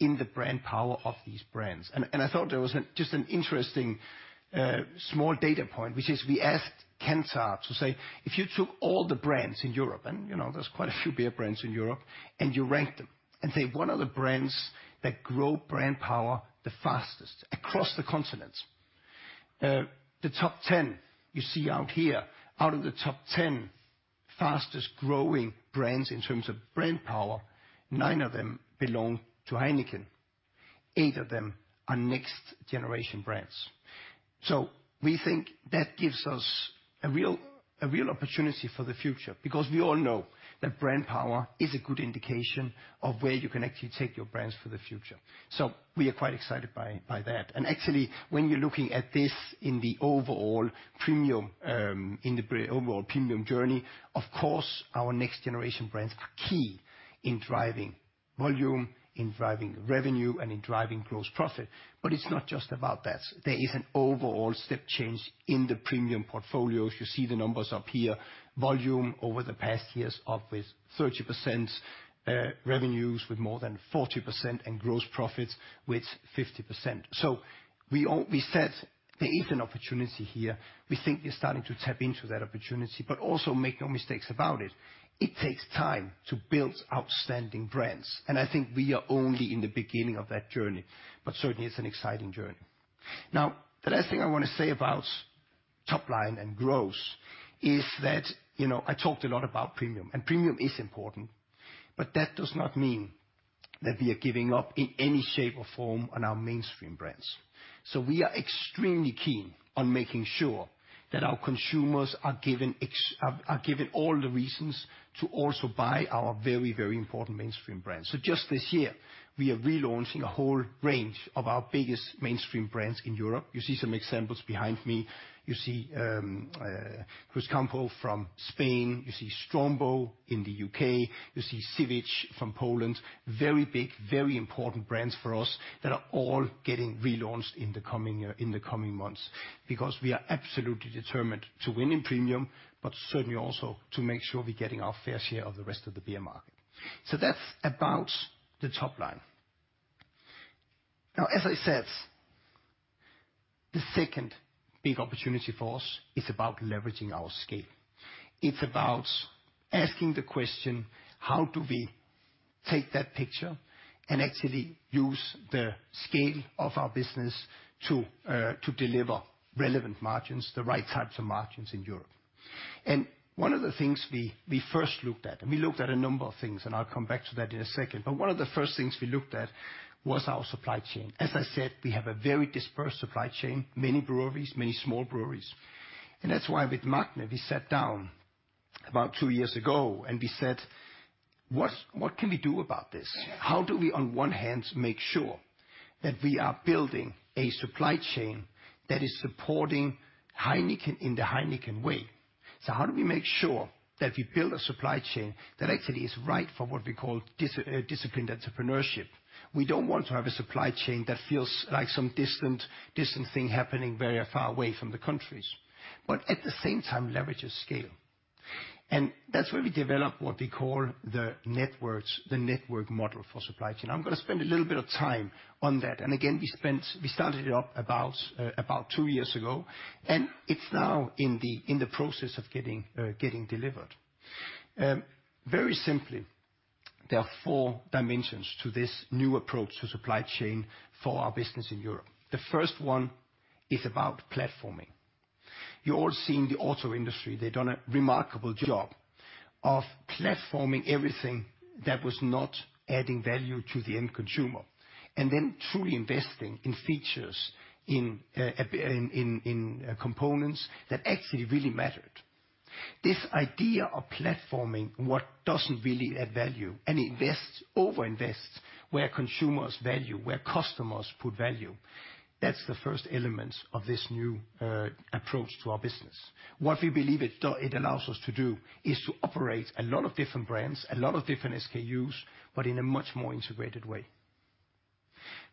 in the brand power of these brands. I thought there was just an interesting small data point, which is we asked Kantar to say, "If you took all the brands in Europe," and you know, there's quite a few beer brands in Europe, "and you ranked them and say, what are the brands that grow brand power the fastest across the continent?" The top 10 you see out here, out of the top 10 fastest growing brands in terms of brand power, nine of them belong to Heineken. Eight of them are next generation brands. We think that gives us a real opportunity for the future, because we all know that brand power is a good indication of where you can actually take your brands for the future. We are quite excited by that. Actually, when you're looking at this in the overall premium, Overall premium journey, of course our next generation brands are key in driving... Volume in driving revenue and in driving gross profit. It's not just about that. There is an overall step change in the premium portfolio. As you see the numbers up here, volume over the past years up with 30%, revenues with more than 40% and gross profits with 50%. We said there is an opportunity here. We think we're starting to tap into that opportunity, but also make no mistakes about it. It takes time to build outstanding brands, and I think we are only in the beginning of that journey. Certainly it's an exciting journey. The last thing I wanna say about top line and gross is that, you know, I talked a lot about premium, and premium is important, but that does not mean that we are giving up in any shape or form on our mainstream brands. We are extremely keen on making sure that our consumers are given all the reasons to also buy our very, very important mainstream brands. Just this year, we are relaunching a whole range of our biggest mainstream brands in Europe. You see some examples behind me. You see Cruzcampo from Spain, you see Strongbow in the U.K., you see Żywiec from Poland. Very big, very important brands for us that are all getting relaunched in the coming year, in the coming months, because we are absolutely determined to win in premium, but certainly also to make sure we're getting our fair share of the rest of the beer market. That's about the top line. As I said, the second big opportunity for us is about leveraging our scale. It's about asking the question, how do we take that picture and actually use the scale of our business to deliver relevant margins, the right types of margins in Europe? One of the things we first looked at, and we looked at a number of things, and I'll come back to that in a second. One of the first things we looked at was our supply chain. As I said, we have a very dispersed supply chain, many breweries, many small breweries. That's why with Magne, we sat down about two years ago, and we said, "What can we do about this? How do we on one hand make sure that we are building a supply chain that is supporting Heineken in the Heineken way? How do we make sure that we build a supply chain that actually is right for what we call disciplined entrepreneurship. We don't want to have a supply chain that feels like some distant thing happening very far away from the countries, but at the same time leverages scale. That's where we developed what we call the networks, the network model for supply chain. I'm going to spend a little bit of time on that. Again, we started it up about two years ago, and it's now in the process of getting delivered. Very simply, there are four dimensions to this new approach to supply chain for our business in Europe. The first one is about platforming. You're all seeing the auto industry. They've done a remarkable job of platforming everything that was not adding value to the end consumer, and then truly investing in features in components that actually really mattered. This idea of platforming what doesn't really add value and invest, overinvest where consumers value, where customers put value, that's the first element of this new approach to our business. What we believe it allows us to do is to operate a lot of different brands, a lot of different SKUs. In a much more integrated way.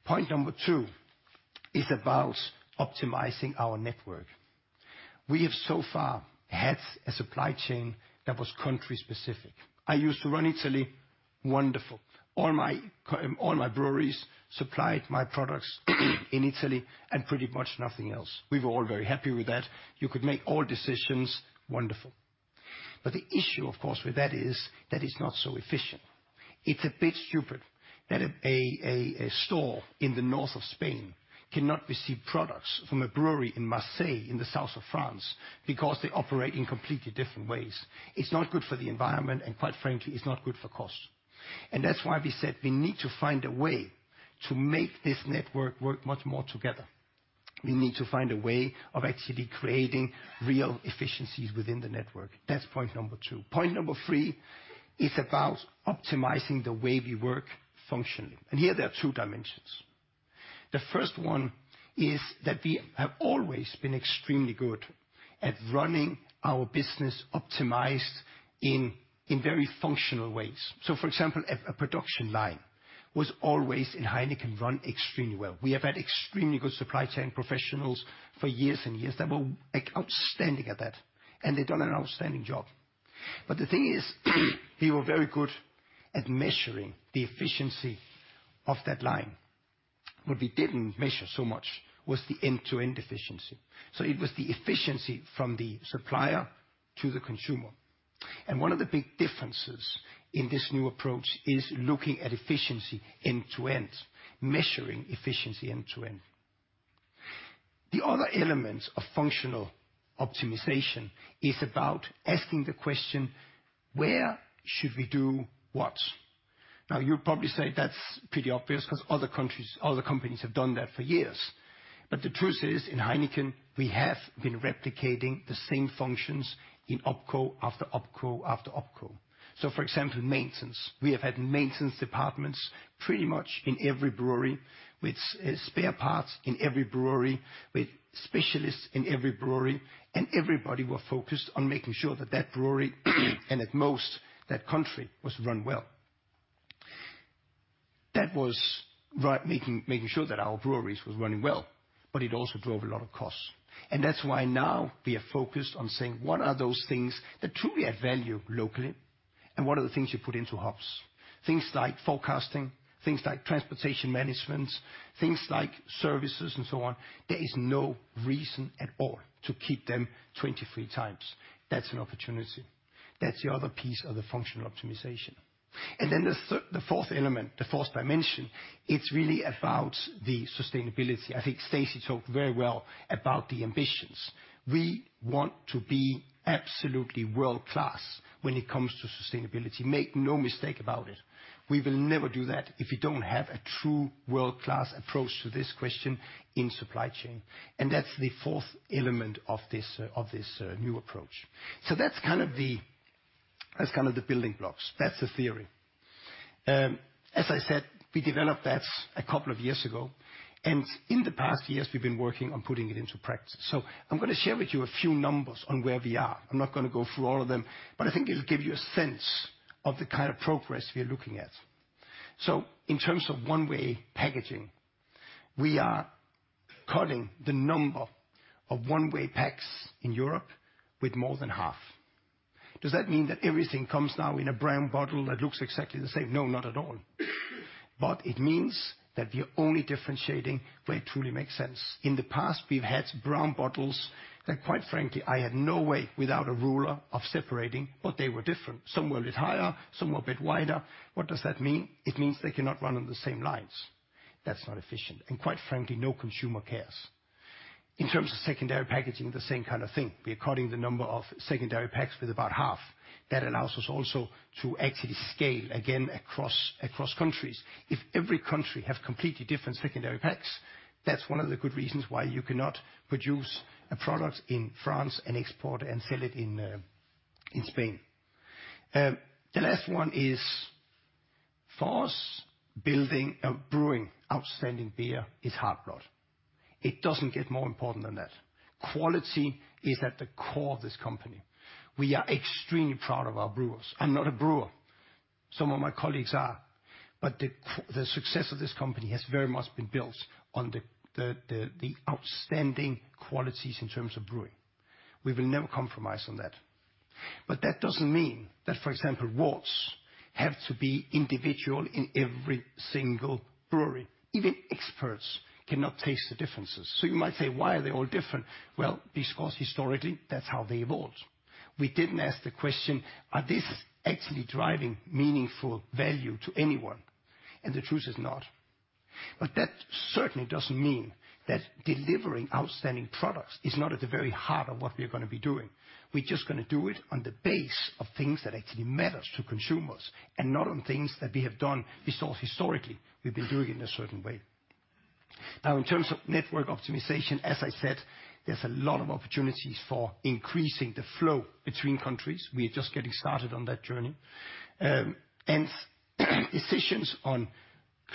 Point number two is about optimizing our network. We have so far had a supply chain that was country-specific. I used to run Italy, wonderful. All my breweries supplied my products in Italy and pretty much nothing else. We were all very happy with that. You could make all decisions, wonderful. The issue, of course, with that is that is not so efficient. It's a bit stupid that a store in the north of Spain cannot receive products from a brewery in Marseille in the south of France because they operate in completely different ways. It's not good for the environment, and quite frankly, it's not good for cost. That's why we said we need to find a way to make this network work much more together. We need to find a way of actually creating real efficiencies within the network. That's point number two. Point number three is about optimizing the way we work functionally. Here there are two dimensions. The first one is that we have always been extremely good at running our business optimized in very functional ways. For example, a production line was always in Heineken run extremely well. We have had extremely good supply chain professionals for years and years that were, like outstanding at that, and they've done an outstanding job. The thing is, we were very good at measuring the efficiency of that line. What we didn't measure so much was the end-to-end efficiency. It was the efficiency from the supplier to the consumer. One of the big differences in this new approach is looking at efficiency end to end, measuring efficiency end to end. The other element of functional optimization is about asking the question, where should we do what? You'll probably say that's pretty obvious because other countries, other companies have done that for years. The truth is, in Heineken, we have been replicating the same functions in OpCo after OpCo after OpCo. For example, maintenance. We have had maintenance departments. Pretty much in every brewery, with spare parts in every brewery, with specialists in every brewery, and everybody was focused on making sure that that brewery, and at most that country, was run well. That was making sure that our breweries was running well, but it also drove a lot of costs. That's why now we are focused on saying, "What are those things that truly add value locally, and what are the things you put into hubs?" Things like forecasting, things like transportation management, things like services and so on, there is no reason at all to keep them 23 times. That's an opportunity. That's the other piece of the functional optimization. Then the fourth element, the fourth dimension, it's really about the sustainability. I think Stacey talked very well about the ambitions. We want to be absolutely world-class when it comes to sustainability. Make no mistake about it. We will never do that if you don't have a true world-class approach to this question in supply chain, and that's the fourth element of this new approach. That's kind of the building blocks. That's the theory. As I said, we developed that a couple of years ago, and in the past years we've been working on putting it into practice. I'm gonna share with you a few numbers on where we are. I'm not gonna go through all of them, but I think it'll give you a sense of the kind of progress we are looking at. In terms of one-way packaging, we are cutting the number of one-way packs in Europe with more than half. Does that mean that everything comes now in a brown bottle that looks exactly the same? No, not at all. It means that we're only differentiating where it truly makes sense. In the past, we've had brown bottles that quite frankly, I had no way without a ruler of separating, but they were different. Some were a bit higher, some were a bit wider. What does that mean? It means they cannot run on the same lines. That's not efficient, and quite frankly, no consumer cares. In terms of secondary packaging, the same kind of thing. We are cutting the number of secondary packs with about half. That allows us also to actually scale again across countries. If every country have completely different secondary packs, that's one of the good reasons why you cannot produce a product in France and export and sell it in Spain. The last one is, for us, building a brewing outstanding beer is heartblood. It doesn't get more important than that. Quality is at the core of this company. We are extremely proud of our brewers. I'm not a brewer. Some of my colleagues are. The success of this company has very much been built on the outstanding qualities in terms of brewing. We will never compromise on that. That doesn't mean that, for example, worts have to be individual in every single brewery. Even experts cannot taste the differences. You might say, "Why are they all different?" Well, because historically, that's how they evolved. We didn't ask the question, "Are this actually driving meaningful value to anyone?" The truth is not. That certainly doesn't mean that delivering outstanding products is not at the very heart of what we're gonna be doing. We're just gonna do it on the base of things that actually matters to consumers, and not on things that we have done because historically we've been doing it in a certain way. In terms of network optimization, as I said, there's a lot of opportunities for increasing the flow between countries. We are just getting started on that journey. Decisions on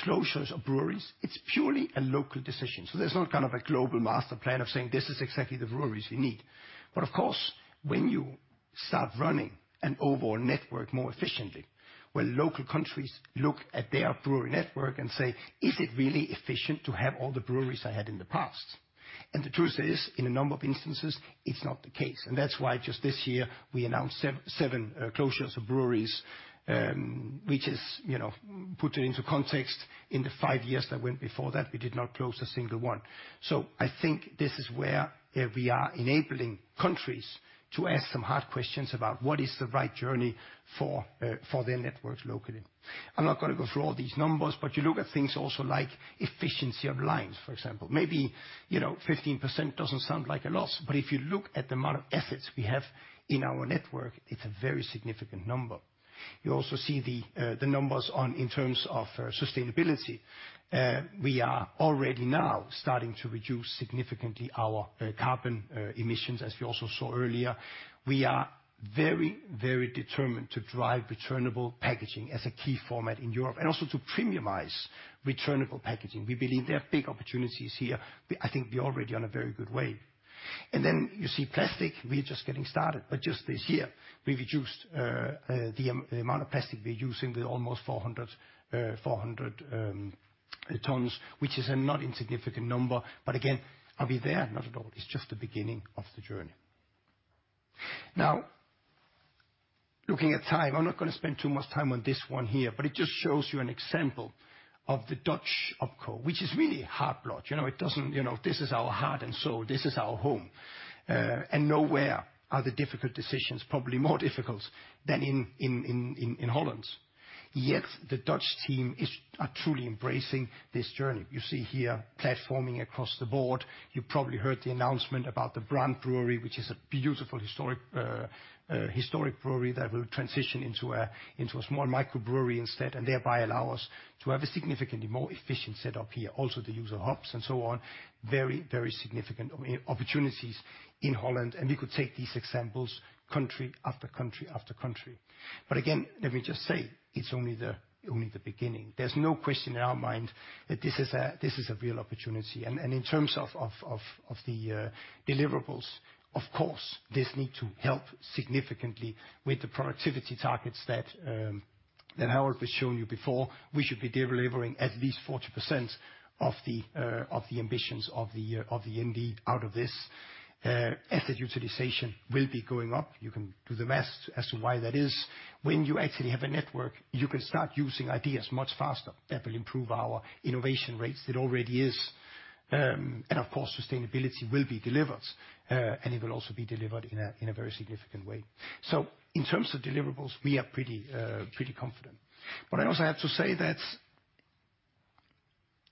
closures of breweries, it's purely a local decision. There's not kind of a global master plan of saying, "This is exactly the breweries you need." Of course, when you start running an overall network more efficiently, where local countries look at their brewery network and say, "Is it really efficient to have all the breweries I had in the past?" The truth is, in a number of instances, it's not the case. That's why just this year we announced seven closures of breweries, which is, you know, put into context, in the five years that went before that, we did not close a single one. I think this is where, we are enabling countries to ask some hard questions about what is the right journey for their networks locally. I'm not gonna go through all these numbers. You look at things also like efficiency of lines, for example. Maybe, you know, 15% doesn't sound like a lot. If you look at the amount of assets we have in our network, it's a very significant number. You also see the numbers on, in terms of sustainability. We are already now starting to reduce significantly our carbon emissions, as we also saw earlier. We are very, very determined to drive returnable packaging as a key format in Europe, and also to premiumize returnable packaging. We believe there are big opportunities here. I think we're already on a very good way. Then you see plastic, we're just getting started. Just this year we've reduced the amount of plastic we're using with almost 400 tons, which is a not insignificant number. Again, are we there? Not at all. It's just the beginning of the journey. Looking at time, I'm not going to spend too much time on this one here, but it just shows you an example of the Dutch OpCo, which is really heartblood. You know, this is our heart and soul. This is our home. Nowhere are the difficult decisions probably more difficult than in Holland. The Dutch team are truly embracing this journey. You see here platforming across the board. You probably heard the announcement about the Brand Brewery, which is a beautiful historic brewery that will transition into a small microbrewery instead, thereby allow us to have a significantly more efficient setup here. Also, the use of hubs and so on, very, very significant opportunities in Holland. We could take these examples country after country after country. Again, let me just say, it's only the beginning. There's no question in our mind that this is a, this is a real opportunity. In terms of the deliverables, of course, this need to help significantly with the productivity targets that Harold was showing you before, we should be delivering at least 40% of the ambitions of the indeed out of this. Asset utilization will be going up. You can do the math as to why that is. When you actually have a network, you can start using ideas much faster. That will improve our innovation rates. It already is. Of course, sustainability will be delivered, and it will also be delivered in a very significant way. In terms of deliverables, we are pretty confident. I also have to say that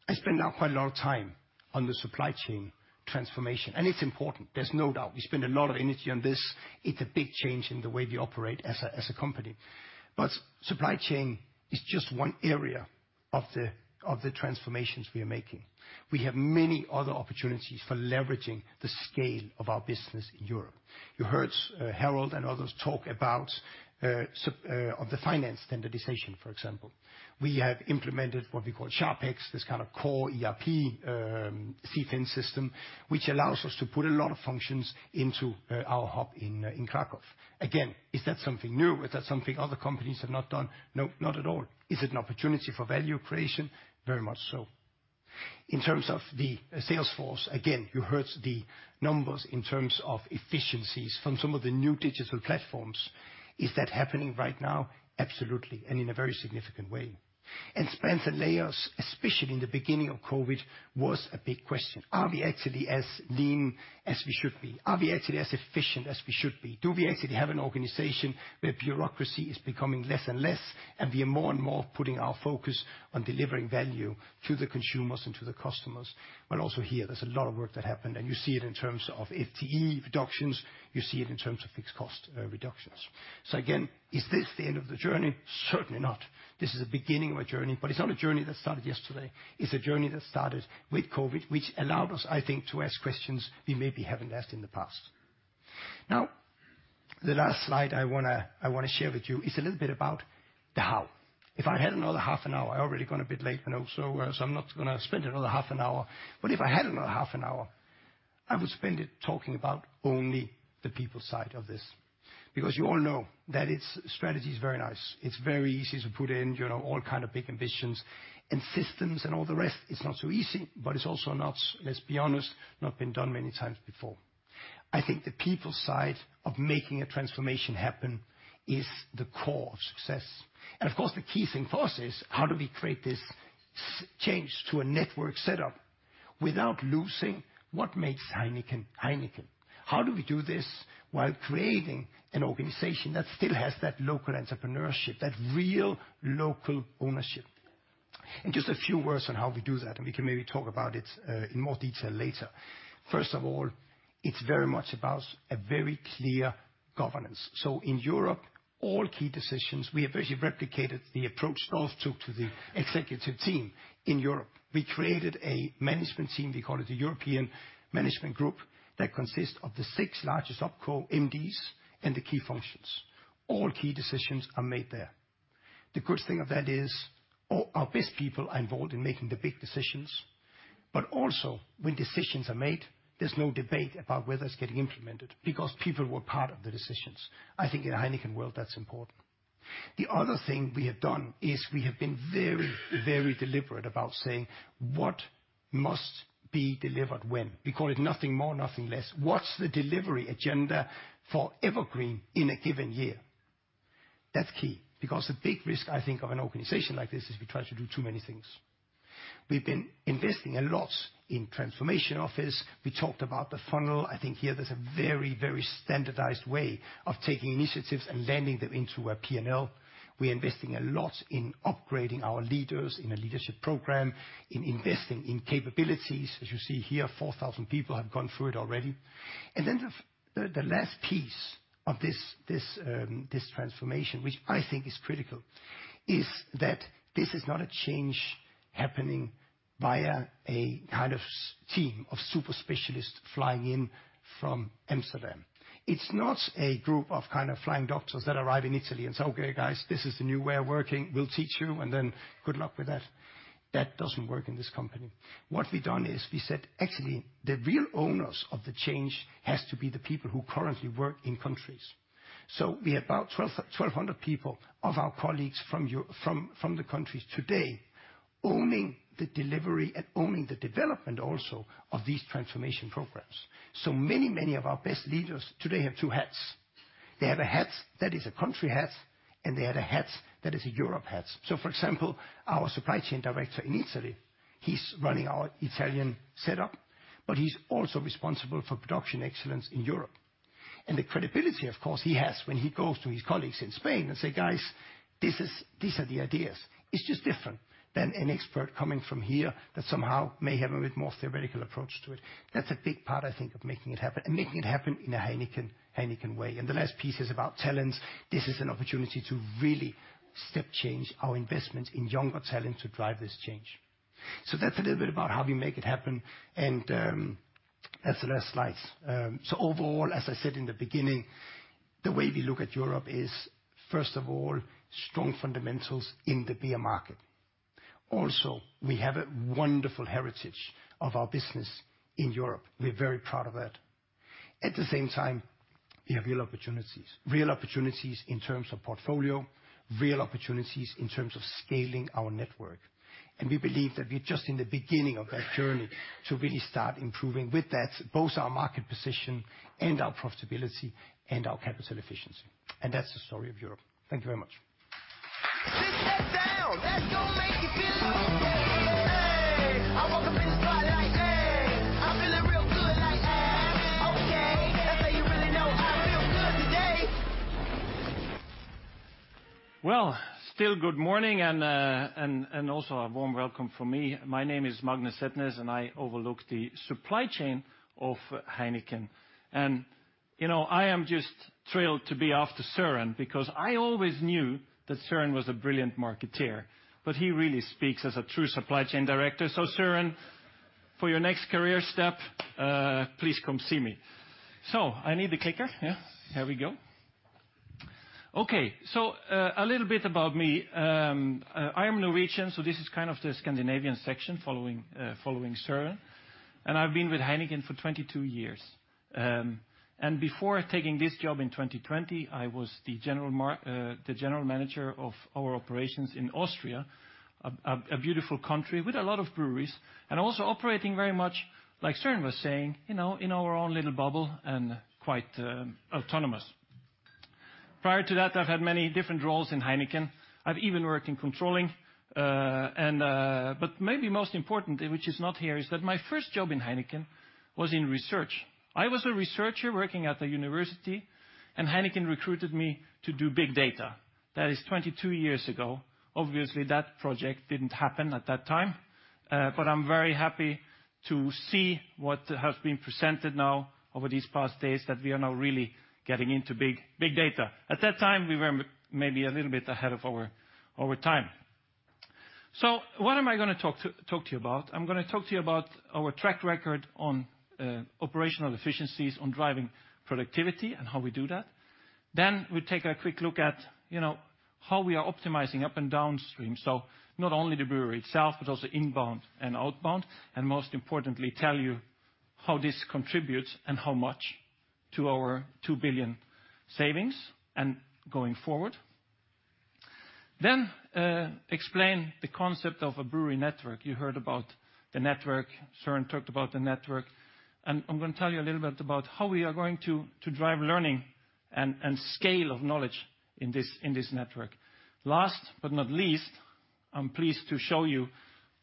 I spend now quite a lot of time on the supply chain transformation, and it's important, there's no doubt. We spend a lot of energy on this. It's a big change in the way we operate as a company. Supply chain is just one area of the transformations we are making. We have many other opportunities for leveraging the scale of our business in Europe. You heard Harold and others talk about on the finance standardization, for example. We have implemented what we call SharpEx, this kind of core ERP, CFIN system, which allows us to put a lot of functions into our hub in Krakow. Is that something new? Is that something other companies have not done? No, not at all. Is it an opportunity for value creation? Very much so. In terms of the sales force, again, you heard the numbers in terms of efficiencies from some of the new digital platforms. Is that happening right now? Absolutely, in a very significant way. Spans and layers, especially in the beginning of COVID, was a big question. Are we actually as lean as we should be? Are we actually as efficient as we should be? Do we actually have an organization where bureaucracy is becoming less and less, and we are more and more putting our focus on delivering value to the consumers and to the customers? Also here, there's a lot of work that happened, and you see it in terms of FTE reductions. You see it in terms of fixed cost reductions. Again, is this the end of the journey? Certainly not. This is the beginning of a journey, but it's not a journey that started yesterday. It's a journey that started with COVID, which allowed us, I think, to ask questions we maybe haven't asked in the past. Now, the last slide I wanna, I wanna share with you is a little bit about the how. If I had another half an hour, I've already gone a bit late, I know, so I'm not gonna spend another half an hour. If I had another half an hour, I would spend it talking about only the people side of this. You all know that its strategy is very nice. It's very easy to put in, you know, all kind of big ambitions and systems and all the rest. It's not so easy, but it's also not, let's be honest, not been done many times before. I think the people side of making a transformation happen is the core of success. Of course, the key thing for us is how do we create this change to a network setup without losing what makes Heineken? How do we do this while creating an organization that still has that local entrepreneurship, that real local ownership? Just a few words on how we do that, and we can maybe talk about it in more detail later. First of all, it's very much about a very clear governance. In Europe, all key decisions, we have basically replicated the approach Rolf took to the executive team in Europe. We created a management team, we call it the European Management Group, that consists of the six largest OpCo MDs and the key functions. All key decisions are made there. The good thing of that is all our best people are involved in making the big decisions. Also, when decisions are made, there's no debate about whether it's getting implemented because people were part of the decisions. I think in a Heineken world, that's important. The other thing we have done is we have been very, very deliberate about saying what must be delivered when. We call it nothing more, nothing less. What's the delivery agenda for EverGreen in a given year? That's key, because the big risk, I think, of an organization like this is we try to do too many things. We've been investing a lot in transformation office. We talked about the funnel. I think here there's a very, very standardized way of taking initiatives and landing them into our P&L. We're investing a lot in upgrading our leaders in a leadership program, in investing in capabilities. As you see here, 4,000 people have gone through it already. The last piece of this transformation, which I think is critical, is that this is not a change happening via a kind of team of super specialists flying in from Amsterdam. It's not a group of kind of flying doctors that arrive in Italy and say, "Okay, guys, this is the new way of working. We'll teach you, and then good luck with that." That doesn't work in this company. What we've done is we said, "Actually, the real owners of the change has to be the people who currently work in countries." We have about 1,200 people of our colleagues from the countries today owning the delivery and owning the development also of these transformation programs. Many of our best leaders today have two hats. They have a hat that is a country hat, they have a hat that is a Europe hat. For example, our supply chain director in Italy, he's running our Italian setup, but he's also responsible for production excellence in Europe. The credibility, of course, he has when he goes to his colleagues in Spain and say, "Guys, these are the ideas," it's just different than an expert coming from here that somehow may have a bit more theoretical approach to it. That's a big part, I think, of making it happen and making it happen in a Heineken way. The last piece is about talents. This is an opportunity to really step change our investment in younger talent to drive this change. That's a little bit about how we make it happen, and that's the last slide. Overall, as I said in the beginning, the way we look at Europe is, first of all, strong fundamentals in the beer market. We have a wonderful heritage of our business in Europe. We're very proud of that. At the same time, we have real opportunities. Real opportunities in terms of portfolio, real opportunities in terms of scaling our network. We believe that we're just in the beginning of that journey to really start improving with that, both our market position and our profitability and our capital efficiency. That's the story of Europe. Thank you very much. Still good morning and also a warm welcome from me. My name is Magne Setnes, I overlook the supply chain of Heineken. You know, I am just thrilled to be after Søren, because I always knew that Søren was a brilliant marketeer, but he really speaks as a true supply chain director. Søren, for your next career step, please come see me. I need the clicker. Yeah. Here we go. Okay. A little bit about me. I am Norwegian, so this is kind of the Scandinavian section following Søren. I've been with Heineken for 22 years. Before taking this job in 2020, I was the general manager of our operations in Austria, a beautiful country with a lot of breweries, and also operating very much, like Søren was saying, you know, in our own little bubble and quite autonomous. Prior to that, I've had many different roles in Heineken. I've even worked in controlling. Maybe most important, which is not here, is that my first job in Heineken was in research. I was a researcher working at the university, and Heineken recruited me to do big data. That is 22 years ago. Obviously, that project didn't happen at that time. I'm very happy to see what has been presented now over these past days that we are now really getting into big data. At that time, we were maybe a little bit ahead of our time. What am I gonna talk to you about? I'm gonna talk to you about our track record on operational efficiencies, on driving productivity and how we do that. We take a quick look at, you know, how we are optimizing up and downstream. Not only the brewery itself, but also inbound and outbound, and most importantly, tell you how this contributes and how much to our 2 billion savings and going forward. Explain the concept of a brewery network. You heard about the network. Søren talked about the network. I'm gonna tell you a little bit about how we are going to drive learning and scale of knowledge in this network. Last but not least, I'm pleased to show you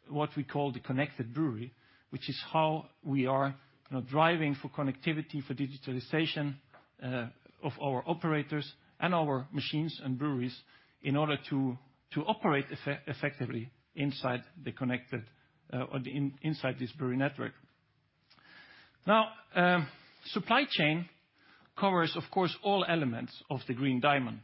what we call the Connected Brewery, which is how we are, you know, driving for connectivity for digitalization of our operators and our machines and breweries in order to operate effectively inside the connected or inside this brewery network. Now, supply chain covers, of course, all elements of the Green Diamond.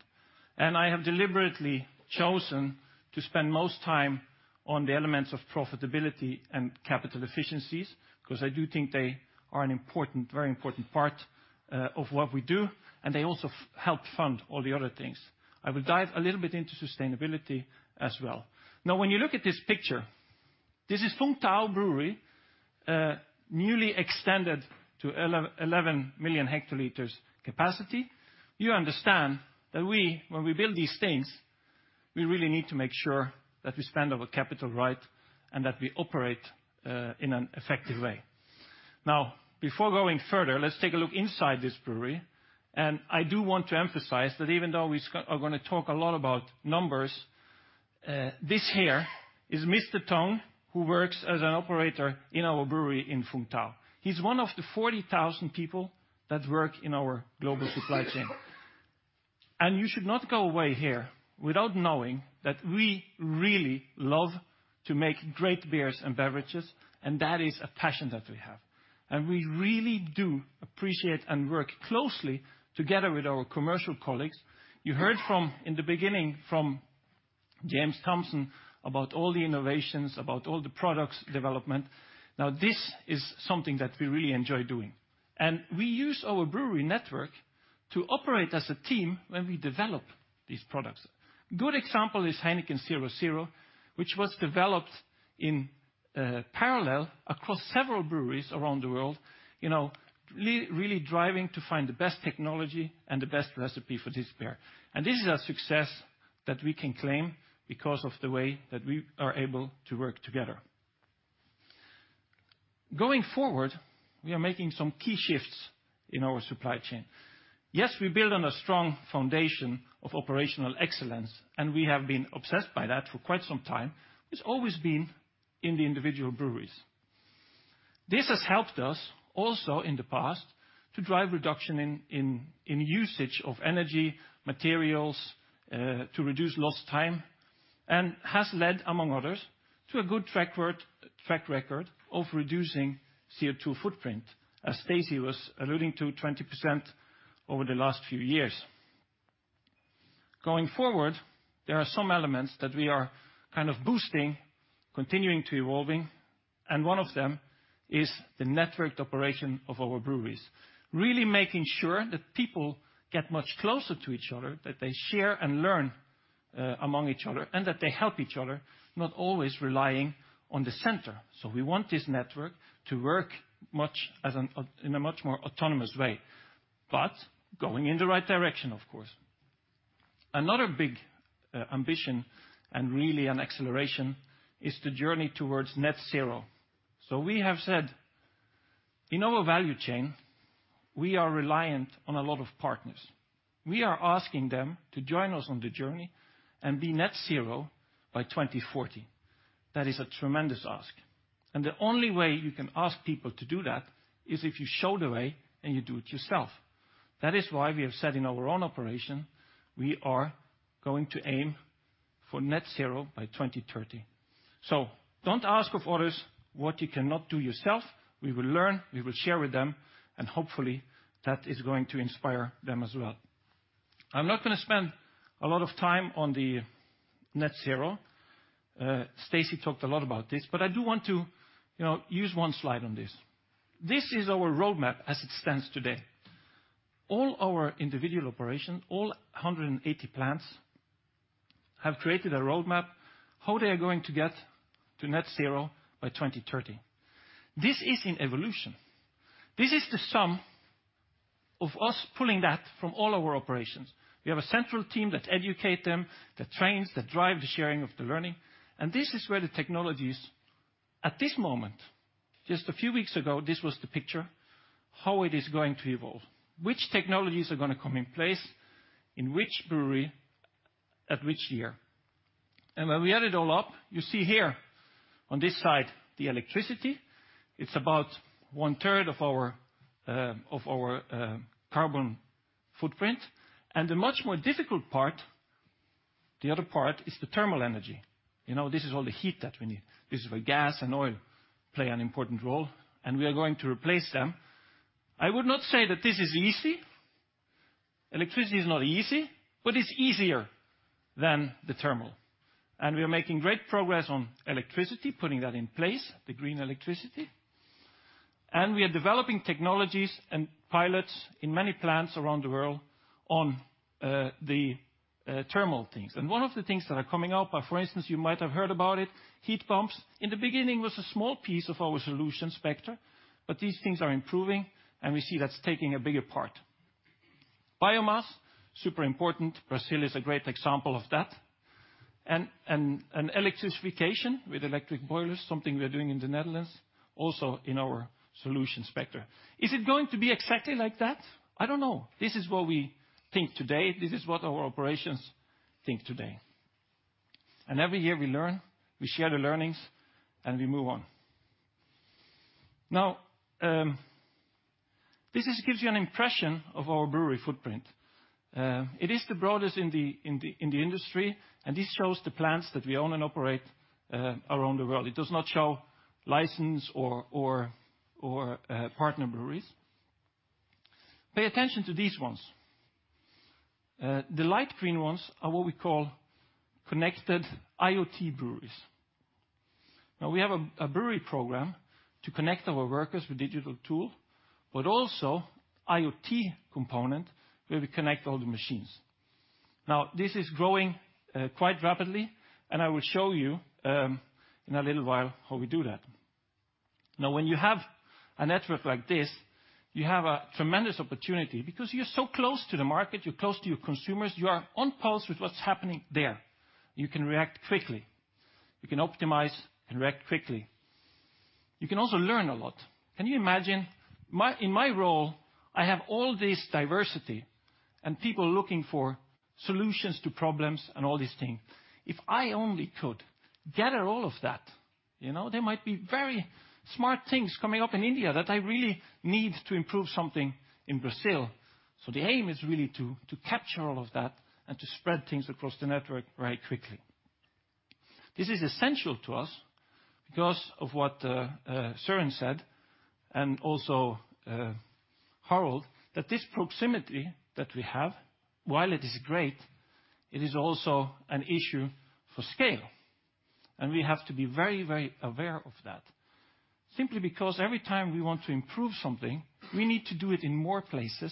I have deliberately chosen to spend most time on the elements of profitability and capital efficiencies, 'cause I do think they are an important, very important part of what we do, and they also help fund all the other things. I will dive a little bit into sustainability as well. Now, when you look at this picture, this is Vũng Tàu Brewery, newly extended to 11 million hectoliters capacity. You understand that we, when we build these things, we really need to make sure that we spend our capital right and that we operate in an effective way. Before going further, let's take a look inside this brewery. I do want to emphasize that even though we are gonna talk a lot about numbers, this here is Mr. Tung, who works as an operator in our brewery in Vũng Tàu. He's one of the 40,000 people that work in our global supply chain. You should not go away here without knowing that we really love to make great beers and beverages, and that is a passion that we have. We really do appreciate and work closely together with our commercial colleagues. You heard from, in the beginning, from James Thompson about all the innovations, about all the products development. This is something that we really enjoy doing. We use our brewery network to operate as a team when we develop these products. Good example is Heineken 0.0, which was developed in parallel across several breweries around the world, you know, really driving to find the best technology and the best recipe for this beer. This is a success that we can claim because of the way that we are able to work together. Going forward, we are making some key shifts in our supply chain. We build on a strong foundation of operational excellence, and we have been obsessed by that for quite some time. It's always been in the individual breweries. This has helped us also in the past to drive reduction in usage of energy, materials, to reduce lost time, and has led, among others, to a good track record of reducing CO2 footprint. As Stacey was alluding to, 20% over the last few years. Going forward, there are some elements that we are kind of boosting, continuing to evolving and one of them is the networked operation of our breweries. Really making sure that people get much closer to each other, that they share and learn among each other, and that they help each other, not always relying on the center. We want this network to work much in a much more autonomous way, but going in the right direction, of course. Another big ambition and really an acceleration is the journey towards net zero. We have said in our value chain, we are reliant on a lot of partners. We are asking them to join us on the journey and be net zero by 2040. That is a tremendous ask. The only way you can ask people to do that is if you show the way and you do it yourself. That is why we have said in our own operation, we are going to aim for net zero by 2030. Don't ask of others what you cannot do yourself. We will learn, we will share with them, and hopefully that is going to inspire them as well. I'm not gonna spend a lot of time on the net zero. Stacey talked a lot about this, but I do want to, you know, use one slide on this. This is our roadmap as it stands today. All our individual operations, all 180 plants have created a roadmap how they are going to get to net zero by 2030. This is an evolution. This is the sum of us pulling that from all our operations. We have a central team that educate them, that trains, that drive the sharing of the learning. This is where the technologies at this moment, just a few weeks ago, this was the picture, how it is going to evolve, which technologies are gonna come in place, in which brewery, at which year. When we add it all up, you see here on this side, the electricity, it's about 1/3 of our of our carbon footprint. The much more difficult part, the other part, is the thermal energy. You know, this is all the heat that we need. This is where gas and oil play an important role, and we are going to replace them. I would not say that this is easy. Electricity is not easy, but it's easier than the thermal. We are making great progress on electricity, putting that in place, the green electricity. We are developing technologies and pilots in many plants around the world on the thermal things. One of the things that are coming up are, for instance, you might have heard about it, heat pumps. In the beginning was a small piece of our solution spectra, but these things are improving, and we see that's taking a bigger part. Biomass, super important. Brazil is a great example of that. Electrification with electric boilers, something we're doing in the Netherlands, also in our solution spectra. Is it going to be exactly like that? I don't know. This is what we think today. This is what our operations think today. Every year we learn, we share the learnings, and we move on. This gives you an impression of our brewery footprint. It is the broadest in the industry, and this shows the plants that we own and operate around the world. It does not show license or partner breweries. Pay attention to these ones. The light green ones are what we call Connected IoT breweries. We have a brewery program to connect our workers with digital tool, but also IoT component where we connect all the machines. This is growing quite rapidly, and I will show you in a little while how we do that. When you have a network like this, you have a tremendous opportunity because you're so close to the market, you're close to your consumers, you are on pulse with what's happening there. You can react quickly. You can optimize and react quickly. You can also learn a lot. Can you imagine in my role, I have all this diversity and people looking for solutions to problems and all these things. If I only could gather all of that, you know, there might be very smart things coming up in India that I really need to improve something in Brazil. The aim is really to capture all of that and to spread things across the network very quickly. This is essential to us because of what Søren said, and also Harold, that this proximity that we have, while it is great, it is also an issue for scale. We have to be very, very aware of that simply because every time we want to improve something, we need to do it in more places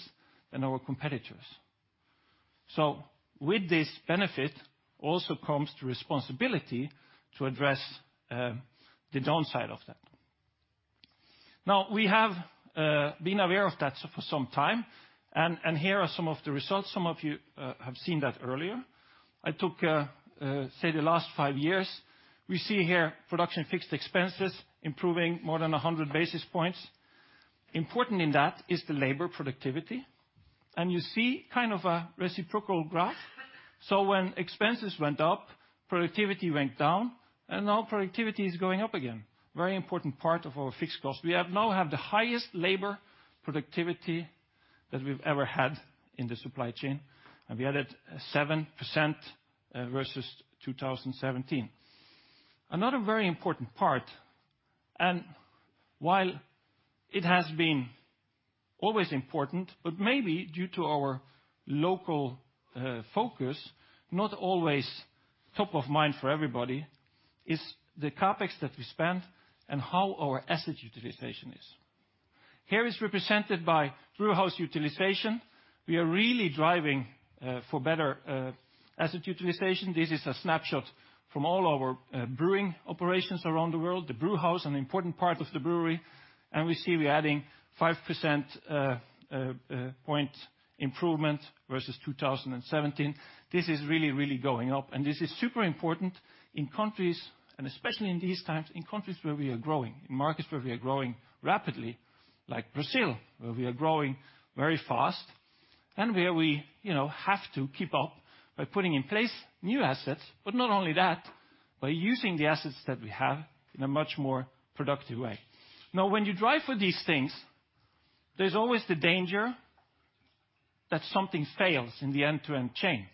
than our competitors. With this benefit also comes the responsibility to address the downside of that. Now, we have been aware of that for some time, and here are some of the results. Some of you have seen that earlier. I took, say the last five years. We see here production fixed expenses improving more than 100 basis points. Important in that is the labor productivity. You see kind of a reciprocal graph. When expenses went up, productivity went down, and now productivity is going up again. Very important part of our fixed cost. We now have the highest labor productivity that we've ever had in the supply chain, and we added 7% versus 2017. Another very important part, while it has been always important, but maybe due to our local focus, not always top of mind for everybody, is the CapEx that we spend and how our asset utilization is. Here is represented by brewhouse utilization. We are really driving for better asset utilization. This is a snapshot from all our brewing operations around the world, the brewhouse, an important part of the brewery. We see we're adding 5% point improvement versus 2017. This is really, really going up, and this is super important in countries, and especially in these times, in countries where we are growing, in markets where we are growing rapidly, like Brazil, where we are growing very fast and where we, you know, have to keep up by putting in place new assets. Not only that, by using the assets that we have in a much more productive way. Now, when you drive for these things, there's always the danger that something fails in the end-to-end chain,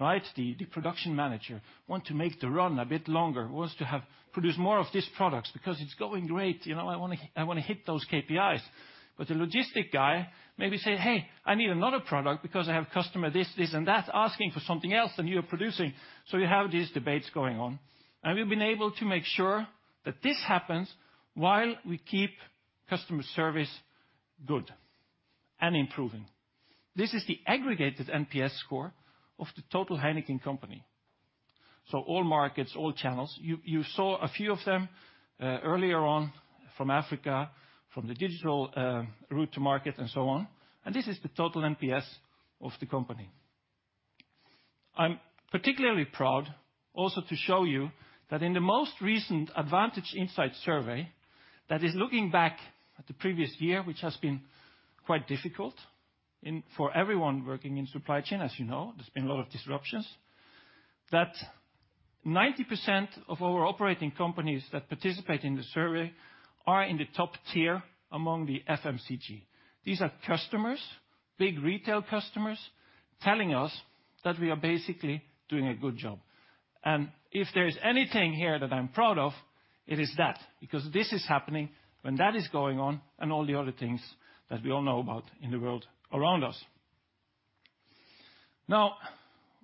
right? The production manager want to make the run a bit longer, wants to have produce more of these products because it's going great. You know, I wanna hit those KPIs. The logistic guy maybe say, "Hey, I need another product because I have customer this, and that asking for something else than you are producing." You have these debates going on. We've been able to make sure that this happens while we keep customer service good and improving. This is the aggregated NPS score of the total Heineken company. All markets, all channels. You saw a few of them earlier on from Africa, from the digital route to market and so on, and this is the total NPS of the company. I'm particularly proud also to show you that in the most recent Advantage Insight survey that is looking back at the previous year, which has been quite difficult for everyone working in supply chain, as you know, there's been a lot of disruptions, that 90% of our operating companies that participate in the survey are in the top tier among the FMCG. These are customers, big retail customers, telling us that we are basically doing a good job. If there is anything here that I'm proud of, it is that, because this is happening when that is going on and all the other things that we all know about in the world around us.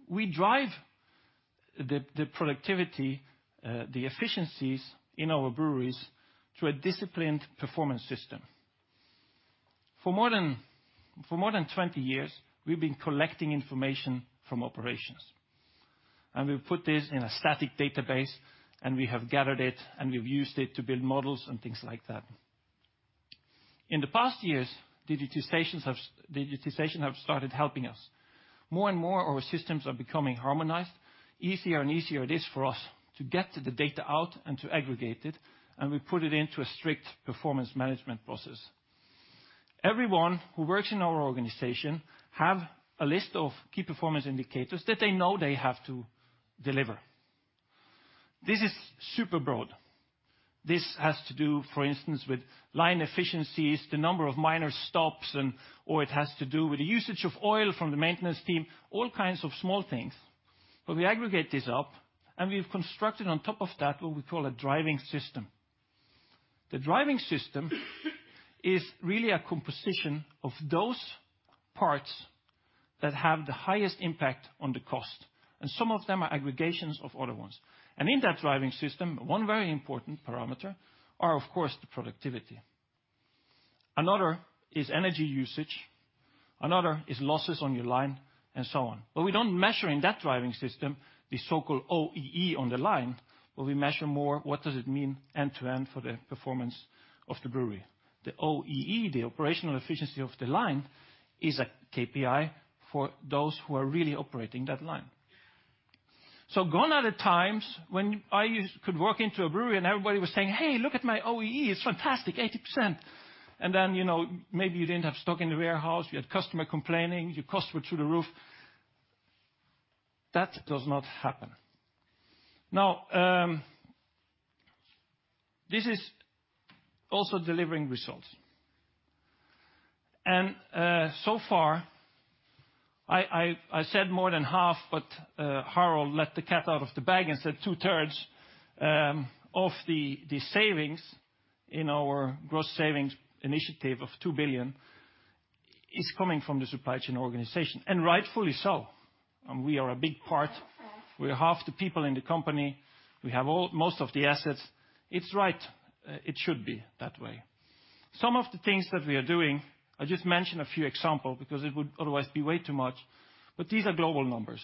We drive the productivity, the efficiencies in our breweries through a disciplined performance system. For more than 20 years, we've been collecting information from operations, and we've put this in a static database, and we have gathered it, and we've used it to build models and things like that. In the past years, digitization have started helping us. More and more, our systems are becoming harmonized. Easier and easier it is for us to get to the data out and to aggregate it, and we put it into a strict performance management process. Everyone who works in our organization have a list of key performance indicators that they know they have to deliver. This is super broad. This has to do, for instance, with line efficiencies, the number of minor stops and, or it has to do with the usage of oil from the maintenance team, all kinds of small things. We aggregate this up, and we've constructed on top of that what we call a driving system. The driving system is really a composition of those parts that have the highest impact on the cost, and some of them are aggregations of other ones. In that driving system, one very important parameter are, of course, the productivity. Another is energy usage. Another is losses on your line and so on. We don't measure in that driving system the so-called OEE on the line, but we measure more what does it mean end to end for the performance of the brewery. The OEE, the operational efficiency of the line, is a KPI for those who are really operating that line. Gone are the times when I could walk into a brewery and everybody was saying, "Hey, look at my OEE. It's fantastic, 80%. Then, you know, maybe you didn't have stock in the warehouse. You had customer complaining. Your costs were through the roof. That does not happen. Now, this is also delivering results. So far, I said more than half, but Harold let the cat out of the bag and said 2/3 of the savings in our gross savings initiative of 2 billion is coming from the supply chain organization. Rightfully so. We are a big part. We are half the people in the company. We have most of the assets. It's right. It should be that way. Some of the things that we are doing, I just mention a few example because it would otherwise be way too much, but these are global numbers.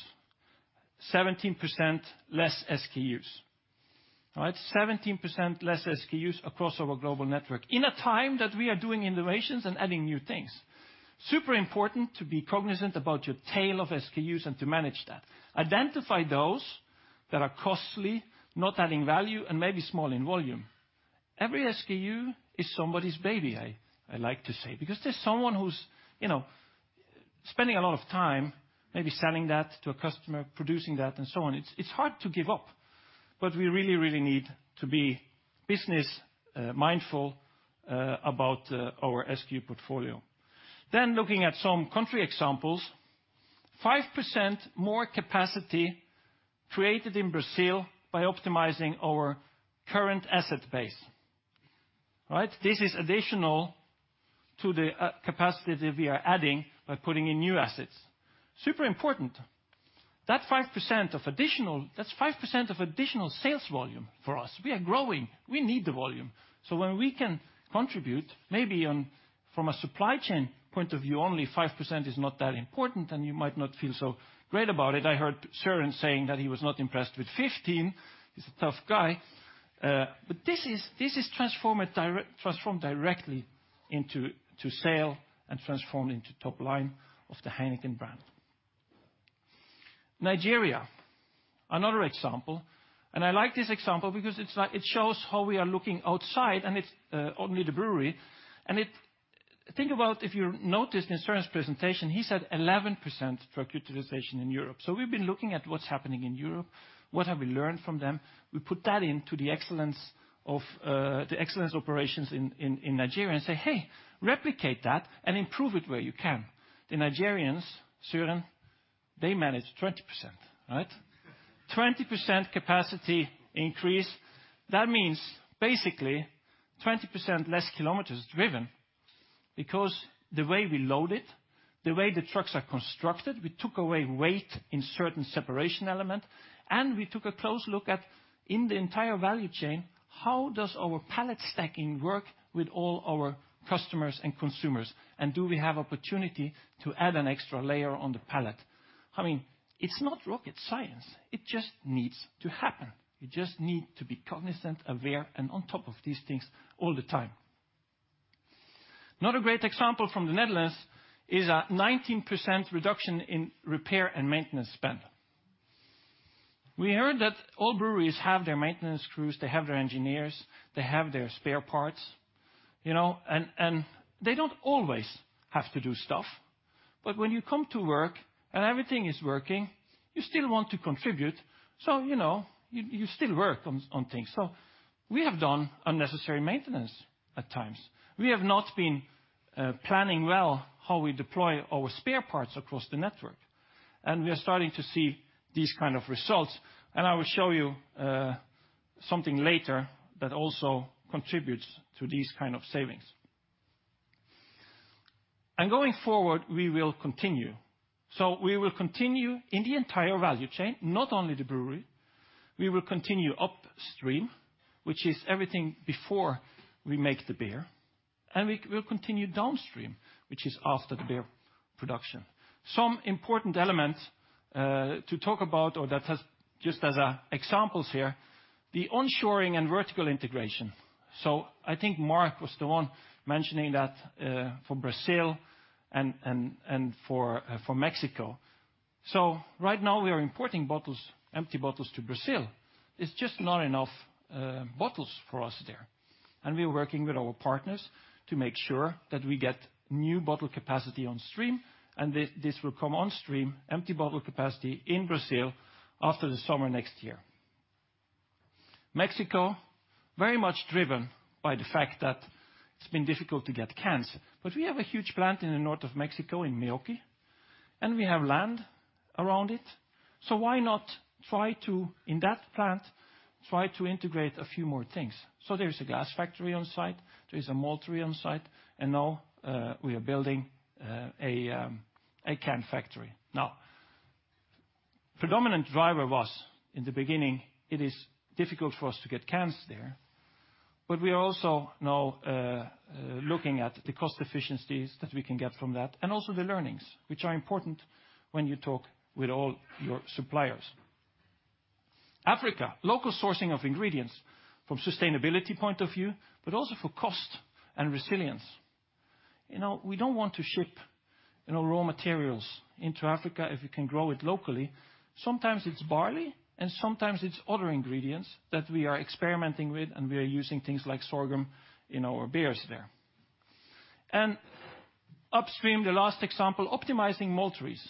17% less SKUs. All right? 17% less SKUs across our global network in a time that we are doing innovations and adding new things. Super important to be cognizant about your tail of SKUs and to manage that. Identify those that are costly, not adding value, and maybe small in volume. Every SKU is somebody's baby, I like to say, because there's someone who's, you know, spending a lot of time maybe selling that to a customer, producing that, and so on. It's hard to give up, but we really, really need to be business mindful about our SKU portfolio. Looking at some country examples. 5% more capacity created in Brazil by optimizing our current asset base. Right? This is additional to the capacity that we are adding by putting in new assets. Super important. That's 5% of additional sales volume for us. We are growing. We need the volume. When we can contribute, maybe from a supply chain point of view, only 5% is not that important, and you might not feel so great about it. I heard Søren saying that he was not impressed with 15. He's a tough guy. This is transformed directly into sale and transformed into top line of the Heineken brand. Nigeria, another example. I like this example because it shows how we are looking outside, and it's only the brewery. Think about if you noticed in Søren's presentation, he said 11% truck utilization in Europe. We've been looking at what's happening in Europe, what have we learned from them. We put that into the excellence of the excellence operations in Nigeria and say, "Hey, replicate that and improve it where you can." The Nigerians, Søren, they managed 20%, right? 20% capacity increase. That means basically 20% less kilometers driven because the way we load it, the way the trucks are constructed, we took away weight in certain separation element, and we took a close look at, in the entire value chain, how does our pallet stacking work with all our customers and consumers, and do we have opportunity to add an extra layer on the pallet? I mean, it's not rocket science. It just needs to happen. You just need to be cognizant, aware, and on top of these things all the time. Another great example from the Netherlands is a 19% reduction in repair and maintenance spend. We heard that all breweries have their maintenance crews, they have their engineers, they have their spare parts, you know, and they don't always have to do stuff. When you come to work and everything is working, you still want to contribute, so, you know, you still work on things. We have done unnecessary maintenance at times. We have not been planning well how we deploy our spare parts across the network, and we are starting to see these kind of results. I will show you something later that also contributes to these kind of savings. Going forward, we will continue. We will continue in the entire value chain, not only the brewery. We will continue upstream, which is everything before we make the beer, and we will continue downstream, which is after the beer production. Some important elements to talk about or just as examples here, the onshoring and vertical integration. I think Marc was the one mentioning that for Brazil and for Mexico. Right now we are importing bottles, empty bottles to Brazil. It's just not enough bottles for us there. We're working with our partners to make sure that we get new bottle capacity on stream, and this will come on stream, empty bottle capacity in Brazil after the summer next year. Mexico, very much driven by the fact that it's been difficult to get cans. We have a huge plant in the north of Mexico in Meoqui, and we have land around it. Why not try to, in that plant, try to integrate a few more things? There's a gas factory on site, there is a maltery on site, and now we are building a can factory. Predominant driver was, in the beginning, it is difficult for us to get cans there, but we are also now looking at the cost efficiencies that we can get from that and also the learnings, which are important when you talk with all your suppliers. Africa, local sourcing of ingredients from sustainability point of view, but also for cost and resilience. You know, we don't want to ship, you know, raw materials into Africa if we can grow it locally. Sometimes it's barley, and sometimes it's other ingredients that we are experimenting with, and we are using things like sorghum in our beers there. Upstream, the last example, optimizing malteries.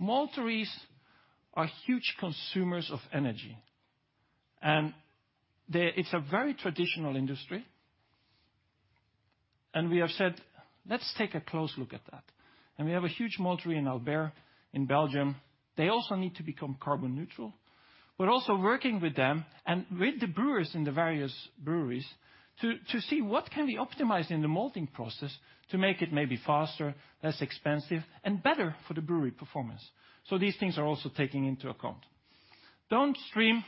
Malteries are huge consumers of energy. It's a very traditional industry. We have said, "Let's take a close look at that." We have a huge maltery in Mouterij Albert in Belgium. They also need to become carbon neutral, but also working with them and with the brewers in the various breweries to see what can we optimize in the malting process to make it maybe faster, less expensive, and better for the brewery performance. These things are also taking into account. Downstream,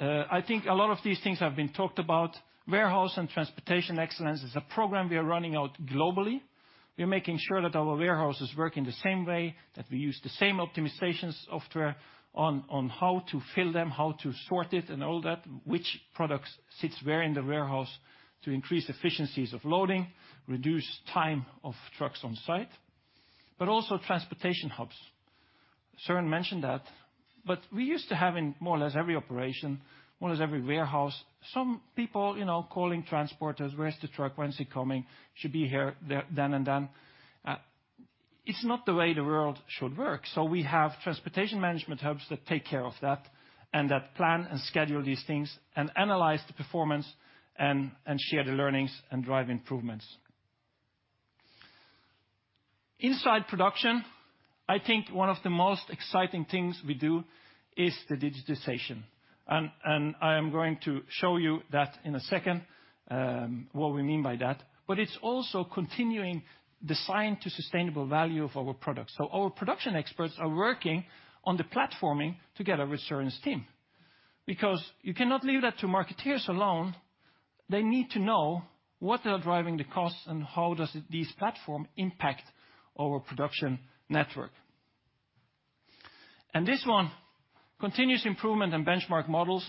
I think a lot of these things have been talked about. Warehouse and transportation excellence is a program we are running out globally. We're making sure that our warehouses work in the same way, that we use the same optimization software on how to fill them, how to sort it, and all that, which products sits where in the warehouse to increase efficiencies of loading, reduce time of trucks on site. Also transportation hubs. Søren mentioned that. We used to have in more or less every operation, more or less every warehouse, some people, you know, calling transporters, where's the truck? When's it coming? Should be here then and then. It's not the way the world should work. We have transportation management hubs that take care of that and that plan and schedule these things and analyze the performance and share the learnings and drive improvements. Inside production, I think one of the most exciting things we do is the digitization. I am going to show you that in a second, what we mean by that. It's also continuing design to sustainable value of our products. Our production experts are working on the platforming together with Søren's team. You cannot leave that to marketeers alone. They need to know what they are driving the costs and how does it these platform impact our production network. This one, continuous improvement and benchmark models,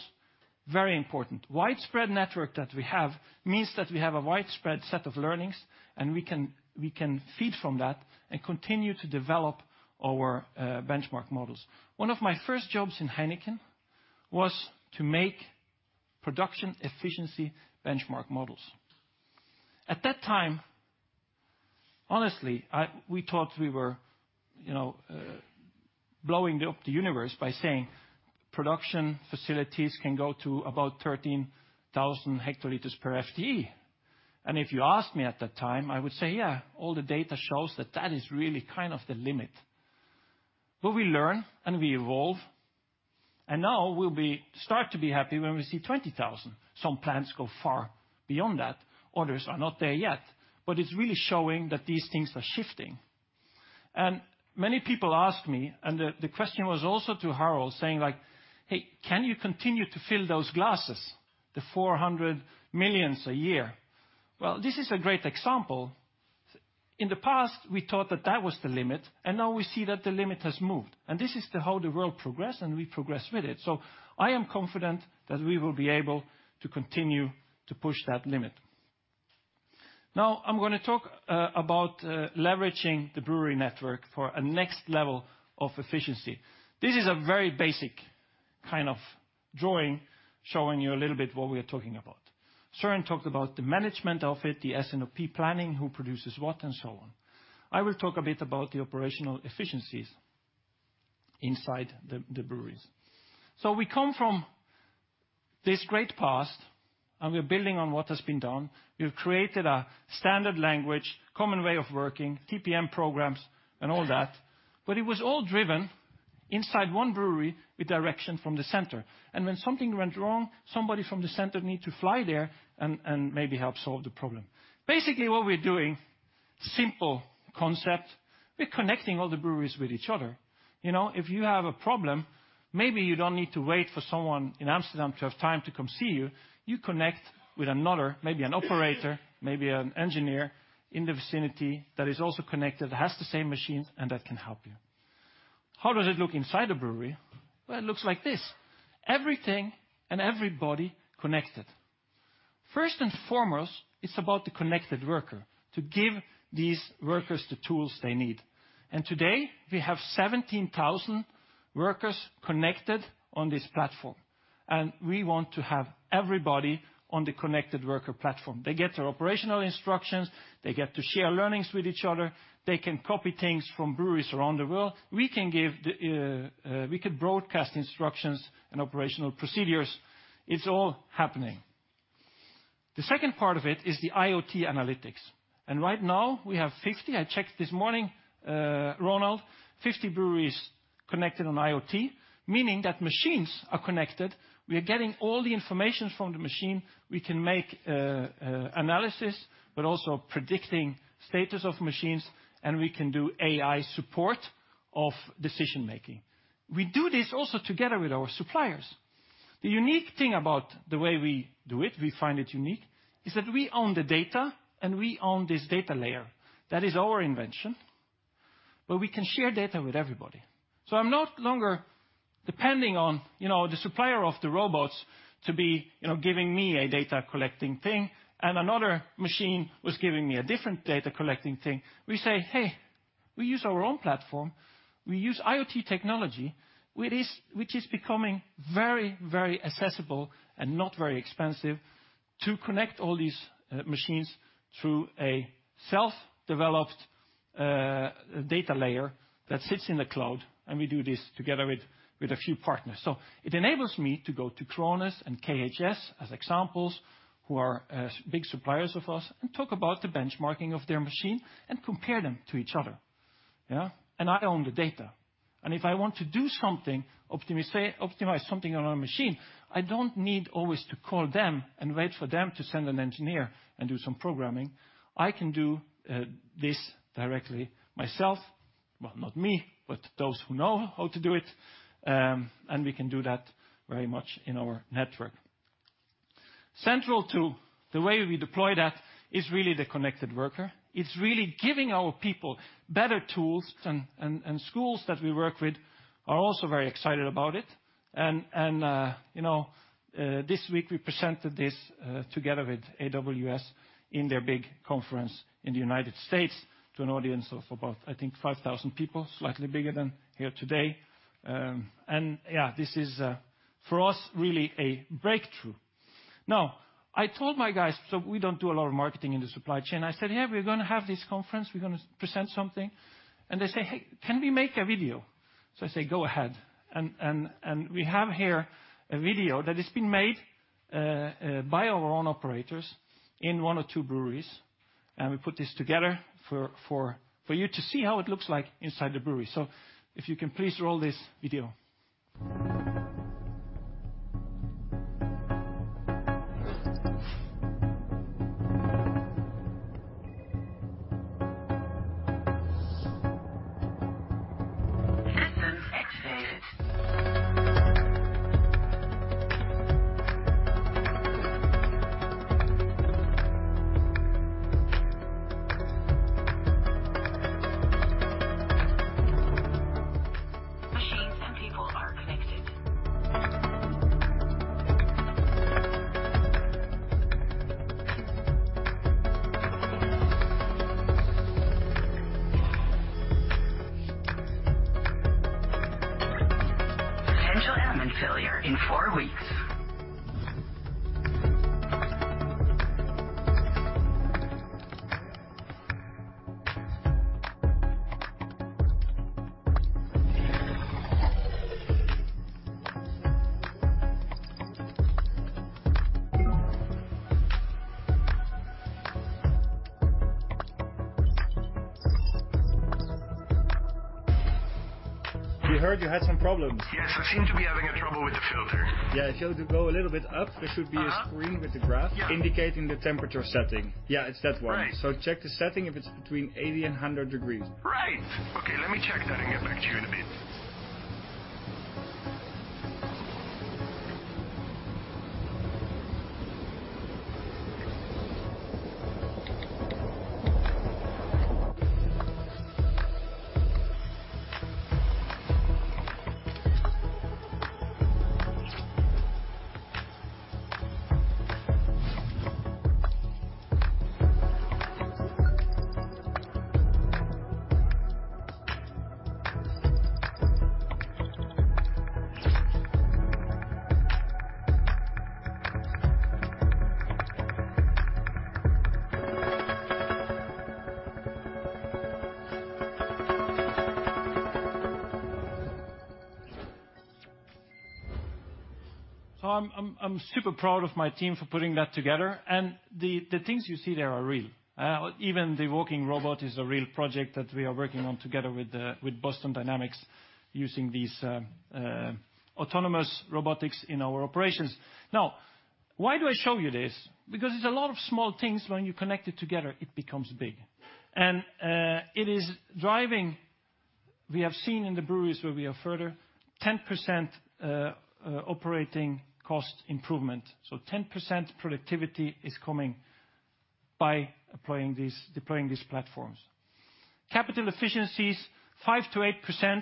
very important. Widespread network that we have means that we have a widespread set of learnings, and we can feed from that and continue to develop our benchmark models. One of my first jobs in Heineken was to make production efficiency benchmark models. At that time, honestly, we thought we were, you know, blowing up the universe by saying production facilities can go to about 13,000 hectoliters per FTE. If you asked me at that time, I would say, "Yeah, all the data shows that that is really kind of the limit." We learn, and we evolve, and now we'll start to be happy when we see 20,000. Some plants go far beyond that, others are not there yet. It's really showing that these things are shifting. Many people ask me, and the question was also to Harold, saying like, "Hey, can you continue to fill those glasses, the 400 million a year?" This is a great example. In the past, we thought that that was the limit, and now we see that the limit has moved. This is the how the world progresses, and we progress with it. I am confident that we will be able to continue to push that limit. Now I'm going to talk about leveraging the brewery network for a next level of efficiency. This is a very basic kind of drawing showing you a little bit what we are talking about. Søren talked about the management of it, the S&OP planning, who produces what, and so on. I will talk a bit about the operational efficiencies inside the breweries. We come from this great past, and we're building on what has been done. We've created a standard language, common way of working, TPM programs, and all that. It was all driven inside one brewery with direction from the center. When something went wrong, somebody from the center need to fly there and maybe help solve the problem. Basically, what we're doing, simple concept, we're connecting all the breweries with each other. You know, if you have a problem, maybe you don't need to wait for someone in Amsterdam to have time to come see you. You connect with another, maybe an operator, maybe an engineer in the vicinity that is also connected, has the same machines, and that can help you. How does it look inside a brewery? Well, it looks like this. Everything and everybody connected. First and foremost, it's about the Connected Worker, to give these workers the tools they need. Today, we have 17,000 workers connected on this platform. We want to have everybody on the Connected Worker platform. They get their operational instructions. They get to share learnings with each other. They can copy things from breweries around the world. We can give the, we could broadcast instructions and operational procedures. It's all happening. The second part of it is the IoT analytics. Right now, we have 50, I checked this morning, Ronald, 50 breweries connected on IoT, meaning that machines are connected. We are getting all the information from the machine. We can make, analysis, but also predicting status of machines, and we can do AI support of decision-making. We do this also together with our suppliers. The unique thing about the way we do it, we find it unique, is that we own the data, and we own this data layer. That is our invention. We can share data with everybody. I'm no longer depending on, you know, the supplier of the robots to be, you know, giving me a data collecting thing, and another machine was giving me a different data collecting thing. We say, "Hey, we use our own platform. We use IoT technology, which is, which is becoming very, very accessible and not very expensive to connect all these machines through a self-developed data layer that sits in the cloud, and we do this together with a few partners. It enables me to go to Krones and KHS as examples, who are big suppliers of us, and talk about the benchmarking of their machine and compare them to each other. Yeah. I own the data. If I want to do something, optimize something on a machine, I don't need always to call them and wait for them to send an engineer and do some programming. I can do this directly myself. Well, not me, but those who know how to do it. We can do that very much in our network. Central to the way we deploy that is really the Connected Worker. It's really giving our people better tools, and schools that we work with are also very excited about it. You know, this week, we presented this together with AWS in their big conference in the United States to an audience of about, I think, 5,000 people, slightly bigger than here today. Yeah, this is for us, really a breakthrough. I told my guys, so we don't do a lot of marketing in the supply chain. I said, "Yeah, we're gonna have this conference, we're gonna present something." They say, "Hey, can we make a video?" I say, "Go ahead." We have here a video that has been made by our own operators in one or two breweries. We put this together for you to see how it looks like inside the brewery. If you can please roll this video. Systems activated. Machines and people are connected. Potential almond failure in four weeks. We heard you had some problems. Yes, I seem to be having a trouble with the filter. Yeah, if you go a little bit up, there should be... Uh-huh. a screen with the graph Yeah. indicating the temperature setting. Yeah, it's that one. Right. Check the setting if it's between 80 and 100 degrees. Right. Okay, let me check that and get back to you in a bit. I'm super proud of my team for putting that together, and the things you see there are real. Even the walking robot is a real project that we are working on together with Boston Dynamics using these autonomous robotics in our operations. Now, why do I show you this? Because it's a lot of small things when you connect it together, it becomes big. It is driving... We have seen in the breweries where we are further, 10% operating cost improvement. 10% productivity is coming by applying these, deploying these platforms. Capital efficiencies, 5%-8%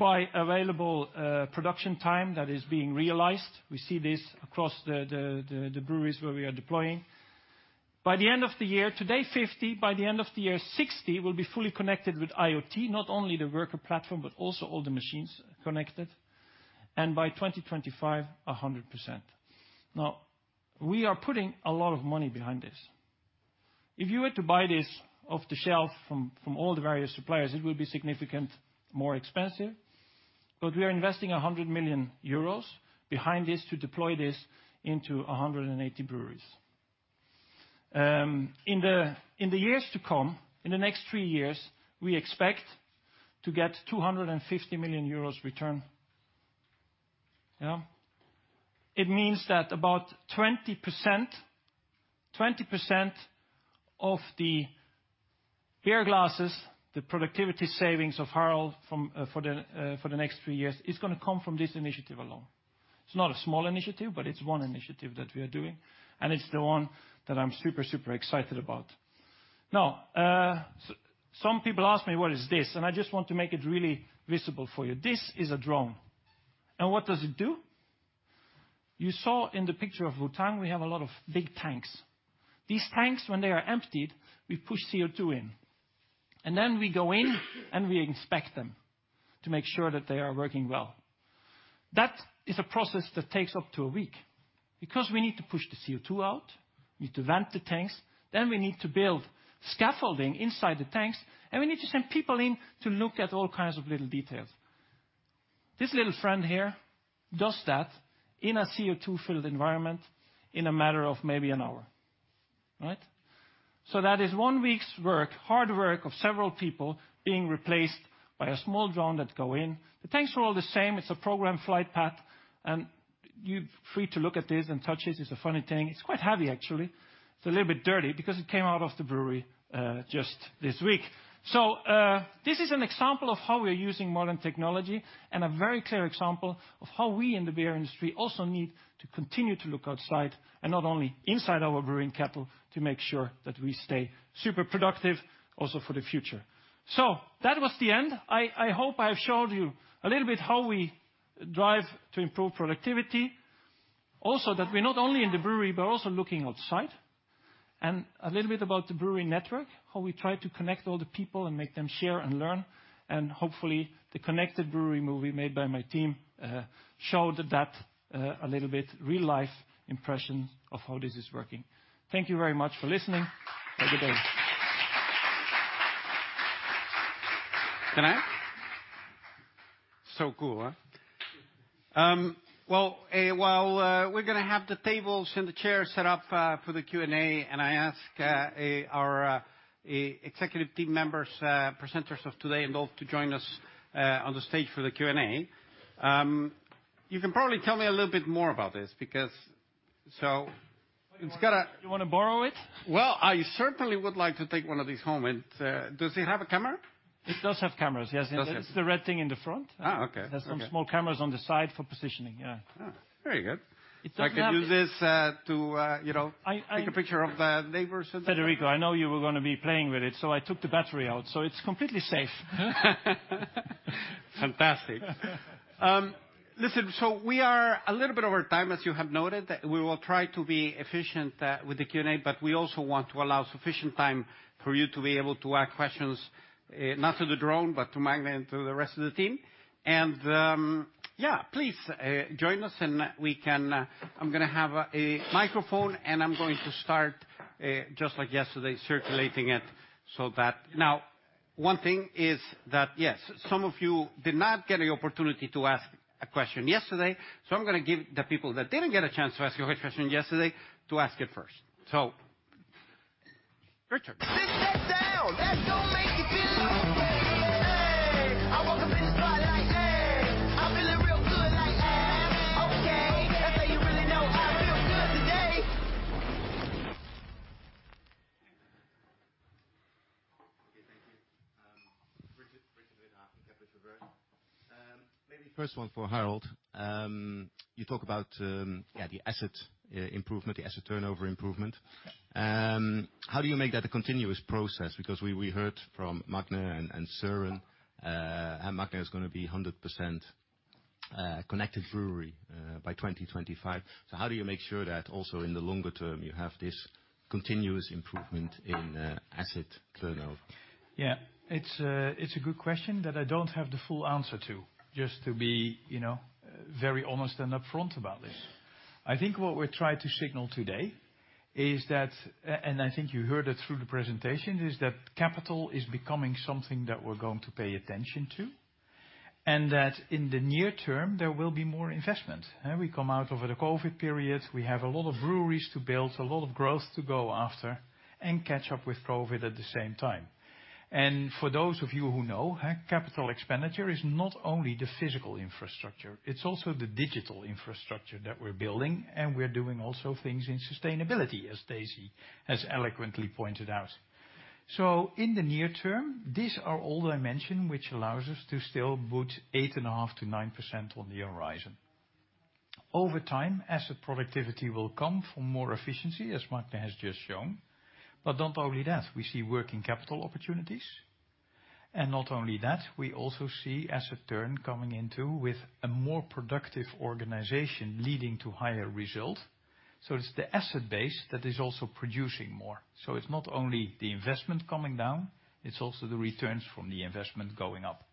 by available production time that is being realized. We see this across the breweries where we are deploying. By the end of the year, today 50, by the end of the year 60 will be fully connected with IoT, not only the worker platform, but also all the machines connected. By 2025, 100%. We are putting a lot of money behind this. If you were to buy this off the shelf from all the various suppliers, it would be significant, more expensive. We are investing 100 million euros behind this to deploy this into 180 breweries. In the years to come, in the next three years, we expect to get 250 million euros return. It means that about 20%, 20% of the beer glasses, the productivity savings of Harold for the next three years, is gonna come from this initiative alone. It's not a small initiative, but it's one initiative that we are doing, and it's the one that I'm super excited about. Now, some people ask me, what is this? I just want to make it really visible for you. This is a drone. What does it do? You saw in the picture of Vũng Tàu, we have a lot of big tanks. These tanks, when they are emptied, we push CO2 in, and then we go in, and we inspect them to make sure that they are working well. That is a process that takes up to a week because we need to push the CO2 out, we need to vent the tanks, then we need to build scaffolding inside the tanks, and we need to send people in to look at all kinds of little details. This little friend here does that in a CO2-filled environment in a matter of maybe an hour. All right? That is one week's work, hard work of several people being replaced by a small drone that go in. The tanks are all the same. It's a program flight path, and you're free to look at this and touch this. It's a funny thing. It's quite heavy, actually. It's a little bit dirty because it came out of the brewery just this week. This is an example of how we're using modern technology and a very clear example of how we in the beer industry also need to continue to look outside and not only inside our brewing kettle to make sure that we stay super productive also for the future. That was the end. I hope I have showed you a little bit how we drive to improve productivity. Also, that we're not only in the brewery but also looking outside. A little bit about the brewing network, how we try to connect all the people and make them share and learn. Hopefully, the Connected Brewery movie made by my team showed that a little bit real life impressions of how this is working. Thank you very much for listening. Have a good day. Can I? Cool, huh? Well, while we're gonna have the tables and the chairs set up for the Q&A, I ask our executive team members, presenters of today and all to join us on the stage for the Q&A. You can probably tell me a little bit more about this because it's got. You wanna borrow it? Well, I certainly would like to take one of these home. Does it have a camera? It does have cameras, yes. Does. It's the red thing in the front. Okay. Okay. There's some small cameras on the side for positioning. Yeah. Very good. It doesn't. I can use this to you know. I, I- take a picture of the neighbors or something. Federico, I know you were gonna be playing with it, so I took the battery out, so it's completely safe. Fantastic. Listen. We are a little bit over time, as you have noted. We will try to be efficient with the Q&A, but we also want to allow sufficient time for you to be able to ask questions, not to the drone, but to Magne and to the rest of the team. Yeah, please join us and we can... I'm gonna have a microphone, and I'm going to start, just like yesterday, circulating it so that... One thing is that, yes, some of you did not get the opportunity to ask a question yesterday, so I'm gonna give the people that didn't get a chance to ask you a question yesterday to ask it first. Richard. Okay. Thank you. Richard. Maybe first one for Harold. You talk about, yeah, the asset improvement, the asset turnover improvement. How do you make that a continuous process? We heard from Magne and Søren, how Magne is going to be 100% Connected Brewery by 2025. How do you make sure that also in the longer term you have this continuous improvement in asset turnover? Yeah. It's a good question that I don't have the full answer to, just to be, you know, very honest and upfront about this. I think what we try to signal today is that, and I think you heard it through the presentation, is that capital is becoming something that we're going to pay attention to, and that in the near term, there will be more investment. We come out over the COVID period. We have a lot of breweries to build, a lot of growth to go after and catch up with COVID at the same time. For those of you who know, capital expenditure is not only the physical infrastructure, it's also the digital infrastructure that we're building, and we're doing also things in sustainability, as Daisy has eloquently pointed out. In the near term, these are all dimensions which allows us to still put 8.5%-9% on the horizon. Over time, asset productivity will come from more efficiency, as Magne has just shown. Not only that, we see working capital opportunities. Not only that, we also see asset turn coming into with a more productive organization leading to higher results. It's the asset base that is also producing more. It's not only the investment coming down, it's also the returns from the investment going up.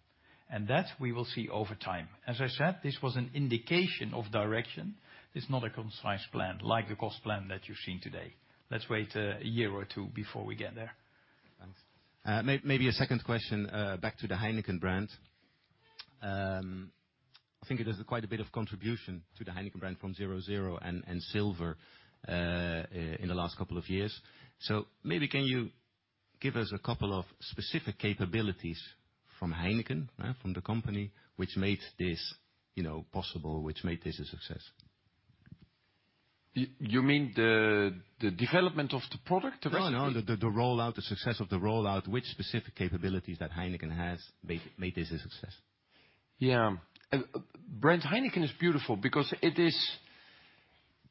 That we will see over time. As I said, this was an indication of direction. It's not a concise plan like the cost plan that you've seen today. Let's wait a year or two before we get there. Thanks. Maybe a second question, back to the Heineken brand. I think it is quite a bit of contribution to the Heineken brand from 0.0 and Silver in the last couple of years. Maybe can you give us a couple of specific capabilities from Heineken, from the company, which made this, you know, possible, which made this a success? You mean the development of the product recipe? No, no. The rollout, the success of the rollout. Which specific capabilities that Heineken has made this a success? Yeah. Brand Heineken is beautiful because it is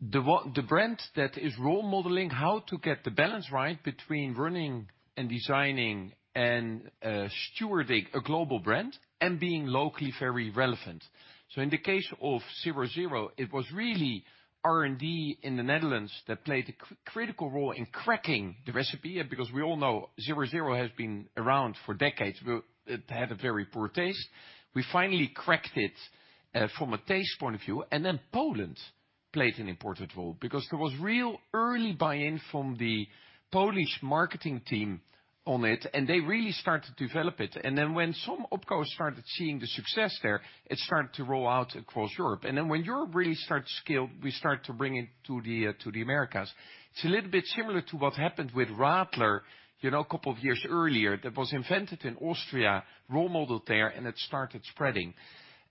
the brand that is role modeling how to get the balance right between running and designing and stewarding a global brand and being locally very relevant. In the case of 0.0, it was really R&D in the Netherlands that played a critical role in cracking the recipe. We all know 0.0 has been around for decades. It had a very poor taste. We finally cracked it from a taste point of view, Poland played an important role because there was real early buy-in from the Polish marketing team on it, and they really started to develop it. When some OpCo started seeing the success there, it started to roll out across Europe. When Europe really started to scale, we start to bring it to the Americas. It's a little bit similar to what happened with Radler, you know, a couple of years earlier, that was invented in Austria, role modeled there, and it started spreading.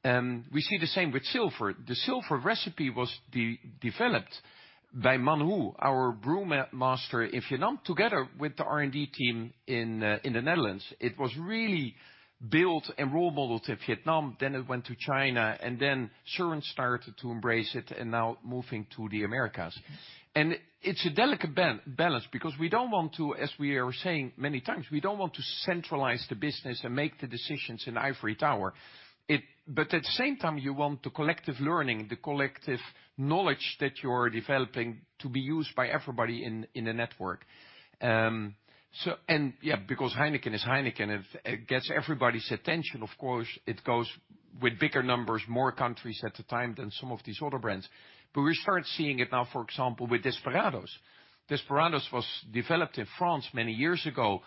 We see the same with Silver. The Silver recipe was de-developed by Mạnh, our brewmaster in Vietnam, together with the R&D team in the Netherlands. It was really built and role modeled in Vietnam, then it went to China, and then Søren started to embrace it and now moving to the Americas. It's a delicate balance because we don't want to, as we are saying many times, we don't want to centralize the business and make the decisions in ivory tower. It... At the same time, you want the collective learning, the collective knowledge that you're developing to be used by everybody in a network. Because Heineken is Heineken, it gets everybody's attention, of course, it goes with bigger numbers, more countries at the time than some of these other brands. We start seeing it now, for example, with Desperados. Desperados was developed in France many years ago.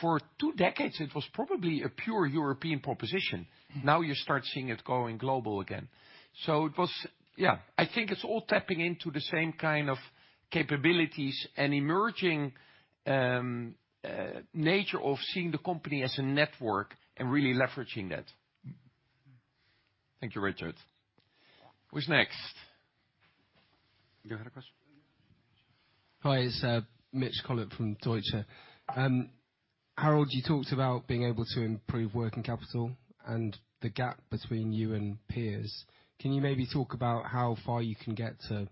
For two decades, it was probably a pure European proposition. Mm-hmm. You start seeing it going global again. I think it's all tapping into the same kind of capabilities and emerging nature of seeing the company as a network and really leveraging that. Thank you, Richard. Who's next? You had a question? Hi, it's Mitch Collett from Deutsche. Harold, you talked about being able to improve working capital and the gap between you and peers. Can you maybe talk about how far you can get to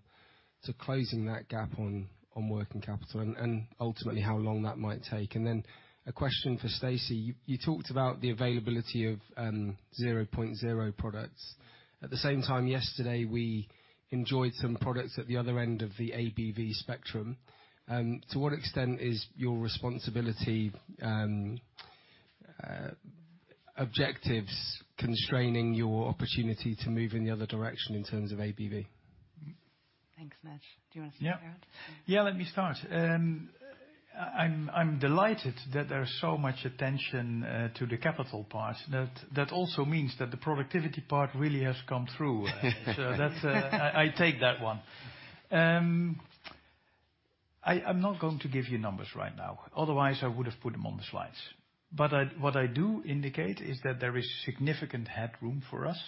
closing that gap on working capital and ultimately how long that might take? Then a question for Stacey. You talked about the availability of 0.0 products. At the same time, yesterday, we enjoyed some products at the other end of the ABV spectrum. To what extent is your responsibility objectives constraining your opportunity to move in the other direction in terms of ABV? Thanks, Mitch. Do you wanna start, Harold? Yeah. Yeah, let me start. I'm delighted that there's so much attention to the capital part. That also means that the productivity part really has come through. That's. I take that one. I'm not going to give you numbers right now, otherwise I would've put them on the slides. What I do indicate is that there is significant headroom for us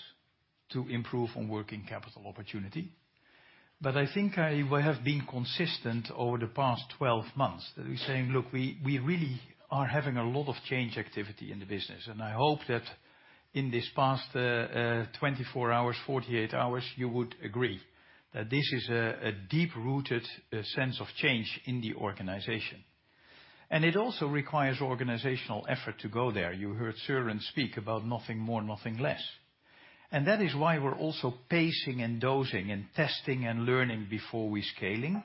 to improve on working capital opportunity. I think I have been consistent over the past 12 months that we're saying, "Look, we really are having a lot of change activity in the business." I hope that in this past 24 hours, 48 hours, you would agree that this is a deep-rooted sense of change in the organization. It also requires organizational effort to go there. You heard Søren speak about nothing more, nothing less. That is why we're also pacing and dosing and testing and learning before we scaling,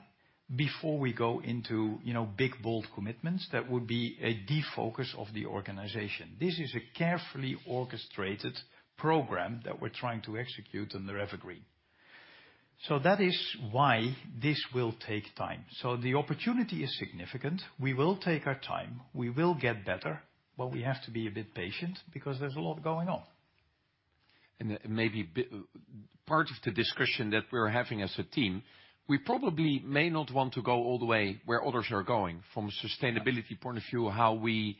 before we go into, you know, big, bold commitments that would be a defocus of the organization. This is a carefully orchestrated program that we're trying to execute under EverGreen. That is why this will take time. The opportunity is significant. We will take our time. We will get better, but we have to be a bit patient because there's a lot going on. Maybe part of the discussion that we're having as a team, we probably may not want to go all the way where others are going from a sustainability point of view, how we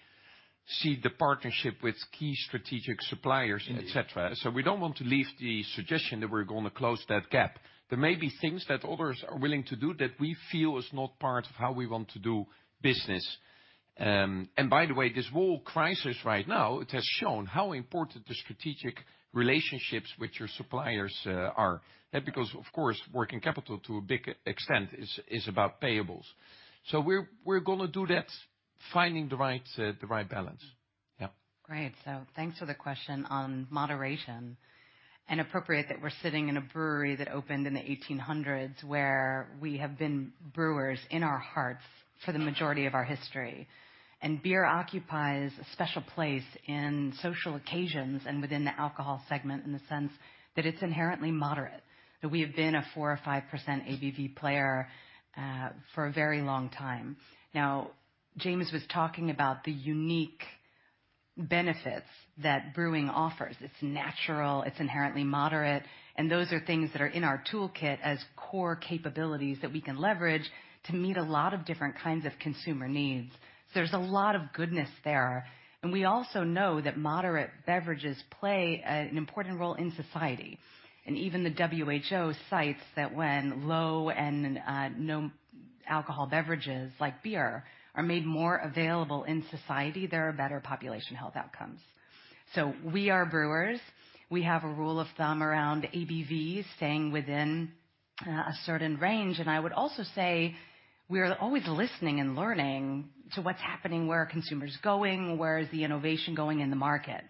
see the partnership with key strategic suppliers, et cetera. We don't want to leave the suggestion that we're gonna close that gap. There may be things that others are willing to do that we feel is not part of how we want to do business. By the way, this whole crisis right now, it has shown how important the strategic relationships with your suppliers are. Because of course, working capital to a big extent is about payables. We're gonna do that, finding the right balance. Yeah. Great. Thanks for the question on moderation. Appropriate that we're sitting in a brewery that opened in the 1800s, where we have been brewers in our hearts for the majority of our history. Beer occupies a special place in social occasions and within the alcohol segment in the sense that it's inherently moderate, that we have been a 4% or 5% ABV player for a very long time. Now, James was talking about the unique benefits that brewing offers. It's natural, it's inherently moderate, and those are things that are in our toolkit as core capabilities that we can leverage to meet a lot of different kinds of consumer needs. There's a lot of goodness there. We also know that moderate beverages play an important role in society. Even the WHO cites that when low and no alcohol beverages like beer are made more available in society, there are better population health outcomes. We are brewers. We have a rule of thumb around ABVs staying within a certain range. I would also say we're always listening and learning to what's happening, where are consumers going, where is the innovation going in the market.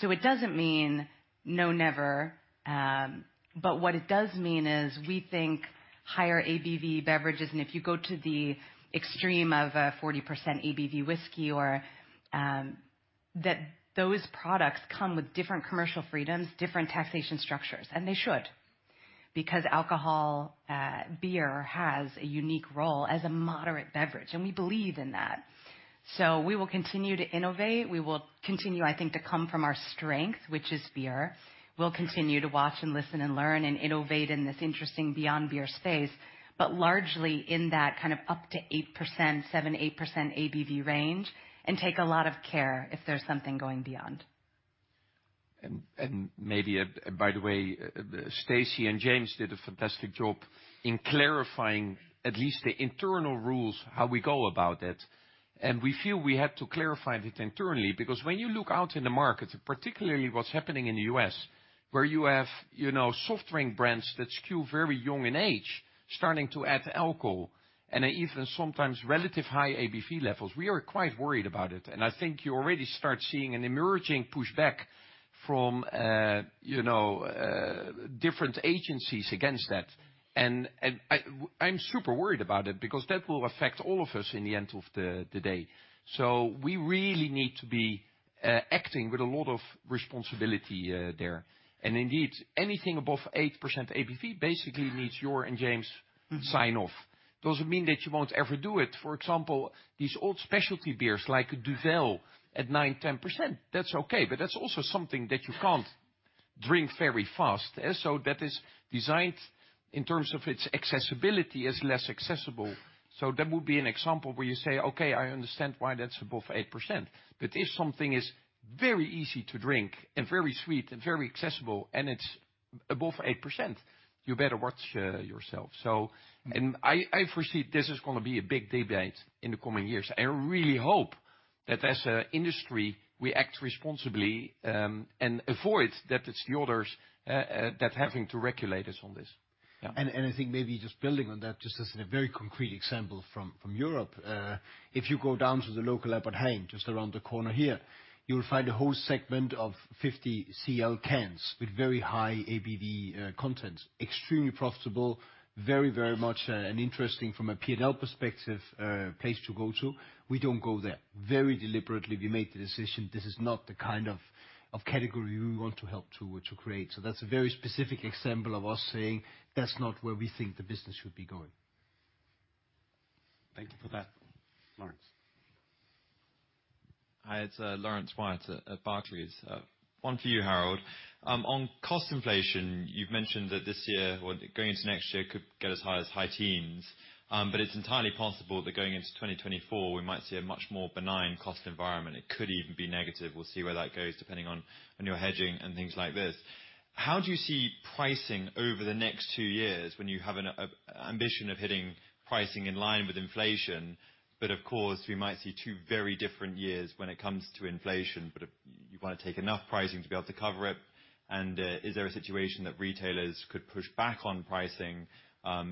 It doesn't mean, "No, never." But what it does mean is we think higher ABV beverages, and if you go to the extreme of a 40% ABV whiskey or that those products come with different commercial freedoms, different taxation structures, and they should, because alcohol, beer has a unique role as a moderate beverage, and we believe in that. We will continue to innovate. We will continue, I think, to come from our strength, which is beer. We'll continue to watch and listen and learn and innovate in this interesting beyond beer space, but largely in that kind of up to 8%, 7%, 8% ABV range and take a lot of care if there's something going beyond. Maybe, by the way, Stacey and James did a fantastic job in clarifying at least the internal rules, how we go about it. We feel we have to clarify it internally because when you look out in the market, particularly what's happening in the U.S., where you have, you know, soft drink brands that skew very young in age, starting to add alcohol and even sometimes relative high ABV levels, we are quite worried about it. I think you already start seeing an emerging pushback from, you know, different agencies against that. I'm super worried about it because that will affect all of us in the end of the day. We really need to be acting with a lot of responsibility there. Indeed, anything above 8% ABV basically needs your and James' sign off. Doesn't mean that you won't ever do it. For example, these old specialty beers like Duvel at 9%, 10%, that's okay, but that's also something that you can't drink very fast. That is designed in terms of its accessibility as less accessible. That would be an example where you say, "Okay, I understand why that's above 8%." If something is Very easy to drink and very sweet and very accessible, and it's above 8%. You better watch yourself. I foresee this is gonna be a big debate in the coming years. I really hope that as a industry, we act responsibly and avoid that it's the others that having to regulate us on this. Yeah. I think maybe just building on that, just as a very concrete example from Europe, if you go down to the local Albert Heijn, just around the corner here, you'll find a whole segment of 50 CL cans with very high ABV content. Extremely profitable, very much an interesting from a P&L perspective, place to go to. We don't go there. Very deliberately, we made the decision. This is not the kind of category we want to help to create. That's a very specific example of us saying, "That's not where we think the business should be going. Thank you for that, Laurence. Hi, it's Laurence Whyatt at Barclays. One for you, Harold. On cost inflation, you've mentioned that this year or going into next year could get as high as high teens, but it's entirely possible that going into 2024 we might see a much more benign cost environment. It could even be negative. We'll see where that goes, depending on your hedging and things like this. How do you see pricing over the next two years when you have an ambition of hitting pricing in line with inflation, but of course, we might see two very different years when it comes to inflation, but you wanna take enough pricing to be able to cover it. Is there a situation that retailers could push back on pricing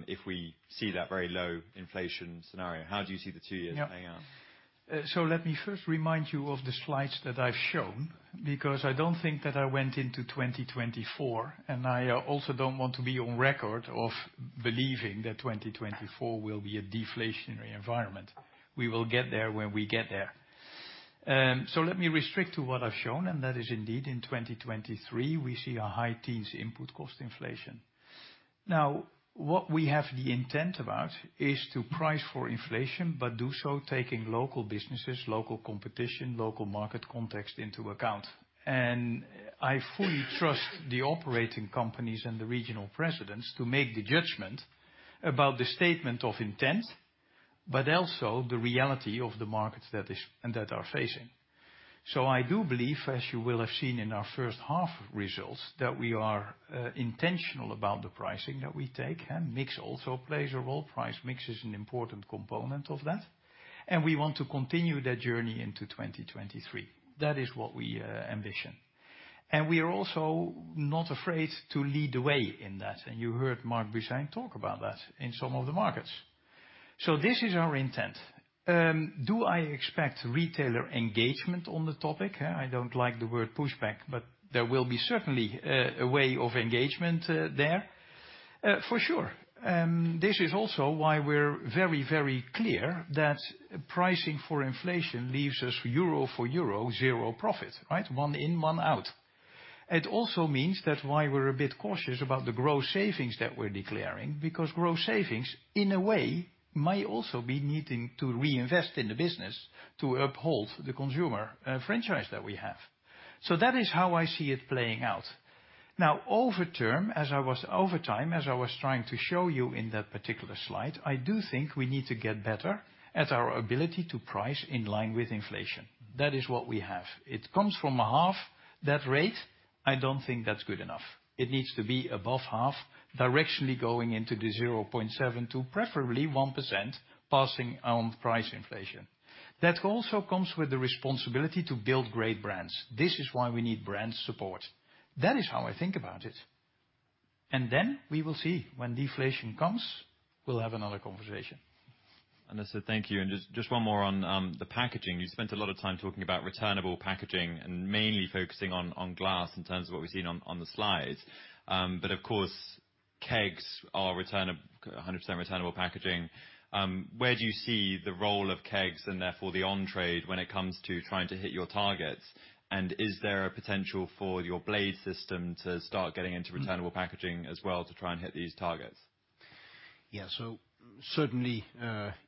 if we see that very low inflation scenario? How do you see the two years playing out? Yeah. Let me first remind you of the slides that I've shown, because I don't think that I went into 2024, and I also don't want to be on record of believing that 2024 will be a deflationary environment. We will get there when we get there. Let me restrict to what I've shown, and that is indeed in 2023, we see a high teens input cost inflation. Now, what we have the intent about is to price for inflation, but do so taking local businesses, local competition, local market context into account. I fully trust the operating companies and the regional presidents to make the judgment about the statement of intent, but also the reality of the markets that are facing. I do believe, as you will have seen in our first half results, that we are intentional about the pricing that we take, and mix also plays a role. Price mix is an important component of that, and we want to continue that journey into 2023. That is what we ambition. We are also not afraid to lead the way in that, and you heard Marc Busain talk about that in some of the markets. This is our intent. Do I expect retailer engagement on the topic? I don't like the word pushback, but there will be certainly a way of engagement there. For sure. This is also why we're very, very clear that pricing for inflation leaves us euro for euro, zero profit, right? One in, one out. It also means that's why we're a bit cautious about the gross savings that we're declaring, because gross savings, in a way, might also be needing to reinvest in the business to uphold the consumer franchise that we have. That is how I see it playing out. Over time, as I was trying to show you in that particular slide, I do think we need to get better at our ability to price in line with inflation. That is what we have. It comes from a half that rate. I don't think that's good enough. It needs to be above half, directionally going into the 0.7% to preferably 1%, passing on price inflation. That also comes with the responsibility to build great brands. This is why we need brand support. That is how I think about it. Then we will see when deflation comes, we'll have another conversation. I said thank you. Just, just one more on the packaging. You spent a lot of time talking about returnable packaging and mainly focusing on glass in terms of what we've seen on the slides. Of course, kegs are 100% returnable packaging. Where do you see the role of kegs and therefore the on-trade when it comes to trying to hit your targets? Is there a potential for your BLADE system to start getting into returnable packaging as well to try and hit these targets? Certainly,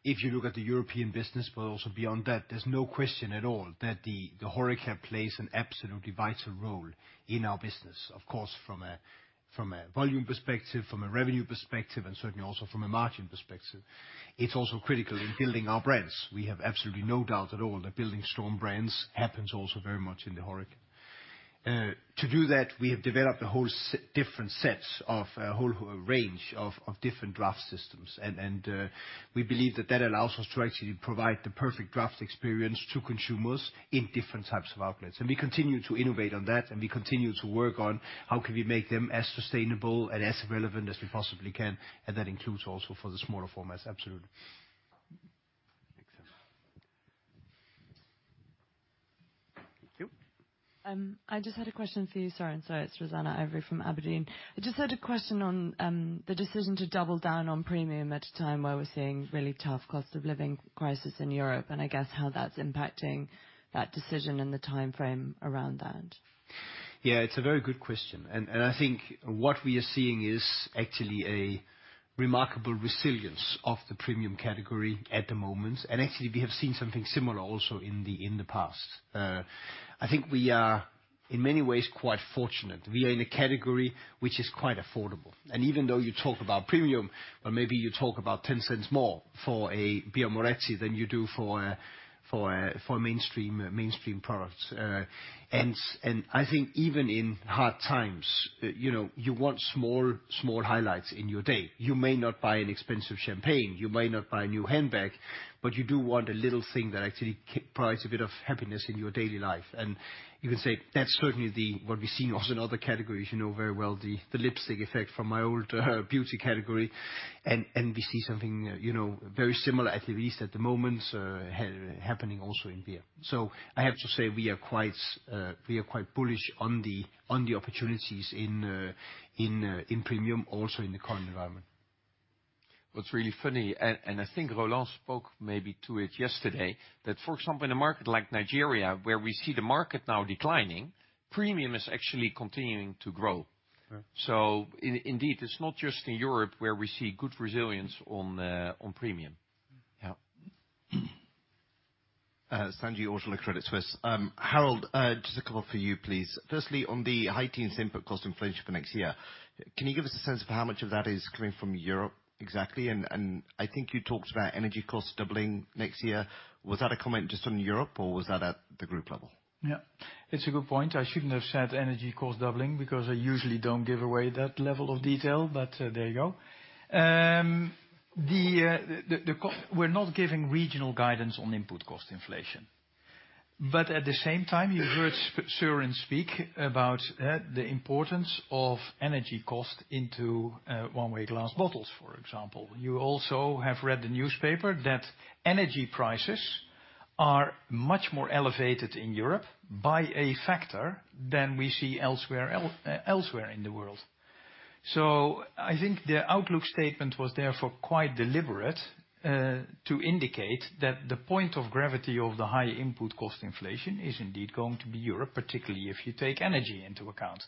if you look at the European business, but also beyond that, there's no question at all that the Horeca plays an absolutely vital role in our business. Of course, from a volume perspective, from a revenue perspective, and certainly also from a margin perspective. It's also critical in building our brands. We have absolutely no doubt at all that building strong brands happens also very much in the Horeca. To do that, we have developed a whole range of different draft systems. We believe that that allows us to actually provide the perfect draft experience to consumers in different types of outlets. We continue to innovate on that, and we continue to work on how can we make them as sustainable and as relevant as we possibly can, and that includes also for the smaller formats. Absolutely. Thanks. Thank you. I just had a question for you, Søren. Sorry, it's Rosanna Burcheri from abrdn. I just had a question on the decision to double down on premium at a time where we're seeing really tough cost of living crisis in Europe, and I guess how that's impacting that decision and the timeframe around that. Yeah, it's a very good question. I think what we are seeing is actually a remarkable resilience of the premium category at the moment. Actually, we have seen something similar also in the past. I think we are in many ways, quite fortunate. We are in a category which is quite affordable. Even though you talk about premium, or maybe you talk about 0.10 more for a Birra Moretti than you do for a mainstream product. I think even in hard times, you know, you want small highlights in your day. You may not buy an expensive champagne, you might not buy a new handbag, but you do want a little thing that actually provides a bit of happiness in your daily life. You can say that's certainly what we see also in other categories, you know very well, the lipstick effect from my old beauty category. We see something, you know, very similar, at least at the moment, happening also in beer. I have to say we are quite, we are quite bullish on the, on the opportunities in, in premium also in the current environment. What's really funny, and I think Roland spoke maybe to it yesterday, that for example, in a market like Nigeria, where we see the market now declining, premium is actually continuing to grow. Right. Indeed, it's not just in Europe where we see good resilience on premium. Yeah. Credit Suisse. Harold, just a couple for you, please. Firstly, on the high teens input cost inflation for next year, can you give us a sense for how much of that is coming from Europe exactly? I think you talked about energy costs doubling next year. Was that a comment just on Europe or was that at the group level? Yeah, it's a good point. I shouldn't have said energy costs doubling because I usually don't give away that level of detail, but there you go. We're not giving regional guidance on input cost inflation. At the same time, you heard Søren speak about the importance of energy cost into one way glass bottles, for example. You also have read the newspaper that energy prices are much more elevated in Europe by a factor than we see elsewhere in the world. I think the outlook statement was therefore quite deliberate to indicate that the point of gravity of the high input cost inflation is indeed going to be Europe, particularly if you take energy into account.